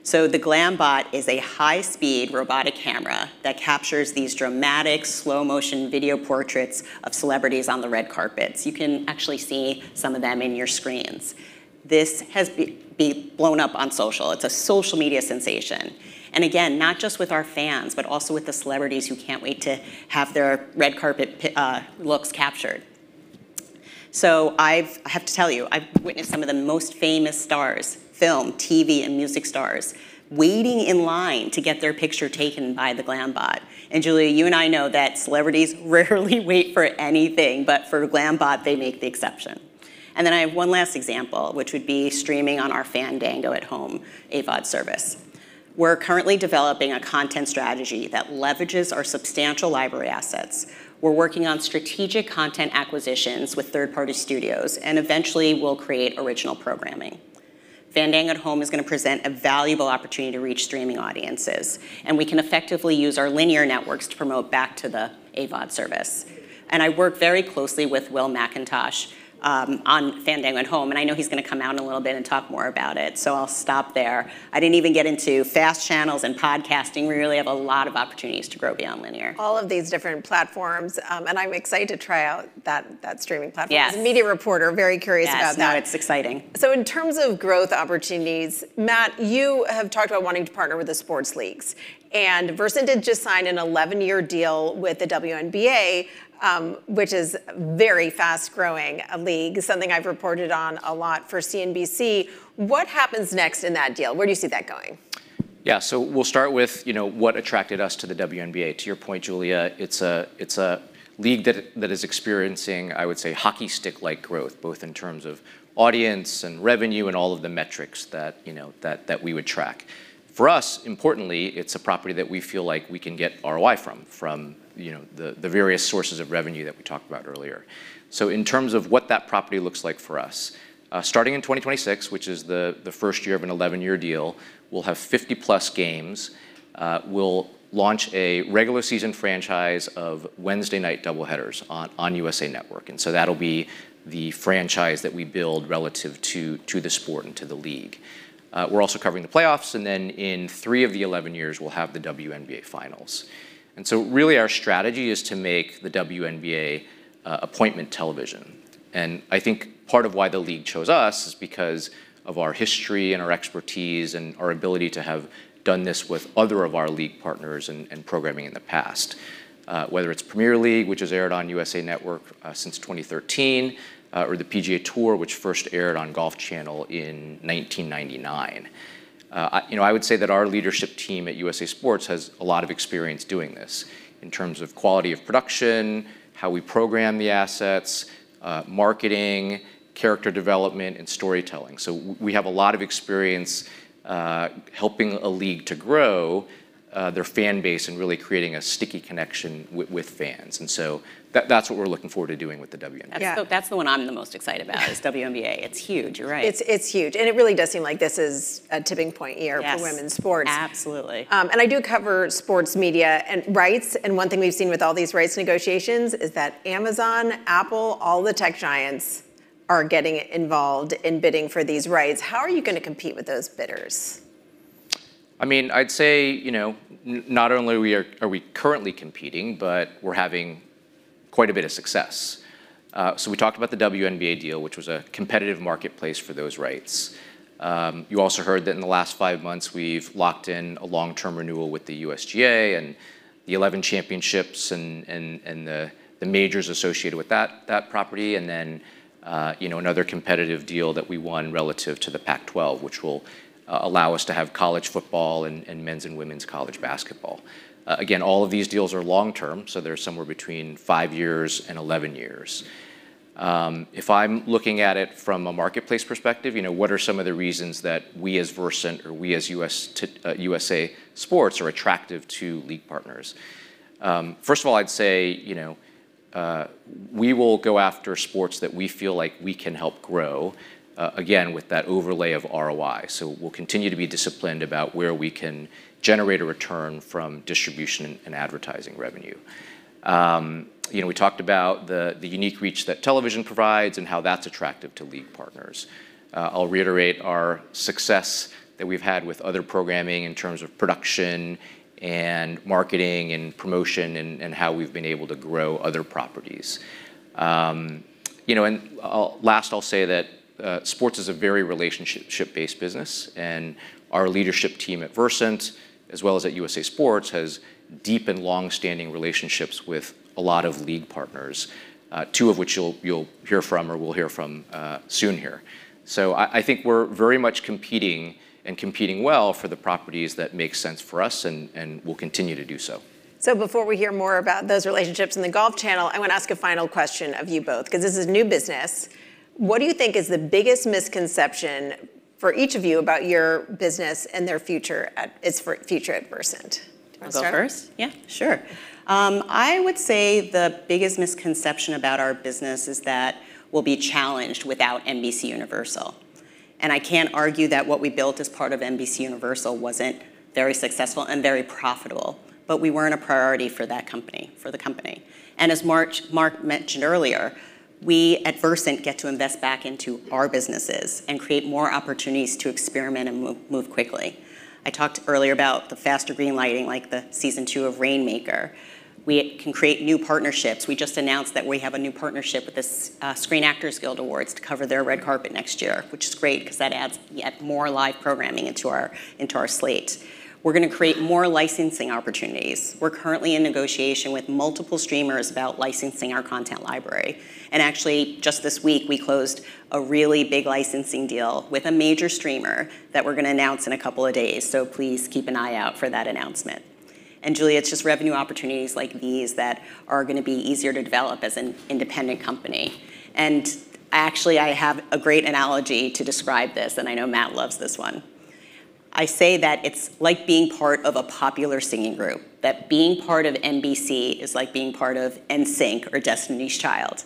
So the GlamBot is a high-speed robotic camera that captures these dramatic slow-motion video portraits of celebrities on the red carpets. You can actually see some of them in your screens. This has blown up on social. It's a social media sensation. Again, not just with our fans, but also with the celebrities who can't wait to have their red carpet looks captured. I have to tell you, I've witnessed some of the most famous stars, film, TV, and music stars waiting in line to get their picture taken by the GlamBot. Julia, you and I know that celebrities rarely wait for anything, but for GlamBot, they make the exception. Then I have one last example, which would be streaming on our Fandango at Home AVOD service. We're currently developing a content strategy that leverages our substantial library assets. We're working on strategic content acquisitions with third-party studios, and eventually, we'll create original programming. Fandango at Home is going to present a valuable opportunity to reach streaming audiences, and we can effectively use our linear networks to promote back to the AVOD service. And I work very closely with Will McIntosh on Fandango at Home, and I know he's going to come out in a little bit and talk more about it. So I'll stop there. I didn't even get into FAST channels and podcasting. We really have a lot of opportunities to grow beyond linear. All of these different platforms, and I'm excited to try out that streaming platform. Yes. As a media reporter, very curious about that. Yes, I know. It's exciting. So in terms of growth opportunities, Matt, you have talked about wanting to partner with the sports leagues. And Versant did just sign an 11-year deal with the WNBA, which is a very fast-growing league, something I've reported on a lot for CNBC. What happens next in that deal? Where do you see that going? Yeah, so we'll start with what attracted us to the WNBA. To your point, Julia, it's a league that is experiencing, I would say, hockey stick-like growth, both in terms of audience and revenue and all of the metrics that we would track. For us, importantly, it's a property that we feel like we can get ROI from, from the various sources of revenue that we talked about earlier. So in terms of what that property looks like for us, starting in 2026, which is the first year of an 11-year deal, we'll have 50-plus games. We'll launch a regular season franchise of Wednesday night double headers on USA Network. And so that'll be the franchise that we build relative to the sport and to the league. We're also covering the playoffs, and then in three of the 11 years, we'll have the WNBA Finals. Really, our strategy is to make the WNBA appointment television. I think part of why the league chose us is because of our history and our expertise and our ability to have done this with other of our league partners and programming in the past, whether it's Premier League, which has aired on USA Network since 2013, or the PGA Tour, which first aired on Golf Channel in 1999. I would say that our leadership team at USA Sports has a lot of experience doing this in terms of quality of production, how we program the assets, marketing, character development, and storytelling. We have a lot of experience helping a league to grow their fan base and really creating a sticky connection with fans. That's what we're looking forward to doing with the WNBA. That's the one I'm the most excited about, is WNBA. It's huge. You're right. It's huge. And it really does seem like this is a tipping point year for women's sports. Yes, absolutely. I do cover sports media and rights. One thing we've seen with all these rights negotiations is that Amazon, Apple, all the tech giants are getting involved in bidding for these rights. How are you going to compete with those bidders? I mean, I'd say not only are we currently competing, but we're having quite a bit of success. So we talked about the WNBA deal, which was a competitive marketplace for those rights. You also heard that in the last five months, we've locked in a long-term renewal with the USGA and the 11 championships and the majors associated with that property. And then another competitive deal that we won relative to the Pac-12, which will allow us to have college football and men's and women's college basketball. Again, all of these deals are long-term, so they're somewhere between five years and 11 years. If I'm looking at it from a marketplace perspective, what are some of the reasons that we as Versant or we as USA Sports are attractive to league partners? First of all, I'd say we will go after sports that we feel like we can help grow, again, with that overlay of ROI. So we'll continue to be disciplined about where we can generate a return from distribution and advertising revenue. We talked about the unique reach that television provides and how that's attractive to league partners. I'll reiterate our success that we've had with other programming in terms of production and marketing and promotion and how we've been able to grow other properties. And last, I'll say that sports is a very relationship-based business, and our leadership team at Versant, as well as at USA Sports, has deep and long-standing relationships with a lot of league partners, two of which you'll hear from or we'll hear from soon here. So I think we're very much competing and competing well for the properties that make sense for us and will continue to do so. Before we hear more about those relationships and the Golf Channel, I want to ask a final question of you both, because this is new business. What do you think is the biggest misconception for each of you about your business and their future at Versant? I'll go first? Yeah, sure. I would say the biggest misconception about our business is that we'll be challenged without NBCUniversal. And I can't argue that what we built as part of NBCUniversal wasn't very successful and very profitable, but we weren't a priority for that company, for the company. And as Marc mentioned earlier, we at Versant get to invest back into our businesses and create more opportunities to experiment and move quickly. I talked earlier about the faster greenlighting, like the season two of Rainmaker. We can create new partnerships. We just announced that we have a new partnership with the Screen Actors Guild Awards to cover their red carpet next year, which is great because that adds yet more live programming into our slate. We're going to create more licensing opportunities. We're currently in negotiation with multiple streamers about licensing our content library. And actually, just this week, we closed a really big licensing deal with a major streamer that we're going to announce in a couple of days. So please keep an eye out for that announcement. And Julia, it's just revenue opportunities like these that are going to be easier to develop as an independent company. And actually, I have a great analogy to describe this, and I know Matt loves this one. I say that it's like being part of a popular singing group, that being part of NBC is like being part of NSYNC or Destiny's Child.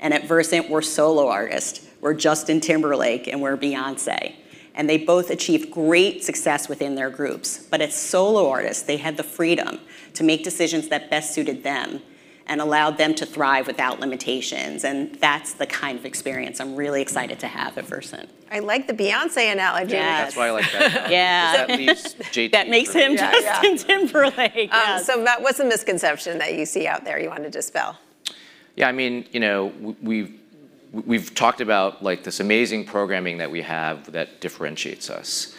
And at Versant, we're solo artists. We're Justin Timberlake and we're Beyoncé. And they both achieve great success within their groups. But as solo artists, they had the freedom to make decisions that best suited them and allowed them to thrive without limitations. That's the kind of experience I'm really excited to have at Versant. I like the Beyoncé analogy. Yeah, that's why I like that. Yeah. Because that means JT Timberlake. That makes him Justin Timberlake. So Matt, what's the misconception that you see out there you wanted to dispel? Yeah, I mean, we've talked about this amazing programming that we have that differentiates us,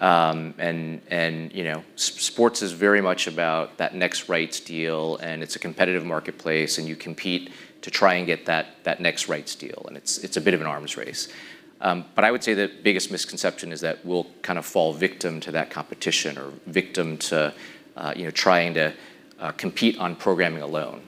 and sports is very much about that next rights deal, and it's a competitive marketplace, and you compete to try and get that next rights deal, and it's a bit of an arms race, but I would say the biggest misconception is that we'll kind of fall victim to that competition or victim to trying to compete on programming alone.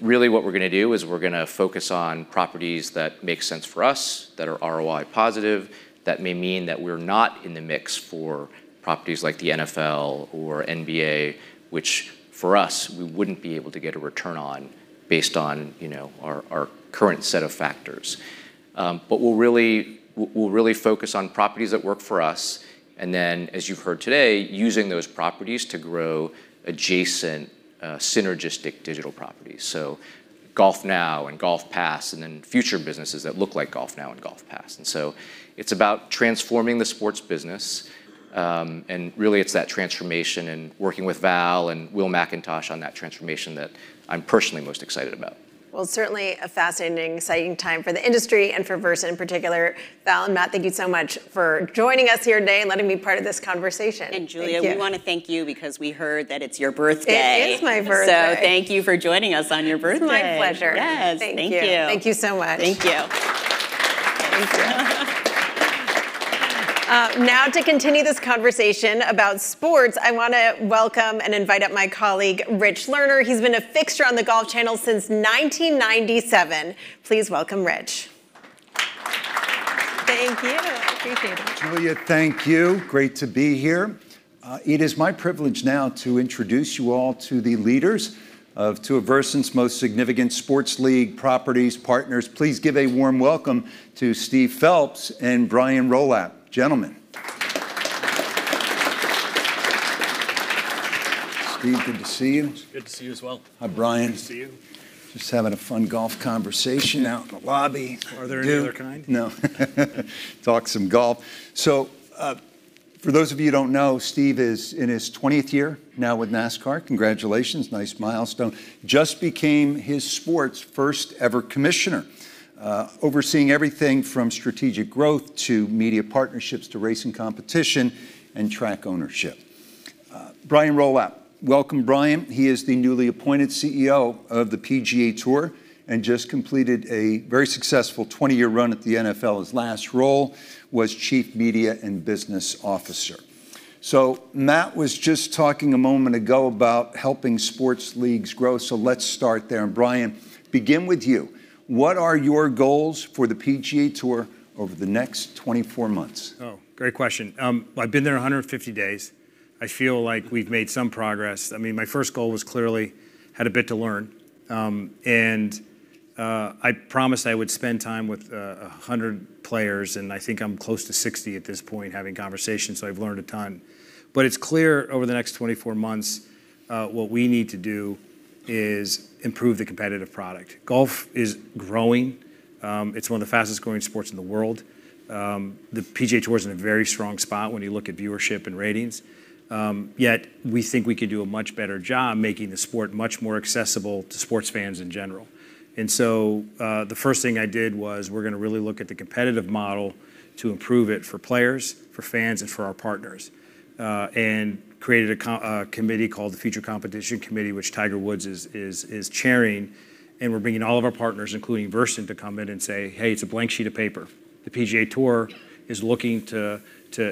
Really, what we're going to do is we're going to focus on properties that make sense for us, that are ROI positive, that may mean that we're not in the mix for properties like the NFL or NBA, which for us, we wouldn't be able to get a return on based on our current set of factors, but we'll really focus on properties that work for us. And then, as you've heard today, using those properties to grow adjacent synergistic digital properties. So GolfNow and GolfPass and then future businesses that look like GolfNow and GolfPass. And so it's about transforming the sports business. And really, it's that transformation and working with Val and Will McIntosh on that transformation that I'm personally most excited about. Certainly a fascinating, exciting time for the industry and for Versant in particular. Val and Matt, thank you so much for joining us here today and letting me be part of this conversation. Julia, we want to thank you because we heard that it's your birthday. It is my birthday. So thank you for joining us on your birthday. My pleasure. Yes. Thank you. Thank you so much. Thank you. Now, to continue this conversation about sports, I want to welcome and invite up my colleague, Rich Lerner. He's been a fixture on the Golf Channel since 1997. Please welcome Rich. Thank you. I appreciate it. Julia, thank you. Great to be here. It is my privilege now to introduce you all to the leaders of two of Versant's most significant sports league properties, partners. Please give a warm welcome to Steve Phelps and Brian Rolapp, gentlemen. Steve, good to see you. It's good to see you as well. Hi, Brian. Good to see you. Just having a fun golf conversation out in the lobby. Are there any other kind? No. Talk some golf, so for those of you who don't know, Steve is in his 20th year now with NASCAR. Congratulations. Nice milestone. Just became his sport's first-ever commissioner, overseeing everything from strategic growth to media partnerships to racing competition and track ownership. Brian Rolapp, welcome, Brian. He is the newly appointed CEO of the PGA Tour and just completed a very successful 20-year run at the NFL. His last role was Chief Media and Business Officer, so Matt was just talking a moment ago about helping sports leagues grow, so let's start there, and Brian, begin with you. What are your goals for the PGA Tour over the next 24 months? Oh, great question. I've been there 150 days. I feel like we've made some progress. I mean, my first goal was clearly had a bit to learn. And I promised I would spend time with 100 players, and I think I'm close to 60 at this point having conversations, so I've learned a ton. But it's clear over the next 24 months what we need to do is improve the competitive product. Golf is growing. It's one of the fastest-growing sports in the world. The PGA Tour is in a very strong spot when you look at viewership and ratings. Yet we think we can do a much better job making the sport much more accessible to sports fans in general. And so the first thing I did was we're going to really look at the competitive model to improve it for players, for fans, and for our partners. And created a committee called the Future Competition Committee, which Tiger Woods is chairing. And we're bringing all of our partners, including Versant, to come in and say, "Hey, it's a blank sheet of paper. The PGA Tour is looking to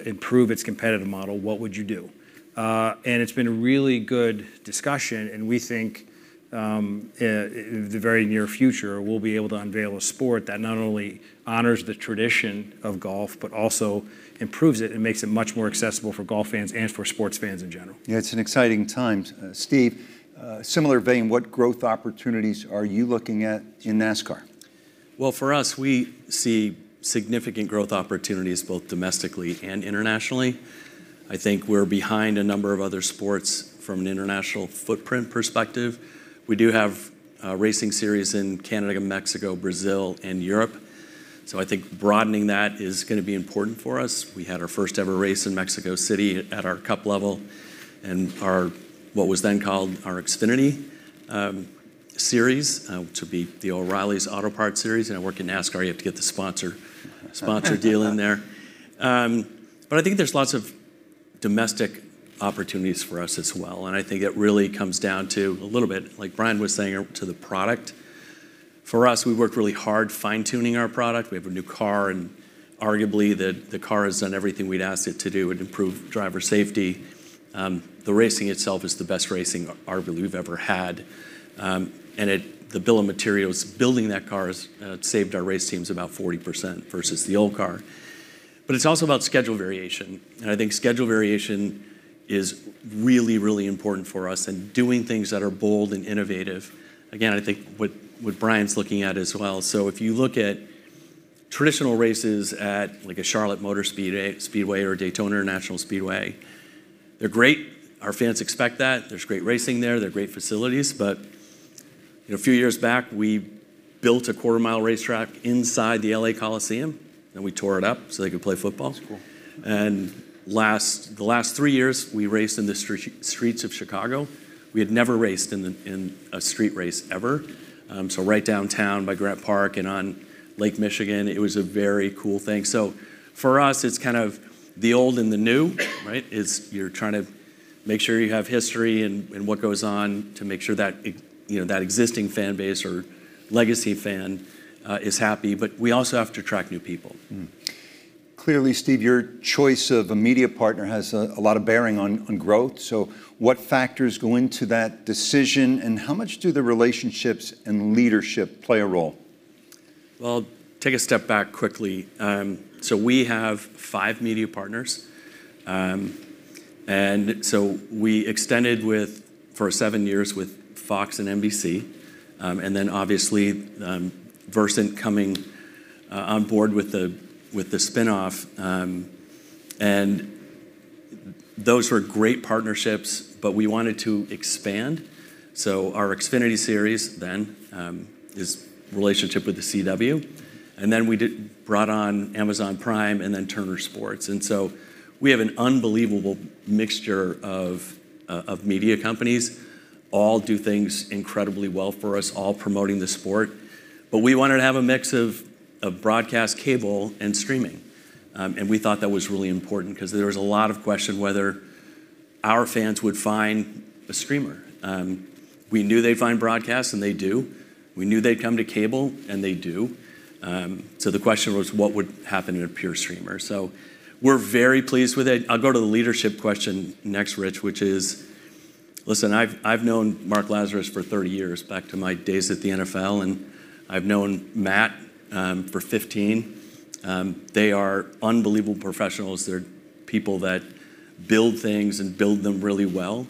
improve its competitive model. What would you do?" And it's been a really good discussion. And we think in the very near future, we'll be able to unveil a sport that not only honors the tradition of golf, but also improves it and makes it much more accessible for golf fans and for sports fans in general. Yeah, it's an exciting time. Steve, similar vein, what growth opportunities are you looking at in NASCAR? For us, we see significant growth opportunities both domestically and internationally. I think we're behind a number of other sports from an international footprint perspective. We do have racing series in Canada, Mexico, Brazil, and Europe. I think broadening that is going to be important for us. We had our first-ever race in Mexico City at our cup level and what was then called our Xfinity series, which would be the O'Reilly's Auto Parts series. I work at NASCAR. You have to get the sponsor deal in there. I think there's lots of domestic opportunities for us as well. I think it really comes down to a little bit, like Brian was saying, to the product. For us, we worked really hard fine-tuning our product. We have a new car, and arguably the car has done everything we'd asked it to do. It improved driver safety. The racing itself is the best racing arguably we've ever had. And the bill of materials building that car has saved our race teams about 40% versus the old car. But it's also about schedule variation. And I think schedule variation is really, really important for us in doing things that are bold and innovative. Again, I think what Brian's looking at as well. So if you look at traditional races at a Charlotte Motor Speedway or Daytona International Speedway, they're great. Our fans expect that. There's great racing there. They're great facilities. But a few years back, we built a quarter-mile racetrack inside the Los Angeles Memorial Coliseum, and we tore it up so they could play football. That's cool. And the last three years, we raced in the streets of Chicago. We had never raced in a street race ever. So right downtown by Grant Park and on Lake Michigan, it was a very cool thing. So for us, it's kind of the old and the new, right? You're trying to make sure you have history and what goes on to make sure that existing fan base or legacy fan is happy. But we also have to attract new people. Clearly, Steve, your choice of a media partner has a lot of bearing on growth. So what factors go into that decision, and how much do the relationships and leadership play a role? Take a step back quickly. We have five media partners. We extended for seven years with Fox and NBC. Then obviously, Versant coming on board with the spinoff. Those were great partnerships, but we wanted to expand. Our Xfinity series then has a relationship with the CW. We brought on Amazon Prime and then Turner Sports. We have an unbelievable mixture of media companies. They all do things incredibly well for us, all promoting the sport. We wanted to have a mix of broadcast, cable, and streaming. We thought that was really important because there was a lot of question whether our fans would find a streamer. We knew they'd find broadcast, and they do. We knew they'd come to cable, and they do. The question was, what would happen in a pure streamer? So we're very pleased with it. I'll go to the leadership question next, Rich, which is, listen, I've known Marc Lazarus for 30 years, back to my days at the NFL. And I've known Matt for 15. They are unbelievable professionals. They're people that build things and build them really well.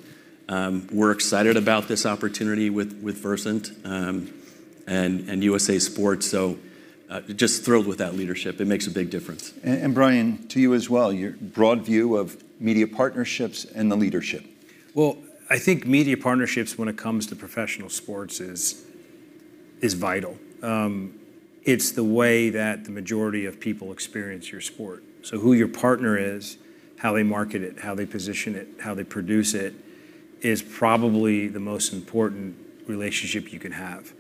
We're excited about this opportunity with Versant and USA Sports. So just thrilled with that leadership. It makes a big difference. Brian, to you as well, your broad view of media partnerships and the leadership. I think media partnerships, when it comes to professional sports, is vital. It's the way that the majority of people experience your sport. So who your partner is, how they market it, how they position it, how they produce it, is probably the most important relationship you can have,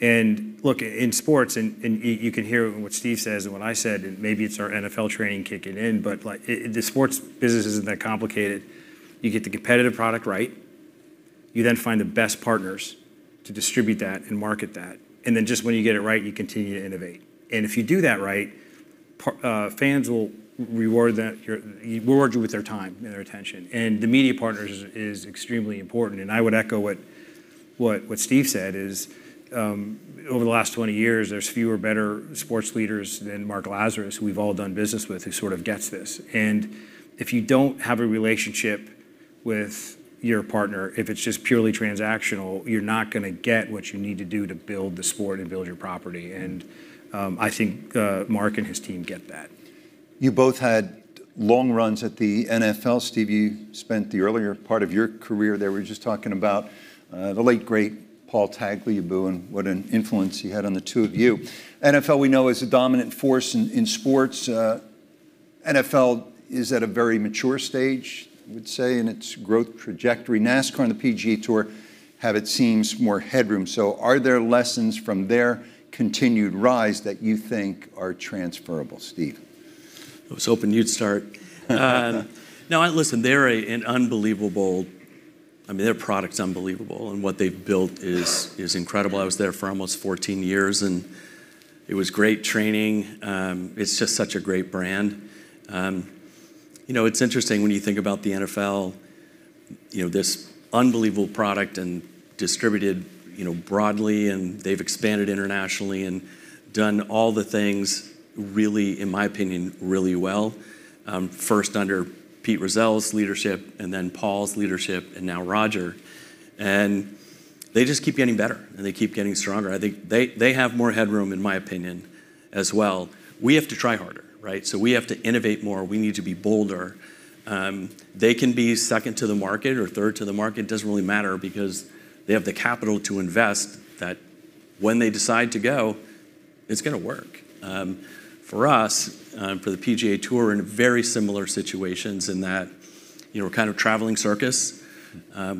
and look, in sports, and you can hear what Steve says and what I said, and maybe it's our NFL training kicking in, but the sports business isn't that complicated. You get the competitive product right. You then find the best partners to distribute that and market that, and then just when you get it right, you continue to innovate, and if you do that right, fans will reward you with their time and their attention, and the media partners is extremely important. And I would echo what Steve said is over the last 20 years, there's fewer better sports leaders than Marc Lazarus, who we've all done business with, who sort of gets this. And if you don't have a relationship with your partner, if it's just purely transactional, you're not going to get what you need to do to build the sport and build your property. And I think Marc and his team get that. You both had long runs at the NFL. Steve, you spent the earlier part of your career there. We were just talking about the late great Paul Tagliabue, and what an influence he had on the two of you. NFL, we know, is a dominant force in sports. NFL is at a very mature stage, I would say, in its growth trajectory. NASCAR and the PGA Tour have, it seems, more headroom. So are there lessons from their continued rise that you think are transferable, Steve? I was hoping you'd start. No, listen, they're an unbelievable. I mean, their product's unbelievable, and what they've built is incredible. I was there for almost 14 years, and it was great training. It's just such a great brand. It's interesting when you think about the NFL, this unbelievable product and distributed broadly, and they've expanded internationally and done all the things, really, in my opinion, really well. First under Pete Rozelle's leadership, and then Paul Tagliabue's leadership, and now Roger Goodell's. And they just keep getting better, and they keep getting stronger. I think they have more headroom, in my opinion, as well. We have to try harder, right? So we have to innovate more. We need to be bolder. They can be second to the market or third to the market. It doesn't really matter because they have the capital to invest that when they decide to go, it's going to work. For us, for the PGA Tour, we're in very similar situations in that we're kind of traveling circus.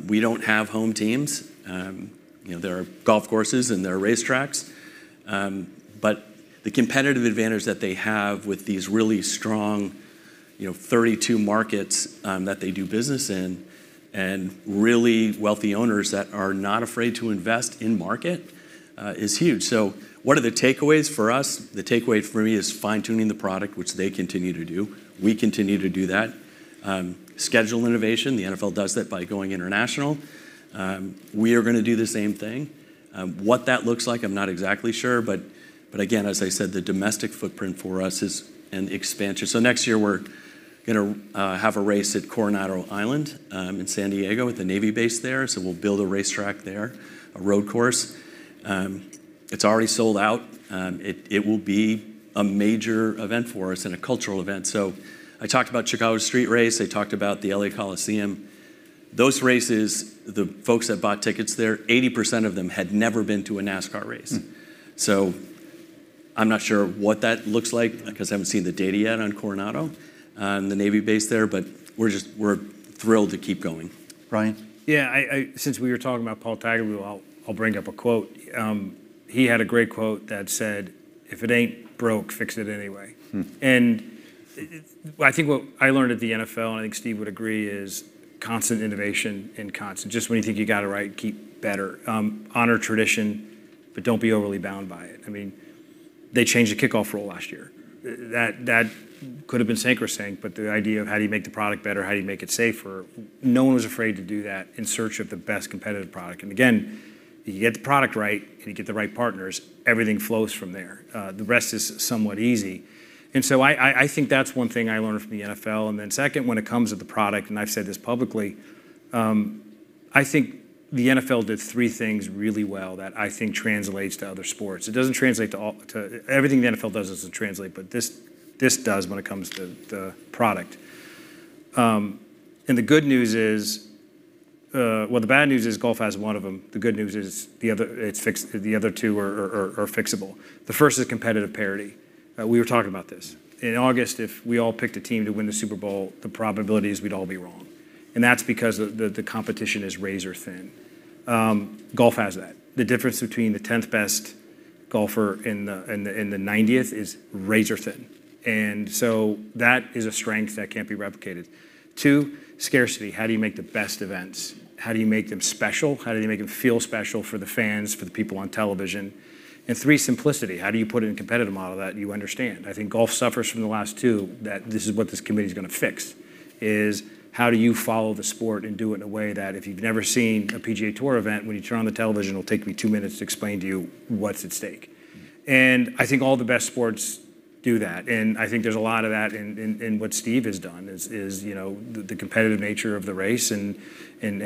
We don't have home teams. There are golf courses, and there are racetracks, but the competitive advantage that they have with these really strong 32 markets that they do business in and really wealthy owners that are not afraid to invest in market is huge, so what are the takeaways for us? The takeaway for me is fine-tuning the product, which they continue to do. We continue to do that. Schedule innovation. The NFL does that by going international. We are going to do the same thing. What that looks like, I'm not exactly sure. But again, as I said, the domestic footprint for us is an expansion. So next year, we're going to have a race at Coronado Island in San Diego with the Navy base there. So we'll build a racetrack there, a road course. It's already sold out. It will be a major event for us and a cultural event. So I talked about Chicago Street Race. I talked about the LA Coliseum. Those races, the folks that bought tickets there, 80% of them had never been to a NASCAR race. So I'm not sure what that looks like because I haven't seen the data yet on Coronado and the Navy base there. But we're thrilled to keep going. Brian. Yeah. Since we were talking about Paul Tagliabue, I'll bring up a quote. He had a great quote that said, "If it ain't broke, fix it anyway." And I think what I learned at the NFL, and I think Steve would agree, is constant innovation and constant. Just when you think you got it right, keep better. Honor tradition, but don't be overly bound by it. I mean, they changed the kickoff rule last year. That could have been sink or swim, but the idea of how do you make the product better, how do you make it safer, no one was afraid to do that in search of the best competitive product. And again, you get the product right, and you get the right partners, everything flows from there. The rest is somewhat easy. And so I think that's one thing I learned from the NFL. And then, second, when it comes to the product, and I've said this publicly, I think the NFL did three things really well that I think translates to other sports. It doesn't translate to everything the NFL does, but this does when it comes to the product. And the good news is, well, the bad news is golf has one of them. The good news is the other two are fixable. The first is competitive parity. We were talking about this. In August, if we all picked a team to win the Super Bowl, the probability is we'd all be wrong. And that's because the competition is razor thin. Golf has that. The difference between the 10th best golfer and the 90th is razor thin. And so that is a strength that can't be replicated. Two, scarcity. How do you make the best events? How do you make them special? How do you make them feel special for the fans, for the people on television? And three, simplicity. How do you put it in a competitive model that you understand? I think golf suffers from the last two. That this is what this committee is going to fix is how do you follow the sport and do it in a way that if you've never seen a PGA Tour event, when you turn on the television, it'll take me two minutes to explain to you what's at stake. And I think all the best sports do that. And I think there's a lot of that in what Steve has done, is the competitive nature of the race and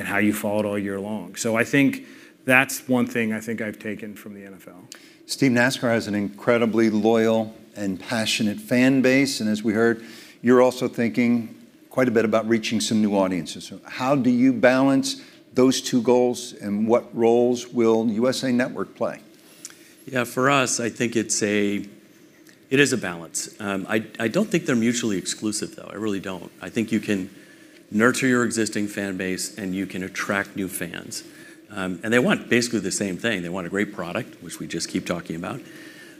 how you follow it all year long. So I think that's one thing I think I've taken from the NFL. Steve, NASCAR has an incredibly loyal and passionate fan base. And as we heard, you're also thinking quite a bit about reaching some new audiences. So how do you balance those two goals, and what roles will USA Network play? Yeah, for us, I think it is a balance. I don't think they're mutually exclusive, though. I really don't. I think you can nurture your existing fan base, and you can attract new fans, and they want basically the same thing. They want a great product, which we just keep talking about.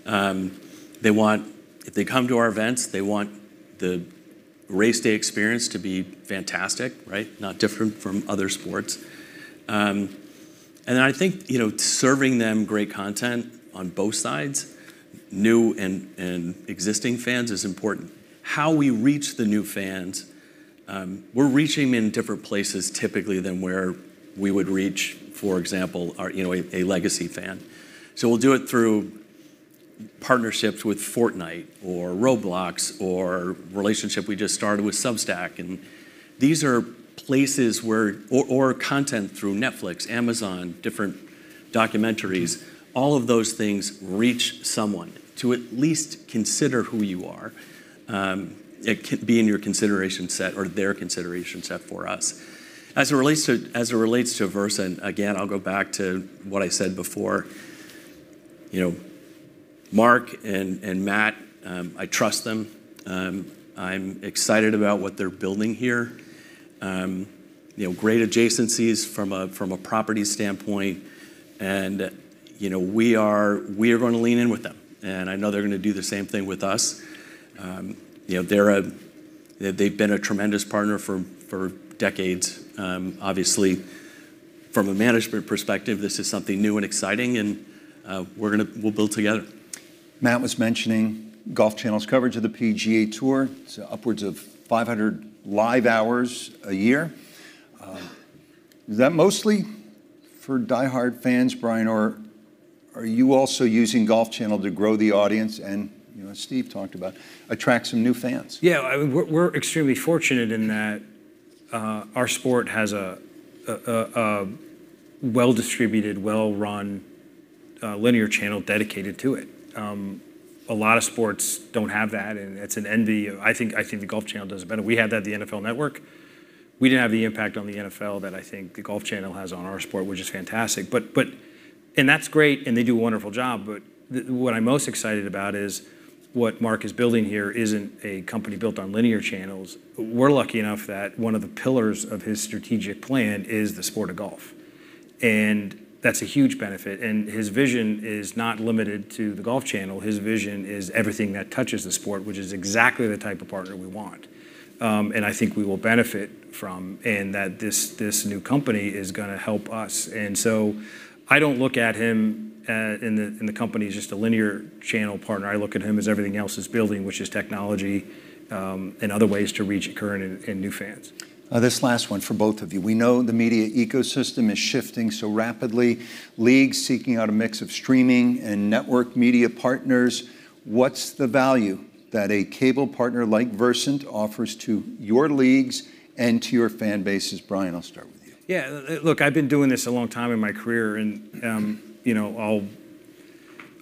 If they come to our events, they want the race day experience to be fantastic, right? Not different from other sports, and then I think serving them great content on both sides, new and existing fans, is important. How we reach the new fans, we're reaching in different places typically than where we would reach, for example, a legacy fan, so we'll do it through partnerships with Fortnite or Roblox or a relationship we just started with Substack. These are places where our content through Netflix, Amazon, different documentaries, all of those things reach someone to at least consider who you are. It can be in your consideration set or their consideration set for us. As it relates to Versant, and again, I'll go back to what I said before, Marc and Matt, I trust them. I'm excited about what they're building here. Great adjacencies from a property standpoint. We are going to lean in with them. I know they're going to do the same thing with us. They've been a tremendous partner for decades. Obviously, from a management perspective, this is something new and exciting, and we'll build together. Matt was mentioning Golf Channel's coverage of the PGA Tour. It's upwards of 500 live hours a year. Is that mostly for diehard fans, Brian? Or are you also using Golf Channel to grow the audience, and Steve talked about attracting some new fans? Yeah. We're extremely fortunate in that our sport has a well-distributed, well-run linear channel dedicated to it. A lot of sports don't have that, and it's an envy. I think the Golf Channel does better. We had that at the NFL Network. We didn't have the impact on the NFL that I think the Golf Channel has on our sport, which is fantastic. That's great, and they do a wonderful job. What I'm most excited about is what Marc is building here isn't a company built on linear channels. We're lucky enough that one of the pillars of his strategic plan is the sport of golf. That's a huge benefit. His vision is not limited to the Golf Channel. His vision is everything that touches the sport, which is exactly the type of partner we want and I think we will benefit from, and that this new company is going to help us, and so I don't look at him in the company as just a linear channel partner. I look at him as everything else he's building, which is technology and other ways to reach current and new fans. This last one for both of you. We know the media ecosystem is shifting so rapidly. Leagues seeking out a mix of streaming and network media partners. What's the value that a cable partner like Versant offers to your leagues and to your fan bases? Brian, I'll start with you. Yeah. Look, I've been doing this a long time in my career, and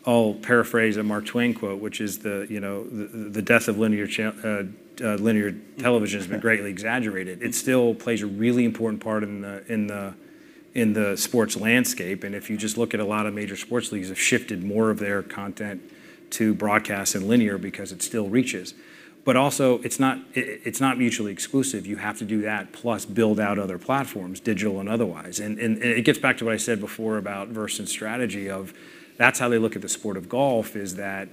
I'll paraphrase a Mark Twain quote, which is the death of linear television has been greatly exaggerated. It still plays a really important part in the sports landscape, and if you just look at a lot of major sports leagues, they've shifted more of their content to broadcast in linear because it still reaches. But also, it's not mutually exclusive. You have to do that, plus build out other platforms, digital and otherwise, and it gets back to what I said before about Versant's strategy of that's how they look at the sport of golf, is that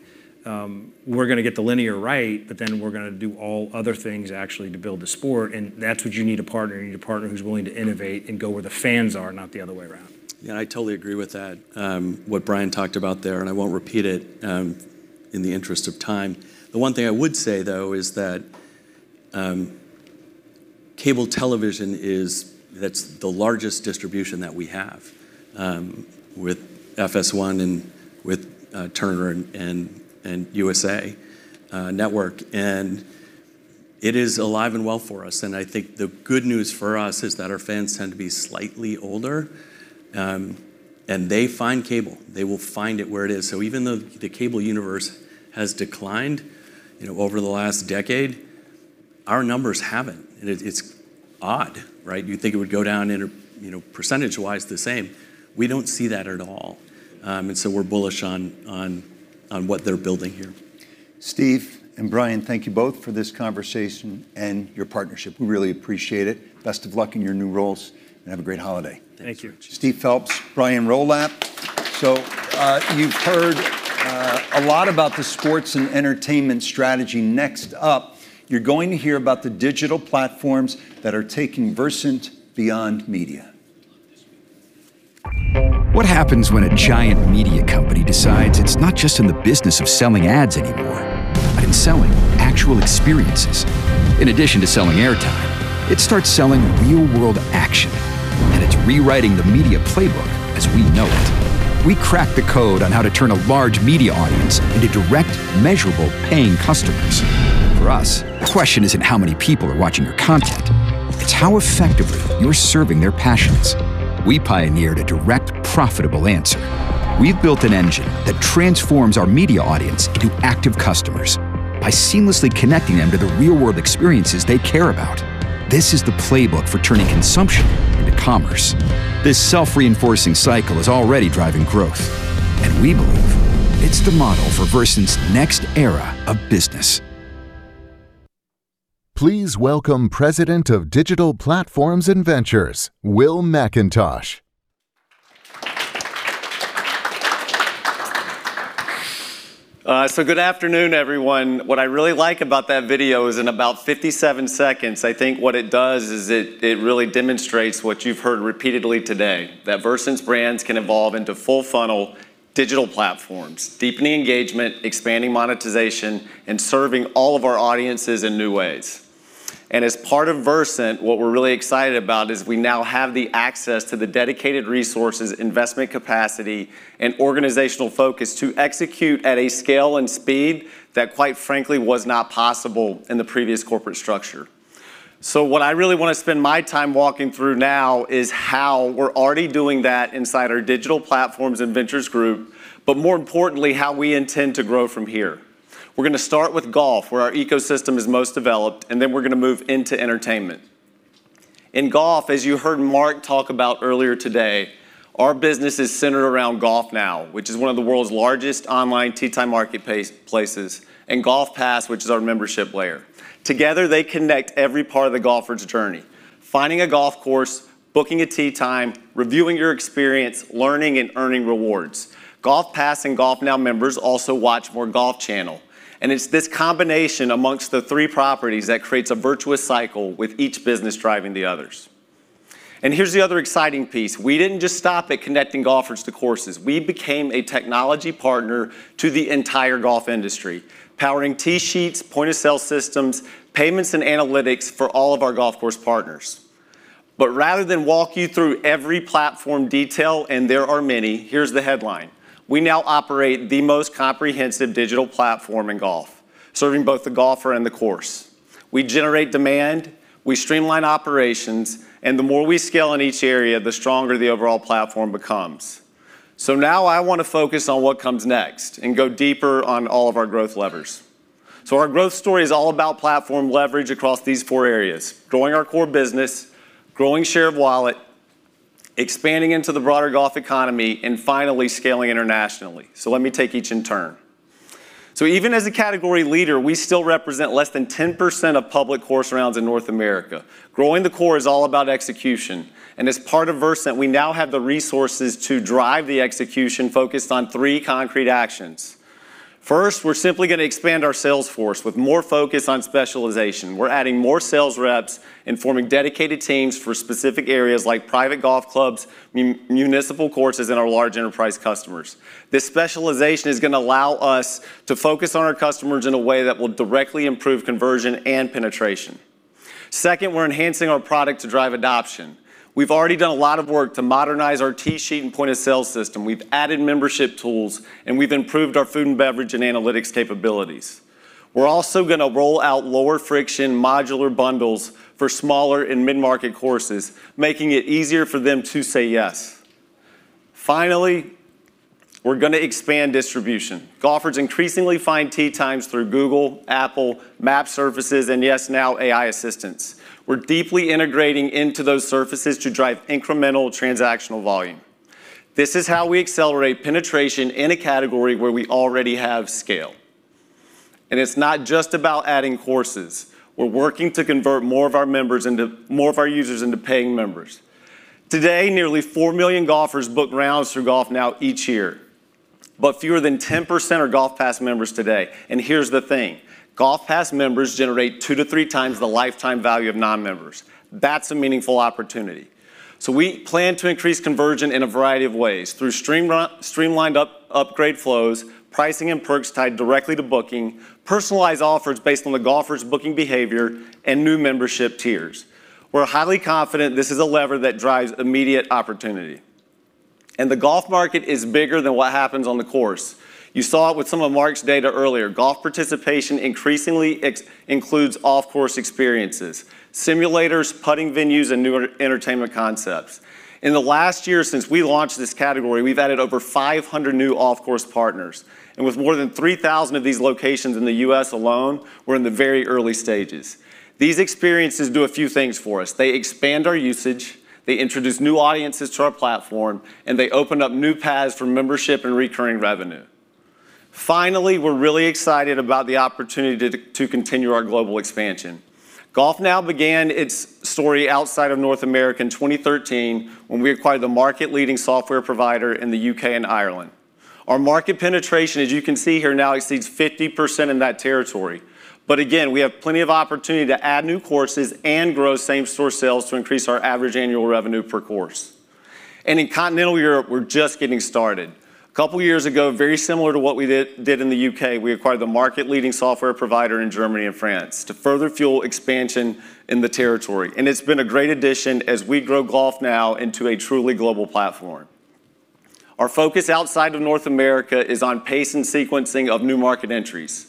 we're going to get the linear right, but then we're going to do all other things actually to build the sport. That's what you need: a partner. You need a partner who's willing to innovate and go where the fans are, not the other way around. Yeah. I totally agree with that, what Brian talked about there. And I won't repeat it in the interest of time. The one thing I would say, though, is that cable television is the largest distribution that we have with FS1 and with Turner and USA Network. And it is alive and well for us. And I think the good news for us is that our fans tend to be slightly older. And they find cable. They will find it where it is. So even though the cable universe has declined over the last decade, our numbers haven't. And it's odd, right? You'd think it would go down percentage-wise the same. We don't see that at all. And so we're bullish on what they're building here. Steve and Brian, thank you both for this conversation and your partnership. We really appreciate it. Best of luck in your new roles, and have a great holiday. Thank you. Steve Phelps, Brian Rolapp. So you've heard a lot about the sports and entertainment strategy. Next up, you're going to hear about the digital platforms that are taking Versant beyond media. What happens when a giant media company decides it's not just in the business of selling ads anymore, but in selling actual experiences? In addition to selling airtime, it starts selling real-world action. And it's rewriting the media playbook as we know it. We cracked the code on how to turn a large media audience into direct, measurable, paying customers. For us, the question isn't how many people are watching your content. It's how effectively you're serving their passions. We pioneered a direct, profitable answer. We've built an engine that transforms our media audience into active customers by seamlessly connecting them to the real-world experiences they care about. This is the playbook for turning consumption into commerce. This self-reinforcing cycle is already driving growth, and we believe it's the model for Versant's next era of business. Please welcome President of Digital Platforms and Ventures, Will McIntosh. So, good afternoon, everyone. What I really like about that video is in about 57 seconds, I think what it does is it really demonstrates what you've heard repeatedly today, that Versant's brands can evolve into full-funnel digital platforms, deepening engagement, expanding monetization, and serving all of our audiences in new ways. And as part of Versant, what we're really excited about is we now have the access to the dedicated resources, investment capacity, and organizational focus to execute at a scale and speed that, quite frankly, was not possible in the previous corporate structure. So, what I really want to spend my time walking through now is how we're already doing that inside our Digital Platforms and Ventures group, but more importantly, how we intend to grow from here. We're going to start with golf, where our ecosystem is most developed, and then we're going to move into entertainment. In golf, as you heard Marc talk about earlier today, our business is centered around GolfNow, which is one of the world's largest online tee time marketplaces, and GolfPass, which is our membership layer. Together, they connect every part of the golfer's journey: finding a golf course, booking a tee time, reviewing your experience, learning, and earning rewards. GolfPass and GolfNow members also watch more Golf Channel. And it's this combination among the three properties that creates a virtuous cycle with each business driving the others. And here's the other exciting piece. We didn't just stop at connecting golfers to courses. We became a technology partner to the entire golf industry, powering tee sheets, point-of-sale systems, payments, and analytics for all of our golf course partners. But rather than walk you through every platform detail, and there are many, here's the headline. We now operate the most comprehensive digital platform in golf, serving both the golfer and the course. We generate demand, we streamline operations, and the more we scale in each area, the stronger the overall platform becomes. So now I want to focus on what comes next and go deeper on all of our growth levers. So our growth story is all about platform leverage across these four areas: growing our core business, growing share of wallet, expanding into the broader golf economy, and finally scaling internationally. So let me take each in turn. So even as a category leader, we still represent less than 10% of public course rounds in North America. Growing the core is all about execution. And as part of Versant, we now have the resources to drive the execution focused on three concrete actions. First, we're simply going to expand our sales force with more focus on specialization. We're adding more sales reps and forming dedicated teams for specific areas like private golf clubs, municipal courses, and our large enterprise customers. This specialization is going to allow us to focus on our customers in a way that will directly improve conversion and penetration. Second, we're enhancing our product to drive adoption. We've already done a lot of work to modernize our tee sheet and point-of-sale system. We've added membership tools, and we've improved our food and beverage and analytics capabilities. We're also going to roll out lower-friction modular bundles for smaller and mid-market courses, making it easier for them to say yes. Finally, we're going to expand distribution. Golfers increasingly find tee times through Google, Apple, Map Services, and yes, now AI assistants. We're deeply integrating into those services to drive incremental transactional volume. This is how we accelerate penetration in a category where we already have scale, and it's not just about adding courses. We're working to convert more of our members into more of our users into paying members. Today, nearly four million golfers book rounds through GolfNow each year, but fewer than 10% are GolfPass members today, and here's the thing. GolfPass members generate two to three times the lifetime value of non-members. That's a meaningful opportunity, so we plan to increase conversion in a variety of ways through streamlined upgrade flows, pricing and perks tied directly to booking, personalized offers based on the golfer's booking behavior, and new membership tiers. We're highly confident this is a lever that drives immediate opportunity, and the golf market is bigger than what happens on the course. You saw it with some of Marc's data earlier. Golf participation increasingly includes off-course experiences, simulators, putting venues, and new entertainment concepts. In the last year since we launched this category, we've added over 500 new off-course partners. And with more than 3,000 of these locations in the U.S. alone, we're in the very early stages. These experiences do a few things for us. They expand our usage. They introduce new audiences to our platform, and they open up new paths for membership and recurring revenue. Finally, we're really excited about the opportunity to continue our global expansion. GolfNow began its story outside of North America in 2013 when we acquired the market-leading software provider in the U.K. and Ireland. Our market penetration, as you can see here, now exceeds 50% in that territory. But again, we have plenty of opportunity to add new courses and grow same-store sales to increase our average annual revenue per course. In continental Europe, we're just getting started. A couple of years ago, very similar to what we did in the U.K., we acquired the market-leading software provider in Germany and France to further fuel expansion in the territory. And it's been a great addition as we grow GolfNow into a truly global platform. Our focus outside of North America is on pace and sequencing of new market entries,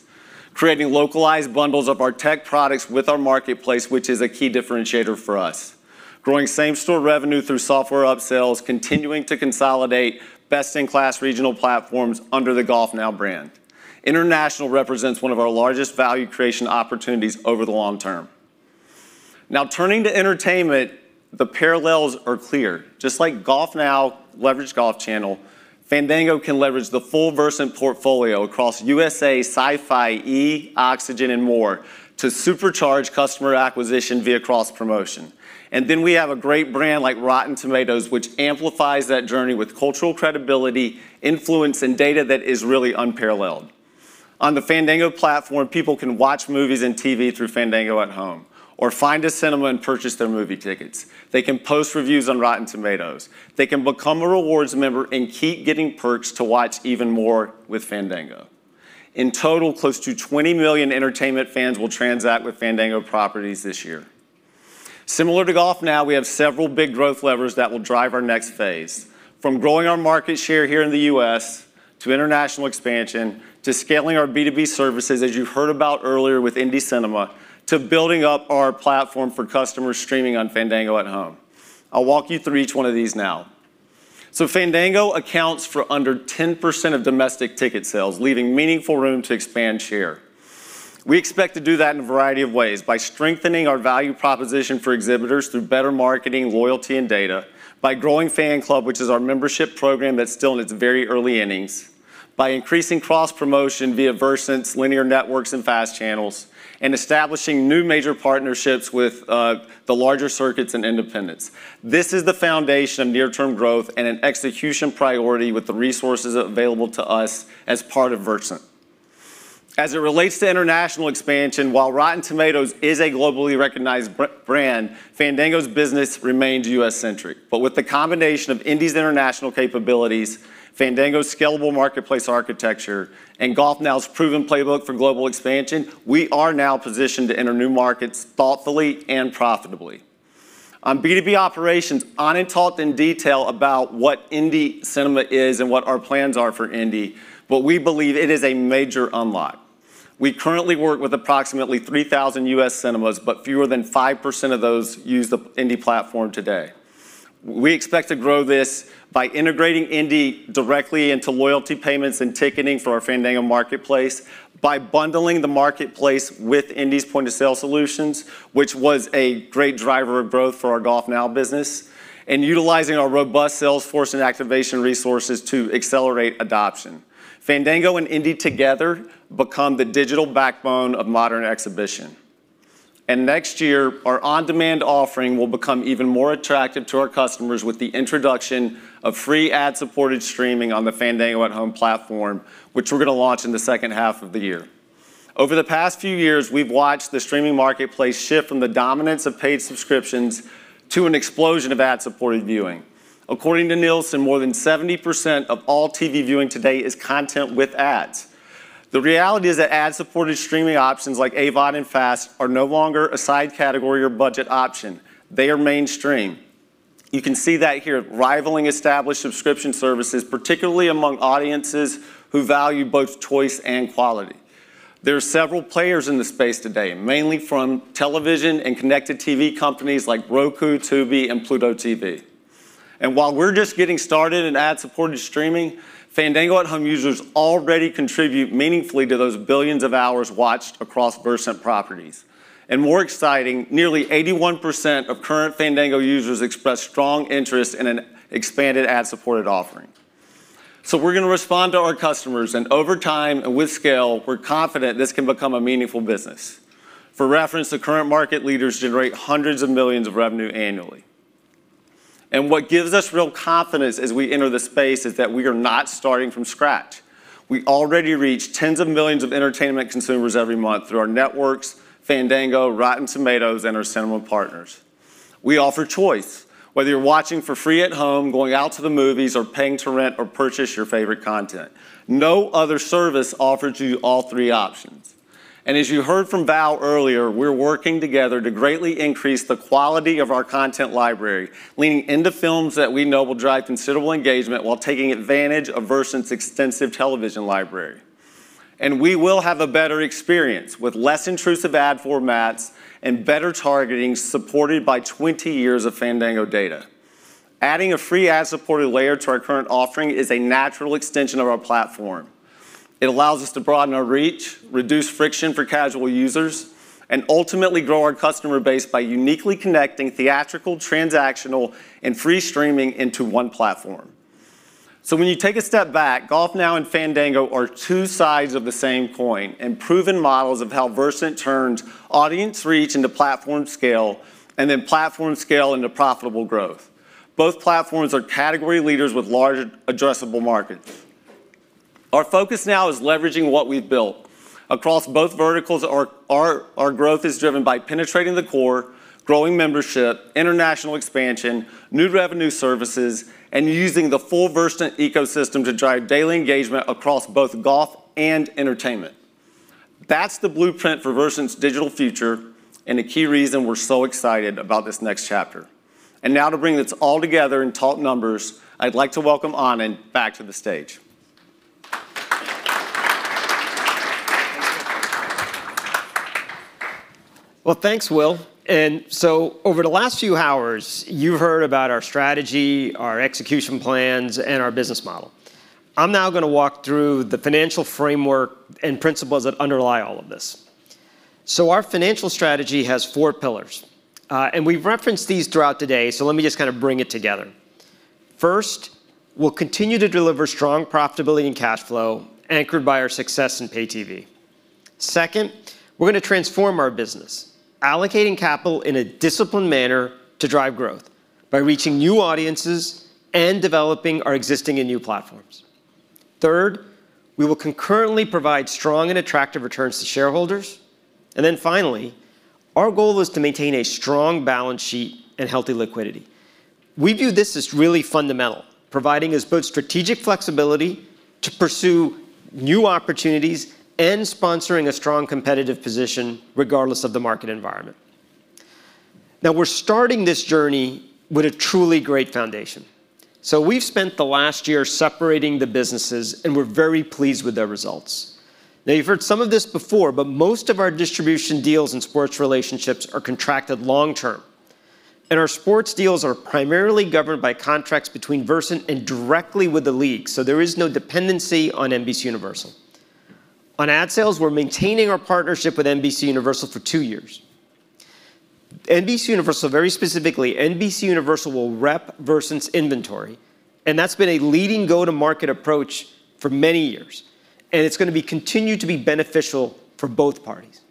creating localized bundles of our tech products with our marketplace, which is a key differentiator for us. Growing same-store revenue through software upsales, continuing to consolidate best-in-class regional platforms under the GolfNow brand. International represents one of our largest value creation opportunities over the long term. Now, turning to entertainment, the parallels are clear. Just like GolfNow leveraged Golf Channel, Fandango can leverage the full Versant portfolio across USA, Sci-Fi, E, Oxygen, and more to supercharge customer acquisition via cross-promotion. And then we have a great brand like Rotten Tomatoes, which amplifies that journey with cultural credibility, influence, and data that is really unparalleled. On the Fandango platform, people can watch movies and TV through Fandango at Home or find a cinema and purchase their movie tickets. They can post reviews on Rotten Tomatoes. They can become a rewards member and keep getting perks to watch even more with Fandango. In total, close to 20 million entertainment fans will transact with Fandango properties this year. Similar to GolfNow, we have several big growth levers that will drive our next phase. From growing our market share here in the U.S. to international expansion, to scaling our B2B services, as you heard about earlier with Indie Cinema, to building up our platform for customers streaming on Fandango at Home. I'll walk you through each one of these now. So Fandango accounts for under 10% of domestic ticket sales, leaving meaningful room to expand share. We expect to do that in a variety of ways: by strengthening our value proposition for exhibitors through better marketing, loyalty, and data, by growing Fan Club, which is our membership program that's still in its very early innings, by increasing cross-promotion via Versant's linear networks and Fast Channels, and establishing new major partnerships with the larger circuits and independents. This is the foundation of near-term growth and an execution priority with the resources available to us as part of Versant. As it relates to international expansion, while Rotten Tomatoes is a globally recognized brand, Fandango's business remains U.S.-centric. But with the combination of Indie's international capabilities, Fandango's scalable marketplace architecture, and GolfNow's proven playbook for global expansion, we are now positioned to enter new markets thoughtfully and profitably. On B2B operations, I'm not taught in detail about what Indie Cinema is and what our plans are for Indie, but we believe it is a major unlock. We currently work with approximately 3,000 U.S. cinemas, but fewer than 5% of those use the Indie platform today. We expect to grow this by integrating Indie directly into loyalty payments and ticketing for our Fandango marketplace, by bundling the marketplace with Indie's point-of-sale solutions, which was a great driver of growth for our GolfNow business, and utilizing our robust sales force and activation resources to accelerate adoption. Fandango and Indie together become the digital backbone of modern exhibition. Next year, our on-demand offering will become even more attractive to our customers with the introduction of free ad-supported streaming on the Fandango at Home platform, which we're going to launch in the second half of the year. Over the past few years, we've watched the streaming marketplace shift from the dominance of paid subscriptions to an explosion of ad-supported viewing. According to Nielsen, more than 70% of all TV viewing today is content with ads. The reality is that ad-supported streaming options like AVOD and FAST are no longer a side category or budget option. They are mainstream. You can see that here, rivaling established subscription services, particularly among audiences who value both choice and quality. There are several players in the space today, mainly from television and connected TV companies like Roku, Tubi, and Pluto TV. And while we're just getting started in ad-supported streaming, Fandango at Home users already contribute meaningfully to those billions of hours watched across Versant properties. And more exciting, nearly 81% of current Fandango users express strong interest in an expanded ad-supported offering. So we're going to respond to our customers. Over time and with scale, we're confident this can become a meaningful business. For reference, the current market leaders generate hundreds of millions of revenue annually. What gives us real confidence as we enter the space is that we are not starting from scratch. We already reach tens of millions of entertainment consumers every month through our networks, Fandango, Rotten Tomatoes, and our cinema partners. We offer choice. Whether you're watching for free at home, going out to the movies, or paying to rent or purchase your favorite content, no other service offers you all three options. As you heard from Val earlier, we're working together to greatly increase the quality of our content library, leaning into films that we know will drive considerable engagement while taking advantage of Versant's extensive television library. We will have a better experience with less intrusive ad formats and better targeting supported by 20 years of Fandango data. Adding a free ad-supported layer to our current offering is a natural extension of our platform. It allows us to broaden our reach, reduce friction for casual users, and ultimately grow our customer base by uniquely connecting theatrical, transactional, and free streaming into one platform. When you take a step back, GolfNow and Fandango are two sides of the same coin and proven models of how Versant turns audience reach into platform scale and then platform scale into profitable growth. Both platforms are category leaders with large addressable markets. Our focus now is leveraging what we've built. Across both verticals, our growth is driven by penetrating the core, growing membership, international expansion, new revenue services, and using the full Versant ecosystem to drive daily engagement across both golf and entertainment. That's the blueprint for Versant's digital future and a key reason we're so excited about this next chapter. And now to bring this all together and talk numbers, I'd like to welcome Anand back to the stage. Well, thanks, Will. And so over the last few hours, you've heard about our strategy, our execution plans, and our business model. I'm now going to walk through the financial framework and principles that underlie all of this. So our financial strategy has four pillars, and we've referenced these throughout today, so let me just kind of bring it together. First, we'll continue to deliver strong profitability and cash flow anchored by our success in pay TV. Second, we're going to transform our business, allocating capital in a disciplined manner to drive growth by reaching new audiences and developing our existing and new platforms. Third, we will concurrently provide strong and attractive returns to shareholders. And then finally, our goal is to maintain a strong balance sheet and healthy liquidity. We view this as really fundamental, providing us both strategic flexibility to pursue new opportunities and sponsoring a strong competitive position regardless of the market environment. Now, we're starting this journey with a truly great foundation. So we've spent the last year separating the businesses, and we're very pleased with their results. Now, you've heard some of this before, but most of our distribution deals and sports relationships are contracted long-term. And our sports deals are primarily governed by contracts between Versant and directly with the league, so there is no dependency on NBCUniversal. On ad sales, we're maintaining our partnership with NBCUniversal for two years. NBCUniversal, very specifically, NBCUniversal will rep Versant's inventory, and that's been a leading go-to-market approach for many years. And it's going to continue to be beneficial for both parties.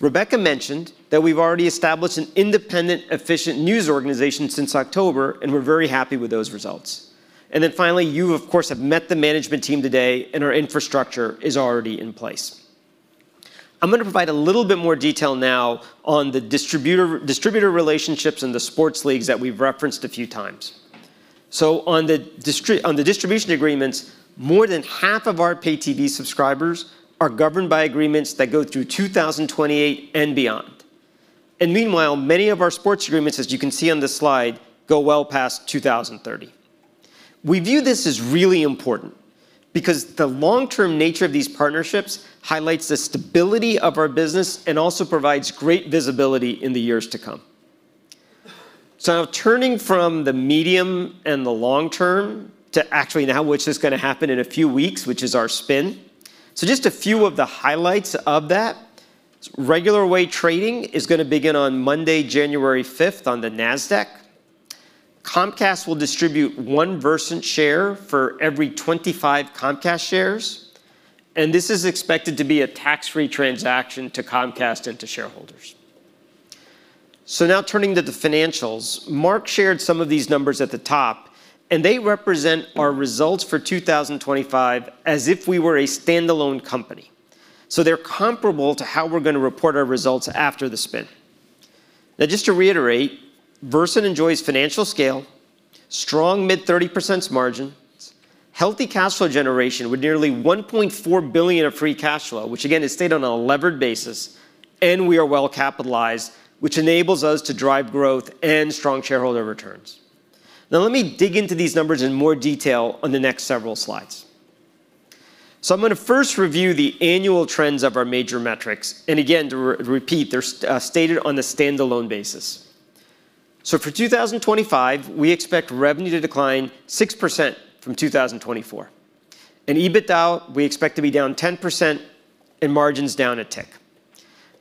Rebecca mentioned that we've already established an independent, efficient news organization since October, and we're very happy with those results. And then finally, you, of course, have met the management team today, and our infrastructure is already in place. I'm going to provide a little bit more detail now on the distributor relationships and the sports leagues that we've referenced a few times. So on the distribution agreements, more than half of our pay TV subscribers are governed by agreements that go through 2028 and beyond. And meanwhile, many of our sports agreements, as you can see on this slide, go well past 2030. We view this as really important because the long-term nature of these partnerships highlights the stability of our business and also provides great visibility in the years to come. So now, turning from the medium and the long-term to actually now, which is going to happen in a few weeks, which is our spin. So just a few of the highlights of that. Regular way trading is going to begin on Monday, January 5th on the NASDAQ. Comcast will distribute one Versant share for every 25 Comcast shares. And this is expected to be a tax-free transaction to Comcast and to shareholders. So now, turning to the financials, Mark shared some of these numbers at the top, and they represent our results for 2025 as if we were a standalone company. So they're comparable to how we're going to report our results after the spin. Now, just to reiterate, Versant enjoys financial scale, strong mid-30% margins, healthy cash flow generation with nearly $1.4 billion of free cash flow, which again, is stated on a levered basis, and we are well capitalized, which enables us to drive growth and strong shareholder returns. Now, let me dig into these numbers in more detail on the next several slides. So I'm going to first review the annual trends of our major metrics. And again, to repeat, they're stated on a standalone basis. So for 2025, we expect revenue to decline 6% from 2024. In EBITDA, we expect to be down 10% and margins down a tick.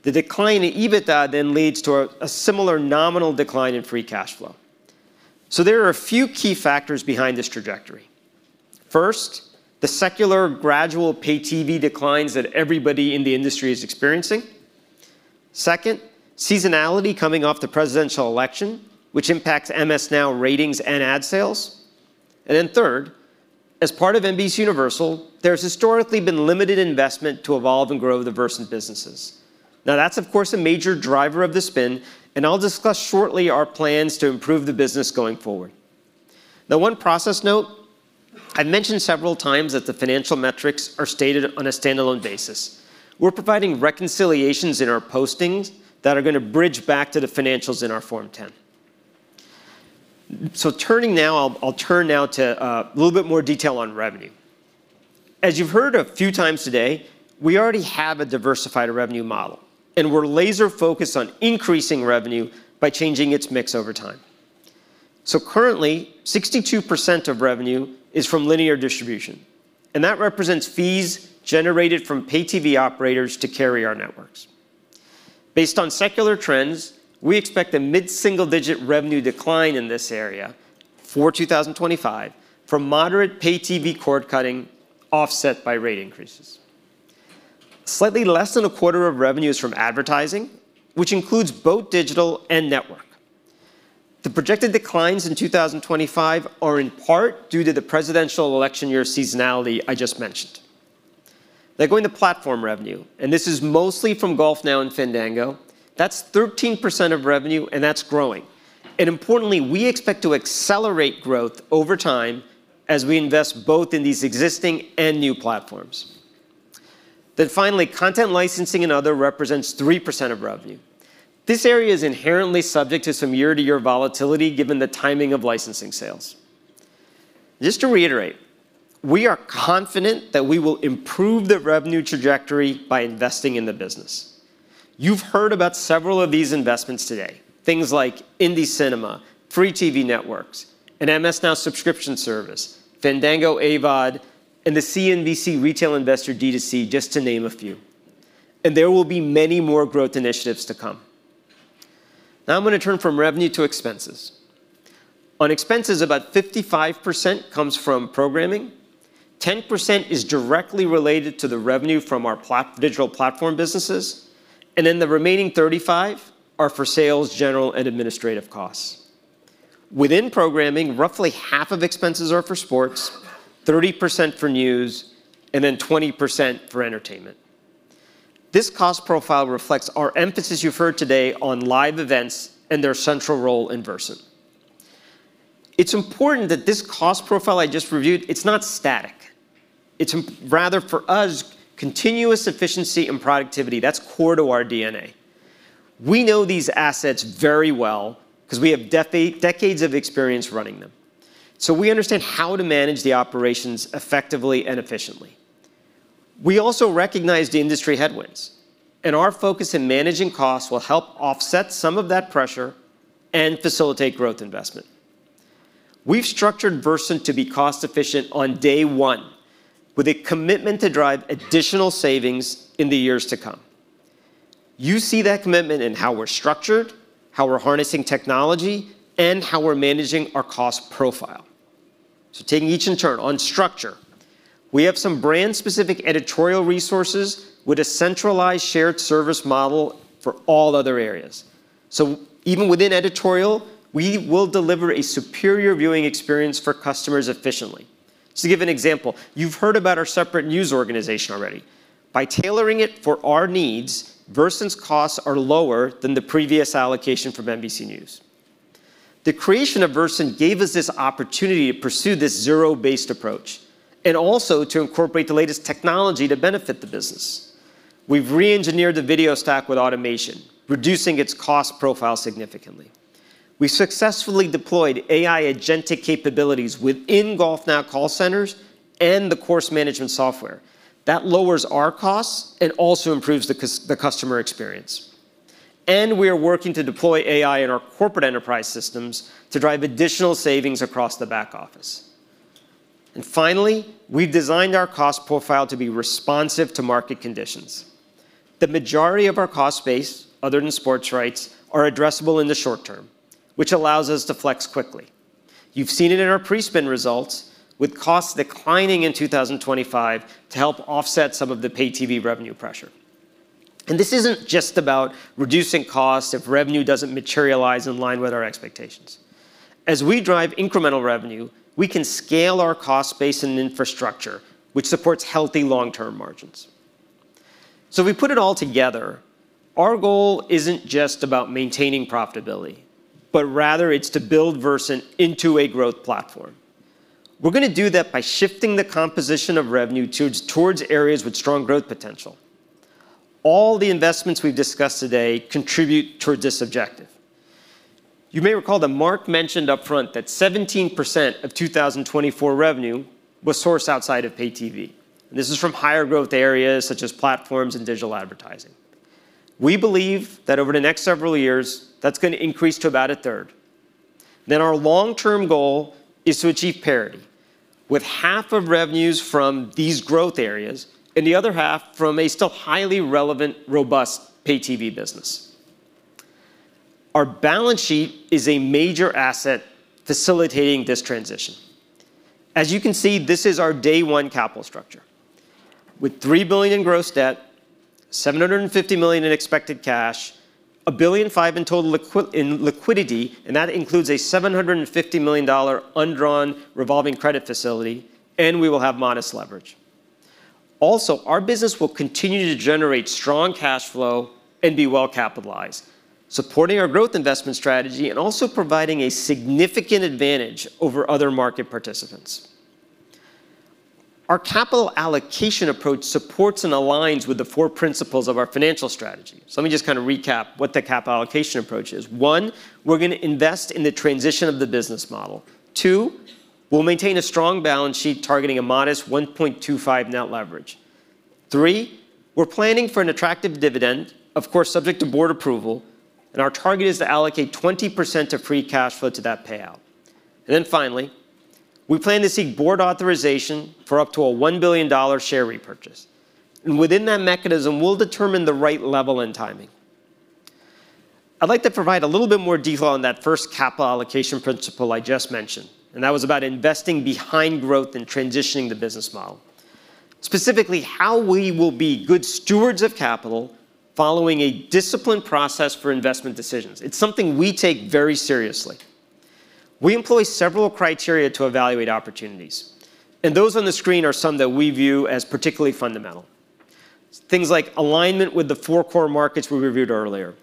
The decline in EBITDA then leads to a similar nominal decline in free cash flow. So there are a few key factors behind this trajectory. First, the secular gradual pay TV declines that everybody in the industry is experiencing. Second, seasonality coming off the presidential election, which impacts MS NOW ratings and ad sales, and then third, as part of NBCUniversal, there's historically been limited investment to evolve and grow the Versant businesses. Now, that's, of course, a major driver of the spin, and I'll discuss shortly our plans to improve the business going forward. Now, one process note, I've mentioned several times that the financial metrics are stated on a standalone basis. We're providing reconciliations in our postings that are going to bridge back to the financials in our Form 10, so turning now, I'll turn now to a little bit more detail on revenue. As you've heard a few times today, we already have a diversified revenue model, and we're laser-focused on increasing revenue by changing its mix over time. Currently, 62% of revenue is from linear distribution, and that represents fees generated from pay TV operators to carry our networks. Based on secular trends, we expect a mid-single-digit revenue decline in this area for 2025 from moderate pay TV cord cutting offset by rate increases. Slightly less than a quarter of revenue is from advertising, which includes both digital and network. The projected declines in 2025 are in part due to the presidential election year seasonality I just mentioned. Now, going to platform revenue, and this is mostly from GolfNow and Fandango, that's 13% of revenue, and that's growing. Importantly, we expect to accelerate growth over time as we invest both in these existing and new platforms. Finally, content licensing and other represents 3% of revenue. This area is inherently subject to some year-to-year volatility given the timing of licensing sales. Just to reiterate, we are confident that we will improve the revenue trajectory by investing in the business. You've heard about several of these investments today, things like Indie Cinema, Free TV Networks, an MS NOW subscription service, Oxygen, and the CNBC retail investor D2C, just to name a few. And there will be many more growth initiatives to come. Now, I'm going to turn from revenue to expenses. On expenses, about 55% comes from programming. 10% is directly related to the revenue from our digital platform businesses. And then the remaining 35% are for sales, general, and administrative costs. Within programming, roughly half of expenses are for sports, 30% for news, and then 20% for entertainment. This cost profile reflects our emphasis you've heard today on live events and their central role in Versant. It's important that this cost profile I just reviewed, it's not static. It's rather for us, continuous efficiency and productivity. That's core to our DNA. We know these assets very well because we have decades of experience running them. So we understand how to manage the operations effectively and efficiently. We also recognize the industry headwinds, and our focus in managing costs will help offset some of that pressure and facilitate growth investment. We've structured Versant to be cost-efficient on day one, with a commitment to drive additional savings in the years to come. You see that commitment in how we're structured, how we're harnessing technology, and how we're managing our cost profile. So taking each in turn on structure, we have some brand-specific editorial resources with a centralized shared service model for all other areas. So even within editorial, we will deliver a superior viewing experience for customers efficiently. To give an example, you've heard about our separate news organization already. By tailoring it for our needs, Versant's costs are lower than the previous allocation from NBC News. The creation of Versant gave us this opportunity to pursue this zero-based approach and also to incorporate the latest technology to benefit the business. We've re-engineered the video stack with automation, reducing its cost profile significantly. We successfully deployed AI agentic capabilities within GolfNow call centers and the course management software. That lowers our costs and also improves the customer experience. And we are working to deploy AI in our corporate enterprise systems to drive additional savings across the back office. And finally, we've designed our cost profile to be responsive to market conditions. The majority of our cost base, other than sports rights, are addressable in the short term, which allows us to flex quickly. You've seen it in our pre-spin results with costs declining in 2025 to help offset some of the pay TV revenue pressure, and this isn't just about reducing costs if revenue doesn't materialize in line with our expectations. As we drive incremental revenue, we can scale our cost base and infrastructure, which supports healthy long-term margins, so we put it all together. Our goal isn't just about maintaining profitability, but rather it's to build Versant into a growth platform. We're going to do that by shifting the composition of revenue towards areas with strong growth potential. All the investments we've discussed today contribute towards this objective. You may recall that Mark mentioned upfront that 17% of 2024 revenue was sourced outside of pay TV. This is from higher growth areas such as platforms and digital advertising. We believe that over the next several years, that's going to increase to about a third. Then our long-term goal is to achieve parity with half of revenues from these growth areas and the other half from a still highly relevant, robust pay TV business. Our balance sheet is a major asset facilitating this transition. As you can see, this is our day one capital structure with $3 billion in gross debt, $750 million in expected cash, $1 billion in total liquidity, and that includes a $750 million undrawn revolving credit facility, and we will have modest leverage. Also, our business will continue to generate strong cash flow and be well capitalized, supporting our growth investment strategy and also providing a significant advantage over other market participants. Our capital allocation approach supports and aligns with the four principles of our financial strategy. So let me just kind of recap what the capital allocation approach is. One, we're going to invest in the transition of the business model. Two, we'll maintain a strong balance sheet targeting a modest 1.25 net leverage. Three, we're planning for an attractive dividend, of course, subject to board approval, and our target is to allocate 20% of free cash flow to that payout. And then finally, we plan to seek board authorization for up to a $1 billion share repurchase. And within that mechanism, we'll determine the right level and timing. I'd like to provide a little bit more detail on that first capital allocation principle I just mentioned, and that was about investing behind growth and transitioning the business model, specifically how we will be good stewards of capital following a disciplined process for investment decisions. It's something we take very seriously. We employ several criteria to evaluate opportunities, and those on the screen are some that we view as particularly fundamental. Things like alignment with the four core markets we reviewed earlier,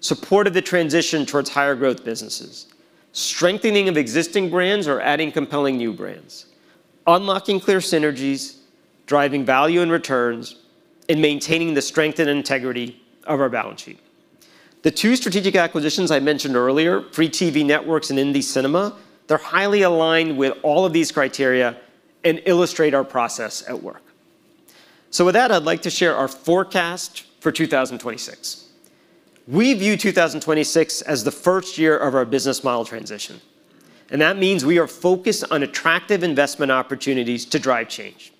support of the transition towards higher growth businesses, strengthening of existing brands or adding compelling new brands, unlocking clear synergies, driving value and returns, and maintaining the strength and integrity of our balance sheet. The two strategic acquisitions I mentioned earlier, Free TV Networks and Indie Cinema, they're highly aligned with all of these criteria and illustrate our process at work. So with that, I'd like to share our forecast for 2026. We view 2026 as the first year of our business model transition, and that means we are focused on attractive investment opportunities to drive change.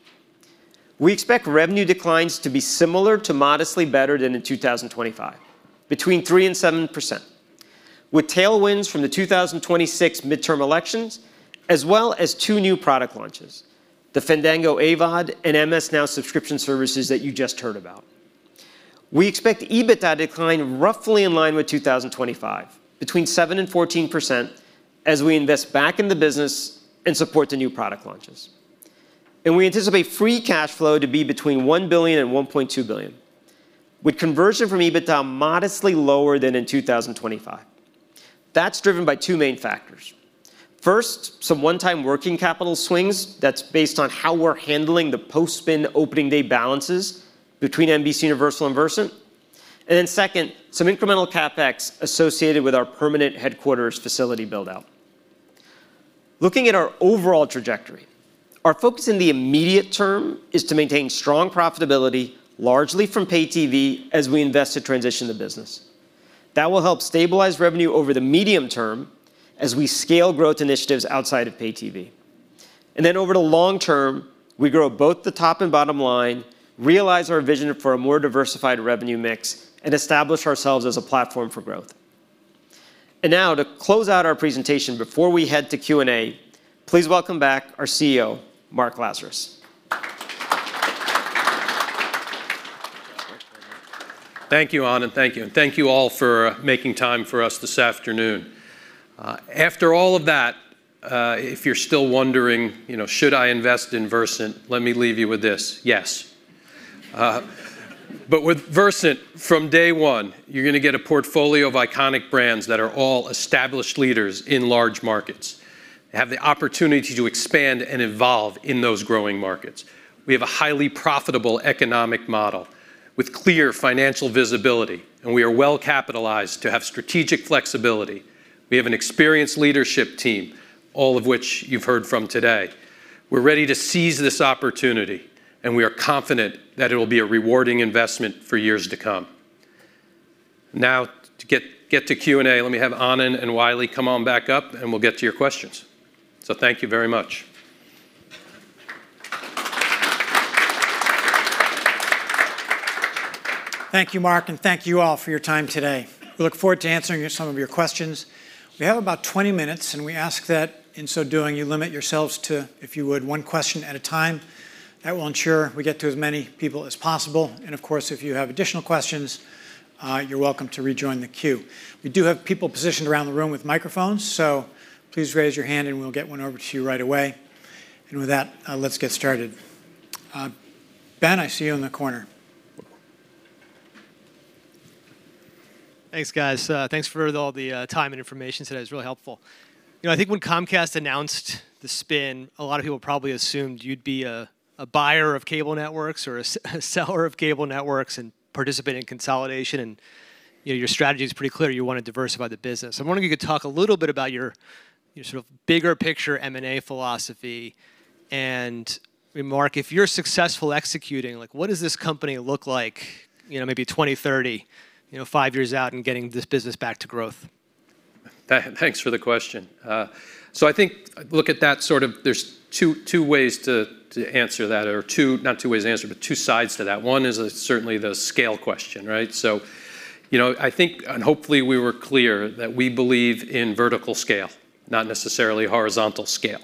We expect revenue declines to be similar to modestly better than in 2025, between 3% and 7%, with tailwinds from the 2026 midterm elections as well as two new product launches, the Fandango at Home and MS NOW subscription services that you just heard about. We expect EBITDA decline roughly in line with 2025, between 7% and 14% as we invest back in the business and support the new product launches, and we anticipate free cash flow to be between $1 billion and $1.2 billion, with conversion from EBITDA modestly lower than in 2025. That's driven by two main factors. First, some one-time working capital swings that's based on how we're handling the post-spin opening day balances between NBCUniversal and Versant, and then second, some incremental CapEx associated with our permanent headquarters facility build-out. Looking at our overall trajectory, our focus in the immediate term is to maintain strong profitability, largely from pay TV as we invest to transition the business. That will help stabilize revenue over the medium term as we scale growth initiatives outside of pay TV. And then over the long term, we grow both the top and bottom line, realize our vision for a more diversified revenue mix, and establish ourselves as a platform for growth. And now, to close out our presentation before we head to Q&A, please welcome back our CEO, Marc Lazarus. Thank you, Anna, and thank you. And thank you all for making time for us this afternoon. After all of that, if you're still wondering, you know, should I invest in Versant, let me leave you with this. Yes. But with Versant, from day one, you're going to get a portfolio of iconic brands that are all established leaders in large markets, have the opportunity to expand and evolve in those growing markets. We have a highly profitable economic model with clear financial visibility, and we are well capitalized to have strategic flexibility. We have an experienced leadership team, all of which you've heard from today. We're ready to seize this opportunity, and we are confident that it will be a rewarding investment for years to come. Now, to get to Q&A, let me have Anna and Wiley come on back up, and we'll get to your questions. So thank you very much. Thank you, Mark, and thank you all for your time today. We look forward to answering some of your questions. We have about 20 minutes, and we ask that in so doing, you limit yourselves to, if you would, one question at a time. That will ensure we get to as many people as possible. And of course, if you have additional questions, you're welcome to rejoin the queue. We do have people positioned around the room with microphones, so please raise your hand, and we'll get one over to you right away. And with that, let's get started. Ben, I see you in the corner. Thanks, guys. Thanks for all the time and information today. It was really helpful. You know, I think when Comcast announced the spin, a lot of people probably assumed you'd be a buyer of cable networks or a seller of cable networks and participate in consolidation. And your strategy is pretty clear. You want to diversify the business. I'm wondering if you could talk a little bit about your sort of bigger picture M&A philosophy. And Mark, if you're successful executing, what does this company look like, you know, maybe 2030, you know, five years out and getting this business back to growth? Thanks for the question, so I think look at that sort of, there's two ways to answer that, or two, not two ways to answer, but two sides to that. One is certainly the scale question, right, so you know, I think, and hopefully we were clear that we believe in vertical scale, not necessarily horizontal scale,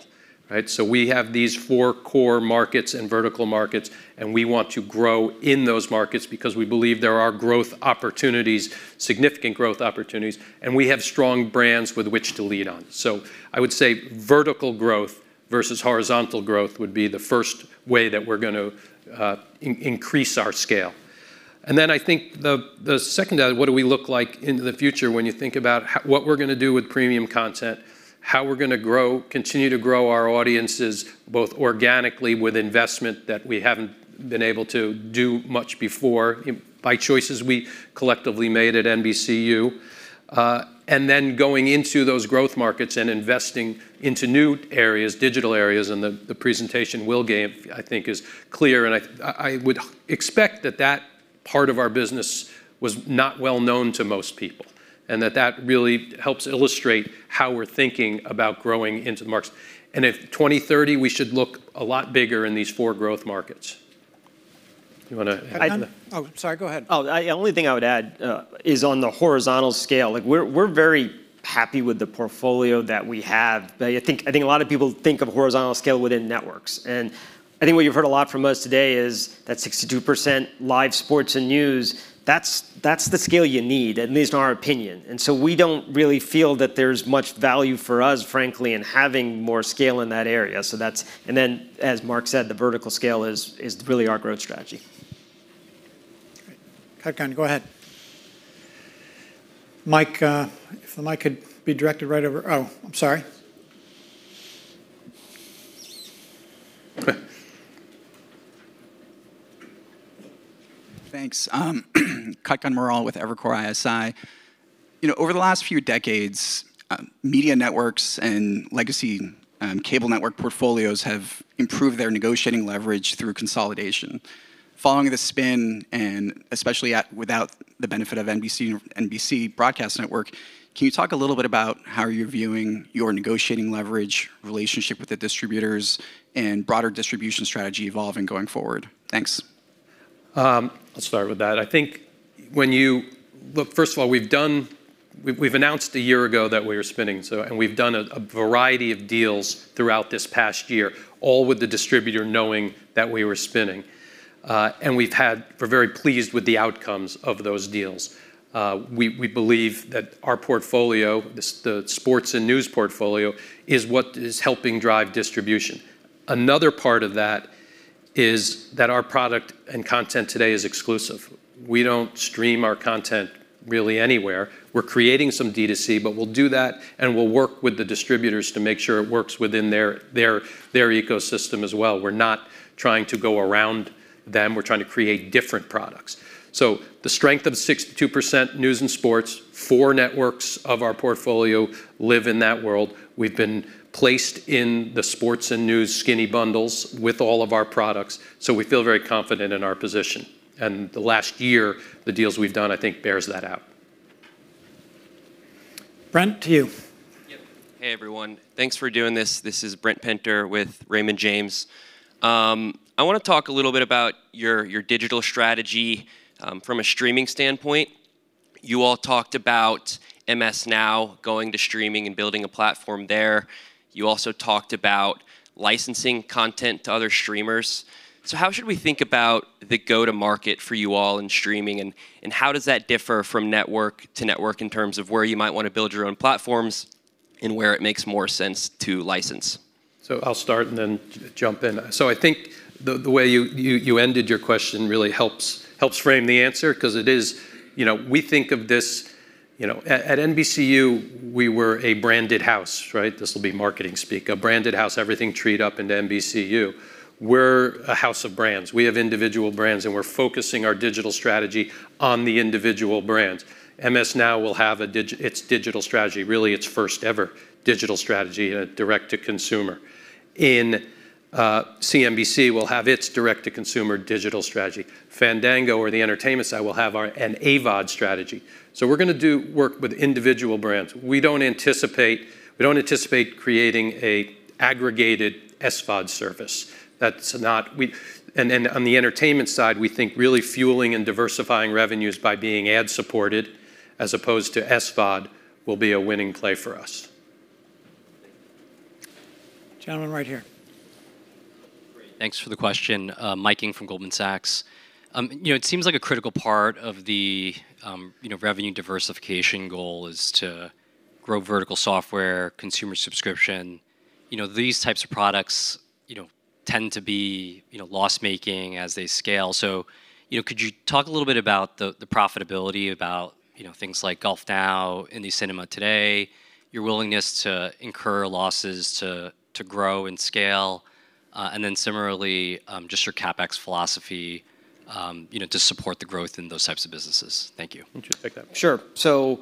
right? So we have these four core markets and vertical markets, and we want to grow in those markets because we believe there are growth opportunities, significant growth opportunities, and we have strong brands with which to lead on. So I would say vertical growth versus horizontal growth would be the first way that we're going to increase our scale. And then I think the second, what do we look like in the future when you think about what we're going to do with premium content, how we're going to grow, continue to grow our audiences both organically with investment that we haven't been able to do much before by choices we collectively made at NBCU, and then going into those growth markets and investing into new areas, digital areas. And the presentation will give, I think, is clear. And I would expect that that part of our business was not well known to most people and that that really helps illustrate how we're thinking about growing into the markets. And in 2030, we should look a lot bigger in these four growth markets. You want to add to that? Oh, sorry, go ahead. Oh, the only thing I would add is on the horizontal scale. We're very happy with the portfolio that we have. I think a lot of people think of horizontal scale within networks. And I think what you've heard a lot from us today is that 62% live sports and news, that's the scale you need, at least in our opinion. And so we don't really feel that there's much value for us, frankly, in having more scale in that area. So that's, and then, as Mark said, the vertical scale is really our growth strategy. Kevan Kan-Morrell, go ahead. Mike, if the mic could be directed right over, oh, I'm sorry. Thanks. Kevan Kan-Morrell with Evercore ISI. You know, over the last few decades, media networks and legacy cable network portfolios have improved their negotiating leverage through consolidation. Following the spin, and especially without the benefit of NBC broadcast network, can you talk a little bit about how you're viewing your negotiating leverage, relationship with the distributors and broader distribution strategy evolving going forward? Thanks. I'll start with that. I think when you look, first of all, we've done, we've announced a year ago that we were spinning, and we've done a variety of deals throughout this past year, all with the distributor knowing that we were spinning. And we've had, we're very pleased with the outcomes of those deals. We believe that our portfolio, the sports and news portfolio, is what is helping drive distribution. Another part of that is that our product and content today is exclusive. We don't stream our content really anywhere. We're creating some D2C, but we'll do that and we'll work with the distributors to make sure it works within their ecosystem as well. We're not trying to go around them. We're trying to create different products. So the strength of 62% news and sports, four networks of our portfolio live in that world. We've been placed in the sports and news skinny bundles with all of our products. So we feel very confident in our position. In the last year, the deals we've done, I think bears that out. Brent, to you. Hey, everyone. Thanks for doing this. This is Ben Pintar with Raymond James. I want to talk a little bit about your digital strategy from a streaming standpoint. You all talked about MS NOW Now going to streaming and building a platform there. You also talked about licensing content to other streamers. So how should we think about the go-to-market for you all in streaming, and how does that differ from network to network in terms of where you might want to build your own platforms and where it makes more sense to license? So I'll start and then jump in. So I think the way you ended your question really helps frame the answer because it is, you know, we think of this, you know, at NBCU, we were a branded house, right? This will be marketing speak, a branded house, everything treed up into NBCU. We're a house of brands. We have individual brands, and we're focusing our digital strategy on the individual brands. MS NOW will have its digital strategy, really its first-ever digital strategy and a direct-to-consumer. In CNBC, we'll have its direct-to-consumer digital strategy. Fandango, or the entertainment side, will have an AVOD strategy. So we're going to do work with individual brands. We don't anticipate creating an aggregated SVOD service. That's not, and on the entertainment side, we think really fueling and diversifying revenues by being ad-supported as opposed to SVOD will be a winning play for us. Gentlemen right here. Thanks for the question. Mike King from Goldman Sachs. You know, it seems like a critical part of the revenue diversification goal is to grow vertical software, consumer subscription. You know, these types of products, you know, tend to be loss-making as they scale. So, you know, could you talk a little bit about the profitability about things like GolfNow, Indie Cinema today, your willingness to incur losses to grow and scale, and then similarly, just your CapEx philosophy, you know, to support the growth in those types of businesses? Thank you. Sure. So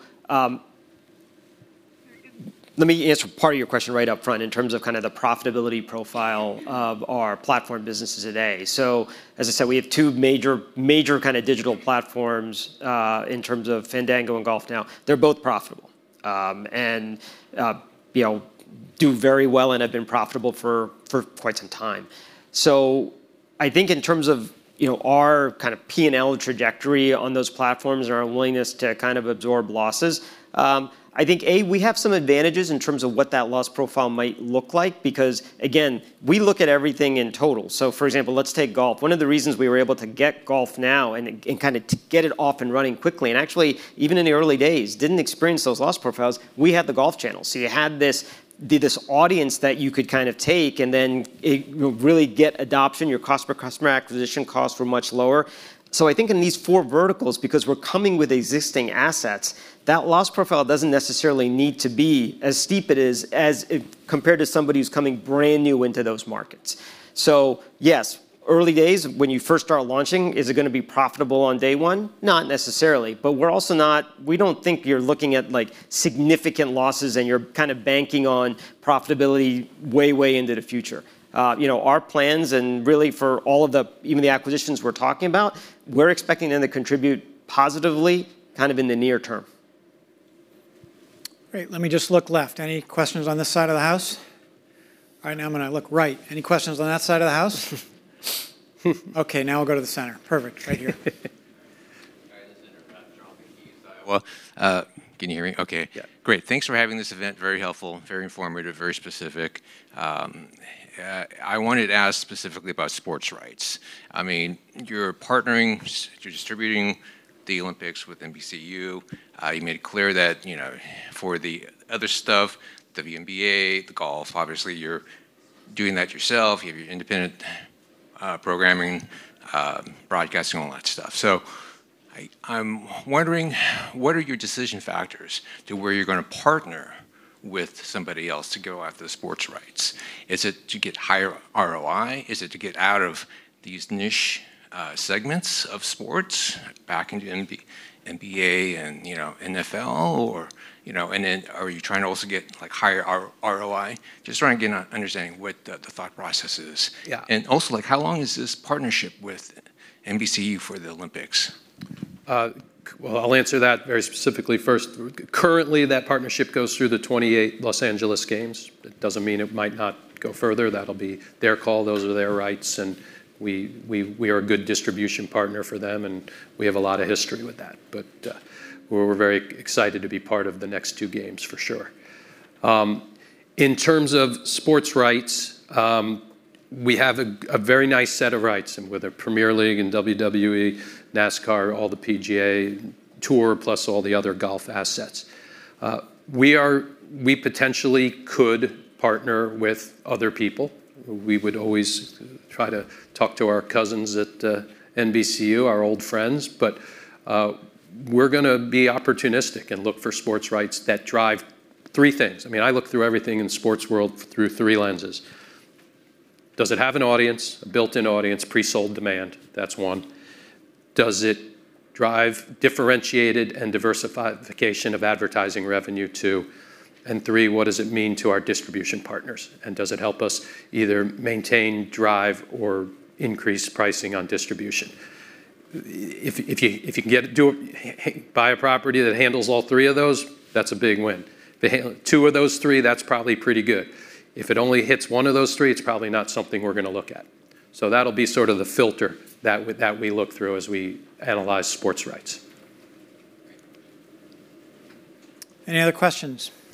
let me answer part of your question right up front in terms of kind of the profitability profile of our platform businesses today. So, as I said, we have two major, major kind of digital platforms in terms of Fandango and GolfNow. They're both profitable and, you know, do very well and have been profitable for quite some time. So I think in terms of, you know, our kind of P&L trajectory on those platforms and our willingness to kind of absorb losses, I think, A, we have some advantages in terms of what that loss profile might look like because, again, we look at everything in total. So, for example, let's take golf. One of the reasons we were able to get GolfNow and kind of get it off and running quickly and actually even in the early days didn't experience those loss profiles, we had the Golf Channel. So you had this audience that you could kind of take and then really get adoption. Your cost per customer acquisition costs were much lower. So I think in these four verticals, because we're coming with existing assets, that loss profile doesn't necessarily need to be as steep as compared to somebody who's coming brand new into those markets. So, yes, early days, when you first start launching, is it going to be profitable on day one? Not necessarily. But we're also not, we don't think you're looking at like significant losses and you're kind of banking on profitability way, way into the future. You know, our plans and really for all of the, even the acquisitions we're talking about, we're expecting them to contribute positively kind of in the near term. Great. Let me just look left. Any questions on this side of the house? All right, now I'm going to look right. Any questions on that side of the house? Okay, now we'll go to the center. Perfect, right here. All right, this is interrupted on the keys. Well, can you hear me? Okay. Great. Thanks for having this event. Very helpful, very informative, very specific. I wanted to ask specifically about sports rights. I mean, you're partnering, you're distributing the Olympics with NBCU. You made it clear that, you know, for the other stuff, the NBA, the golf, obviously you're doing that yourself. You have your independent programming, broadcasting, all that stuff. I'm wondering, what are your decision factors to where you're going to partner with somebody else to go after the sports rights? Is it to get higher ROI? Is it to get out of these niche segments of sports back into NBA and, you know, NFL? Or, you know, and then are you trying to also get like higher ROI? Just trying to get an understanding of what the thought process is. Yeah. And also, like, how long is this partnership with NBCU for the Olympics? I'll answer that very specifically first. Currently, that partnership goes through the 2028 Los Angeles Games. It doesn't mean it might not go further. That'll be their call. Those are their rights. And we are a good distribution partner for them. And we have a lot of history with that. But we're very excited to be part of the next two games for sure. In terms of sports rights, we have a very nice set of rights with the Premier League and WWE, NASCAR, all the PGA Tour, plus all the other golf assets. We potentially could partner with other people. We would always try to talk to our cousins at NBCU, our old friends. But we're going to be opportunistic and look for sports rights that drive three things. I mean, I look through everything in the sports world through three lenses. Does it have an audience, a built-in audience, pre-sold demand? That's one. Does it drive differentiated and diversification of advertising revenue too? And three, what does it mean to our distribution partners? And does it help us either maintain, drive, or increase pricing on distribution? If you can get it, do it, buy a property that handles all three of those, that's a big win. If it handles two of those three, that's probably pretty good. If it only hits one of those three, it's probably not something we're going to look at. So that'll be sort of the filter that we look through as we analyze sports ri ghts. Any other questions?